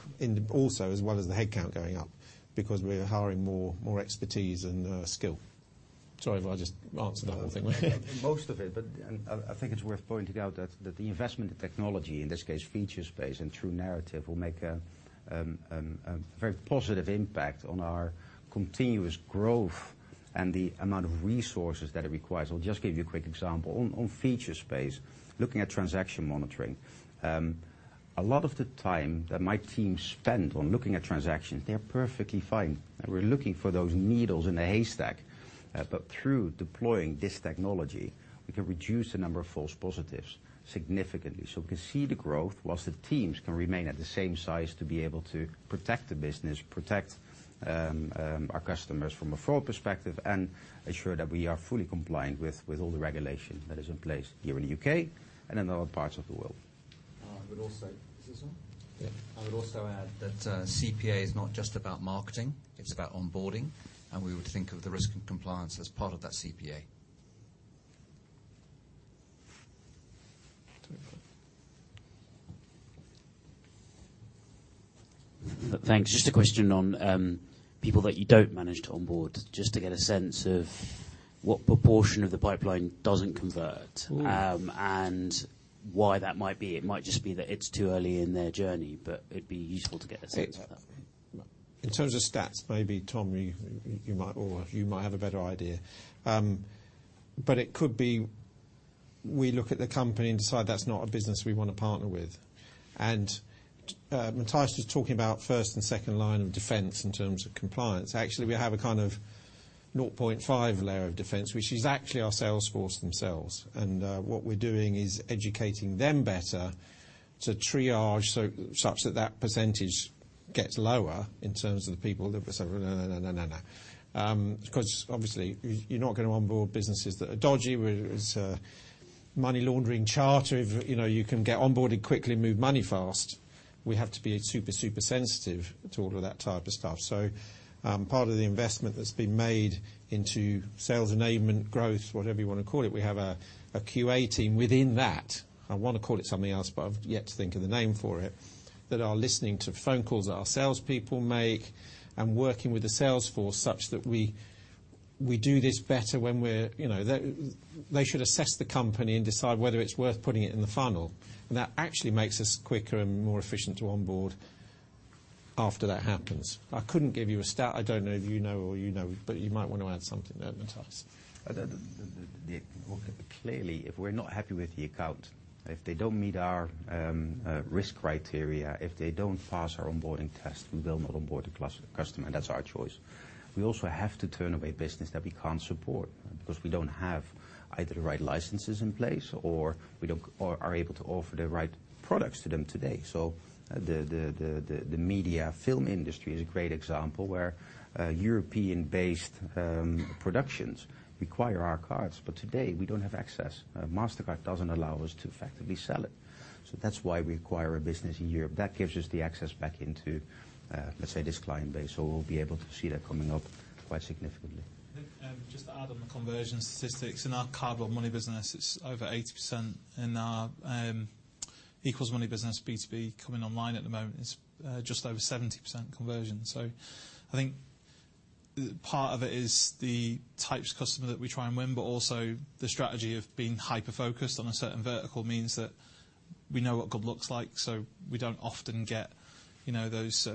also as well as the headcount going up, because we're hiring more expertise and skill. Sorry if I just answered that whole thing. Most of it. I think it's worth pointing out that the investment in technology, in this case Featurespace and TruNarrative, will make a very positive impact on our continuous growth and the amount of resources that it requires. I'll just give you a quick example. On Featurespace, looking at transaction monitoring, a lot of the time that my team spend on looking at transactions, they're perfectly fine. We're looking for those needles in a haystack. Through deploying this technology, we can reduce the number of false positives significantly. We can see the growth whilst the teams can remain at the same size to be able to protect the business, protect our customers from a fraud perspective, and ensure that we are fully compliant with all the regulations that is in place here in the UK and in other parts of the world. I would also. Is this on? Yeah. I would also add that, CPA is not just about marketing, it's about onboarding. We would think of the risk and compliance as part of that CPA. Sorry. Thanks. Just a question on people that you don't manage to onboard, just to get a sense of what proportion of the pipeline doesn't convert? Ooh. Why that might be. It might just be that it's too early in their journey, but it'd be useful to get a sense of that. In terms of stats, maybe Tom Kiddle, you might or you might have a better idea. It could be we look at the company and decide that's not a business we wanna partner with. Matthijs Boon was talking about first and second line of defense in terms of compliance. Actually, we have a kind of 0.5 layer of defense, which is actually our sales force themselves. What we're doing is educating them better to triage such that that % gets lower in terms of the people that will say, "No, no, no, no." Because obviously, you're not gonna onboard businesses that are dodgy, where there's a money laundering charter. You know, you can get onboarded quickly, move money fast. We have to be super sensitive to all of that type of stuff. Part of the investment that's been made into sales enablement growth, whatever you wanna call it, we have a QA team within that. I wanna call it something else, but I've yet to think of the name for it, that are listening to phone calls our salespeople make, and working with the Salesforce such that we do this better when we're, you know. They should assess the company and decide whether it's worth putting it in the funnel. That actually makes us quicker and more efficient to onboard after that happens. I couldn't give you a stat. I don't know if you know or you know, but you might wanna add something there, Matthijs. Okay. Clearly, if we're not happy with the account, if they don't meet our risk criteria, if they don't pass our onboarding test, we will not onboard the customer. That's our choice. We also have to turn away business that we can't support, because we don't have either the right licenses in place or are able to offer the right products to them today. The media film industry is a great example where European-based productions require our cards, but today we don't have access. Mastercard doesn't allow us to effectively sell it. That's why we acquire a business in Europe. That gives us the access back into, let's say, this client base, or we'll be able to see that coming up quite significantly. Just to add on the conversion statistics. In our CardOneMoney business, it's over 80%. In our Equals Money business, B2B coming online at the moment is just over 70% conversion. I think part of it is the types of customer that we try and win, but also the strategy of being hyper-focused on a certain vertical means that we know what good looks like, so we don't often get, you know, those.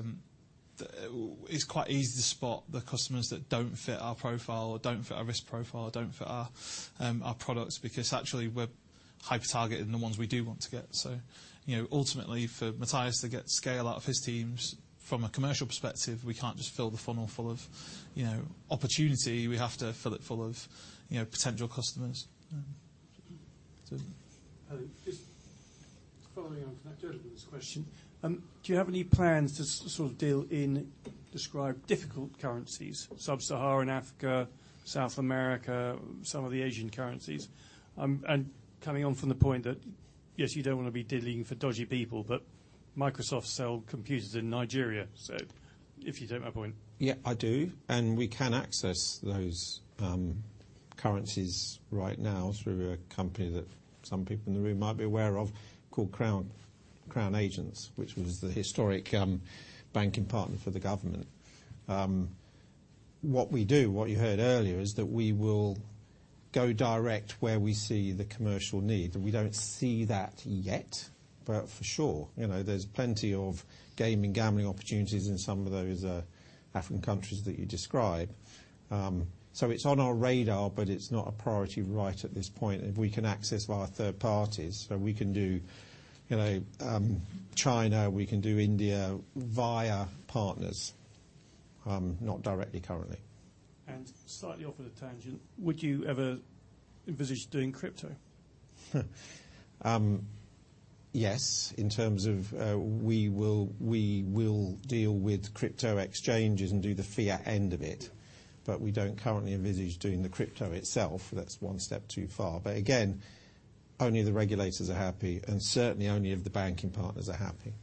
It's quite easy to spot the customers that don't fit our profile or don't fit our risk profile, or don't fit our products, because actually we're hyper-targeting the ones we do want to get. Ultimately for Matthijs to get scale out of his teams from a commercial perspective, we can't just fill the funnel full of, you know, opportunity. We have to fill it full of, you know, potential customers. Hello. Just following on from that, judgmentless question. Do you have any plans to sort of deal in describe difficult currencies, Sub-Saharan Africa, South America, some of the Asian currencies? Coming on from the point that, yes, you don't wanna be dealing for dodgy people, but Microsoft sell computers in Nigeria. If you take my point. Yeah, I do. We can access those currencies right now through a company that some people in the room might be aware of called Crown Agents, which was the historic banking partner for the government. What we do, what you heard earlier is that we will go direct where we see the commercial need, and we don't see that yet. For sure, you know, there's plenty of game and gambling opportunities in some of those African countries that you described. It's on our radar, but it's not a priority right at this point if we can access via third parties. We can do, you know, China, we can do India via partners, not directly currently. Slightly off at a tangent, would you ever envision doing crypto? Yes, in terms of, we will deal with crypto exchanges and do the fiat end of it. Yeah. We don't currently envisage doing the crypto itself. That's one step too far. Again, only if the regulators are happy, and certainly only if the banking partners are happy.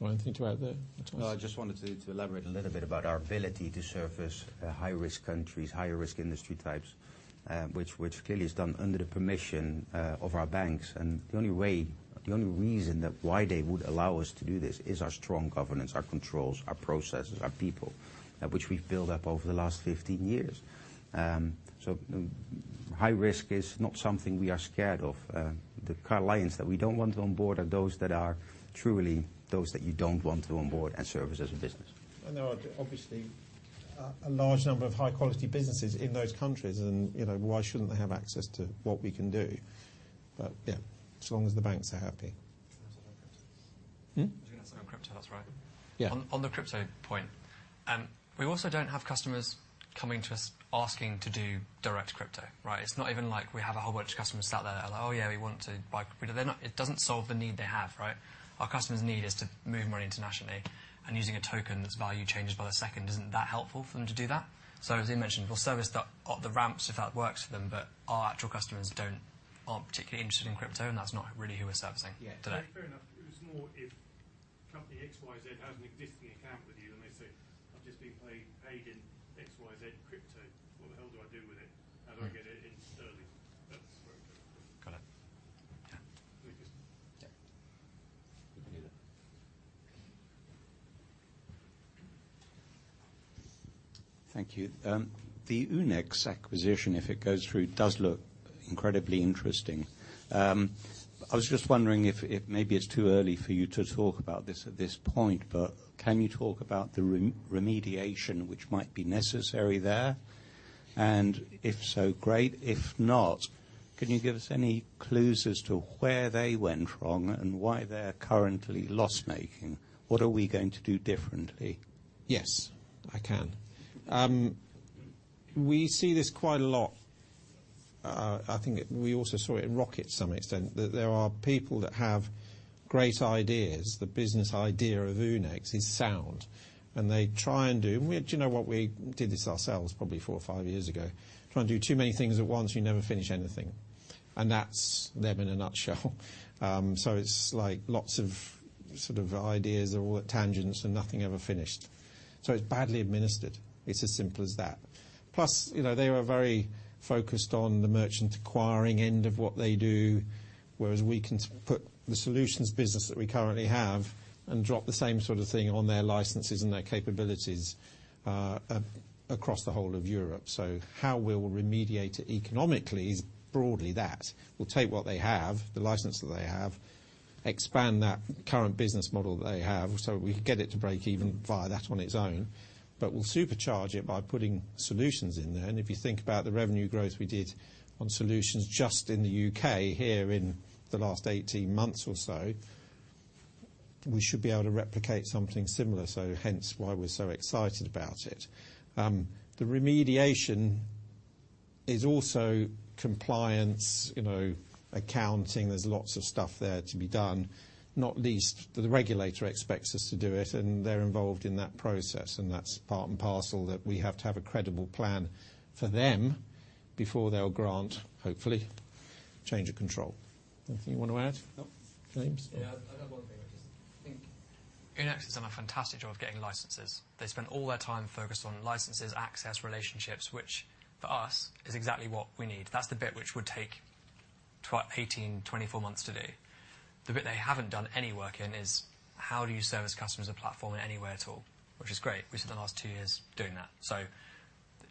Want anything to add there, Matthijs? No, I just wanted to elaborate a little bit about our ability to service high-risk countries, higher risk industry types, which clearly is done under the permission of our banks. The only way, the only reason that why they would allow us to do this is our strong governance, our controls, our processes, our people, which we've built up over the last 15 years. High risk is not something we are scared of. The clients that we don't want to onboard are those that are truly those that you don't want to onboard and service as a business. There are obviously a large number of high-quality businesses in those countries and, you know, why shouldn't they have access to what we can do? Yeah, as long as the banks are happy. Can I say something on crypto? I was gonna say on crypto, that's right. Yeah. On the crypto point, we also don't have customers coming to us asking to do direct crypto, right? It's not even like we have a whole bunch of customers sat there that are, "Oh, yeah, we want to buy crypto." It doesn't solve the need they have Right. Our customer's need is to move money internationally. Using a token that's value changes by the second isn't that helpful for them to do that. As Ian mentioned, we'll service the ramps if that works for them. Our actual customers aren't particularly interested in crypto. That's not really who we're servicing today. Yeah. Fair enough. It was more if company XYZ has an existing account with you, and they say, "I've just been paid in XYZ crypto, what the hell do I do with it? How do I get it in sterling? That's where it gets tricky. Got it. Yeah. Thank you. Yeah. You can do that. Thank you. The Oonex acquisition, if it goes through, does look incredibly interesting. I was just wondering if maybe it's too early for you to talk about this at this point, but can you talk about the remediation which might be necessary there? If so, great. If not, can you give us any clues as to where they went wrong and why they're currently loss-making? What are we going to do differently? Yes, I can. We see this quite a lot. I think we also saw it in Roqqett to some extent, that there are people that have great ideas. The business idea of Oonex is sound, and they try and do... Do you know what? We did this ourselves probably four or five years ago. Try and do too many things at once, you never finish anything. That's them in a nutshell. It's like lots of sort of ideas, they're all at tangents and nothing ever finished. It's badly administered. It's as simple as that. Plus, you know, they are very focused on the merchant acquiring end of what they do, whereas we can put the solutions business that we currently have and drop the same sort of thing on their licenses and their capabilities across the whole of Europe. How we'll remediate it economically is broadly that. We'll take what they have, the license that they have, expand that current business model that they have, so we can get it to break even via that on its own. We'll supercharge it by putting solutions in there. If you think about the revenue growth we did on solutions just in the U.K. here in the last 18 months or so, we should be able to replicate something similar, hence why we're so excited about it. The remediation is also compliance, you know, accounting. There's lots of stuff there to be done, not least that the regulator expects us to do it, and they're involved in that process, and that's part and parcel that we have to have a credible plan for them before they'll grant, hopefully, change of control. Anything you want to add? No. James? Yeah. I've got 1 thing. I just think Oonex has done a fantastic job of getting licenses. They spent all their time focused on licenses, access, relationships, which for us is exactly what we need. That's the bit which would take 18, 24 months to do. The bit they haven't done any work in is how do you service customers a platform in any way at all? Which is great. We spent the last 2 years doing that.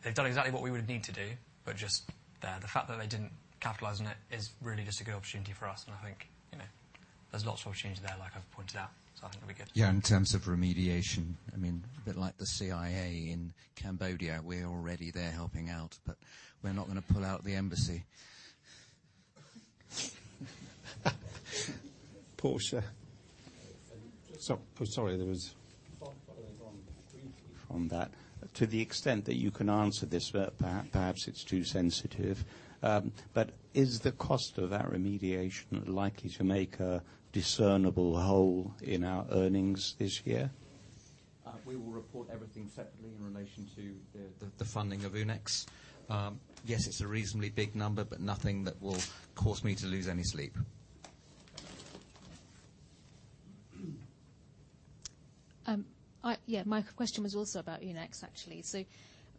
They've done exactly what we would need to do, but just the fact that they didn't capitalize on it is really just a good opportunity for us. I think, you know, there's lots of opportunity there, like I've pointed out, so I think it'll be good. Yeah, in terms of remediation, I mean, a bit like the CIA in Cambodia, we're already there helping out, but we're not gonna pull out the embassy. Portia. Just- Sorry. Following on briefly from that. To the extent that you can answer this, perhaps it's too sensitive, is the cost of our remediation likely to make a discernible hole in our earnings this year? We will report everything separately in relation to the funding of Oonex. Yes, it's a reasonably big number, but nothing that will cause me to lose any sleep. Yeah, my question was also about Oonex, actually.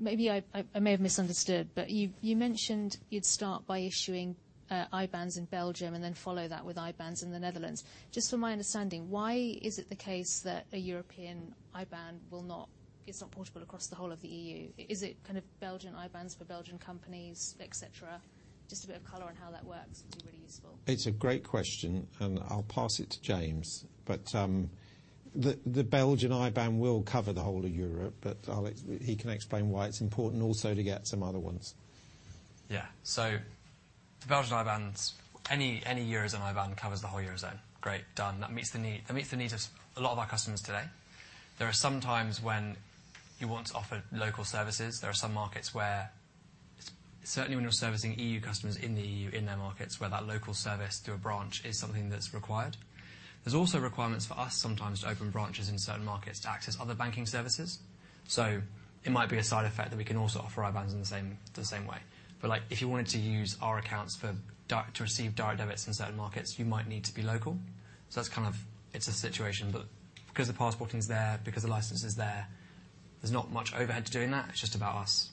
Maybe I may have misunderstood, but you mentioned you'd start by issuing IBANs in Belgium and then follow that with IBANs in the Netherlands. Just for my understanding, why is it the case that a European IBAN will not it's not portable across the whole of the EU? Is it kind of Belgian IBANs for Belgian companies, et cetera? Just a bit of color on how that works would be really useful. It's a great question. I'll pass it to James. The Belgian IBAN will cover the whole of Europe, but he can explain why it's important also to get some other ones. Yeah. The Belgian IBANs, any eurozone IBAN covers the whole eurozone. Great. Done. That meets the need. That meets the needs of a lot of our customers today. There are some times when you want to offer local services. There are some markets where, certainly when you're servicing EU customers in the EU, in their markets, where that local service to a branch is something that's required. There's also requirements for us sometimes to open branches in certain markets to access other banking services. It might be a side effect that we can also offer IBANs in the same way. Like, if you wanted to use our accounts to receive direct debits in certain markets, you might need to be local. That's kind of, it's a situation. Because the passporting is there, because the license is there's not much overhead to doing that. It's just about us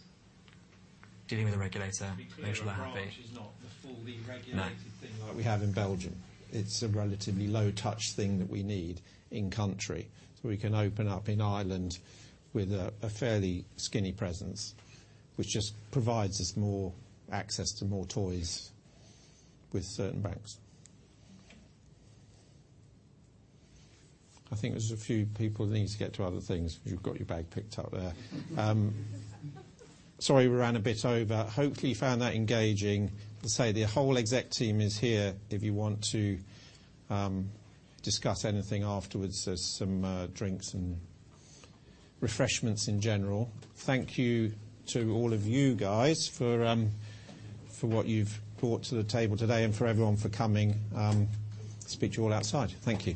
dealing with the regulator, making sure that. To be clear, a branch is not the fully regulated- No thing like we have in Belgium. It's a relatively low touch thing that we need in country, so we can open up in Ireland with a fairly skinny presence, which just provides us more access to more toys with certain banks. I think there's a few people that need to get to other things. You've got your bag packed up there. Sorry, we ran a bit over. Hopefully, you found that engaging. Let's say the whole exec team is here if you want to discuss anything afterwards. There's some drinks and refreshments in general. Thank you to all of you guys for what you've brought to the table today and for everyone for coming. Speak to you all outside. Thank you.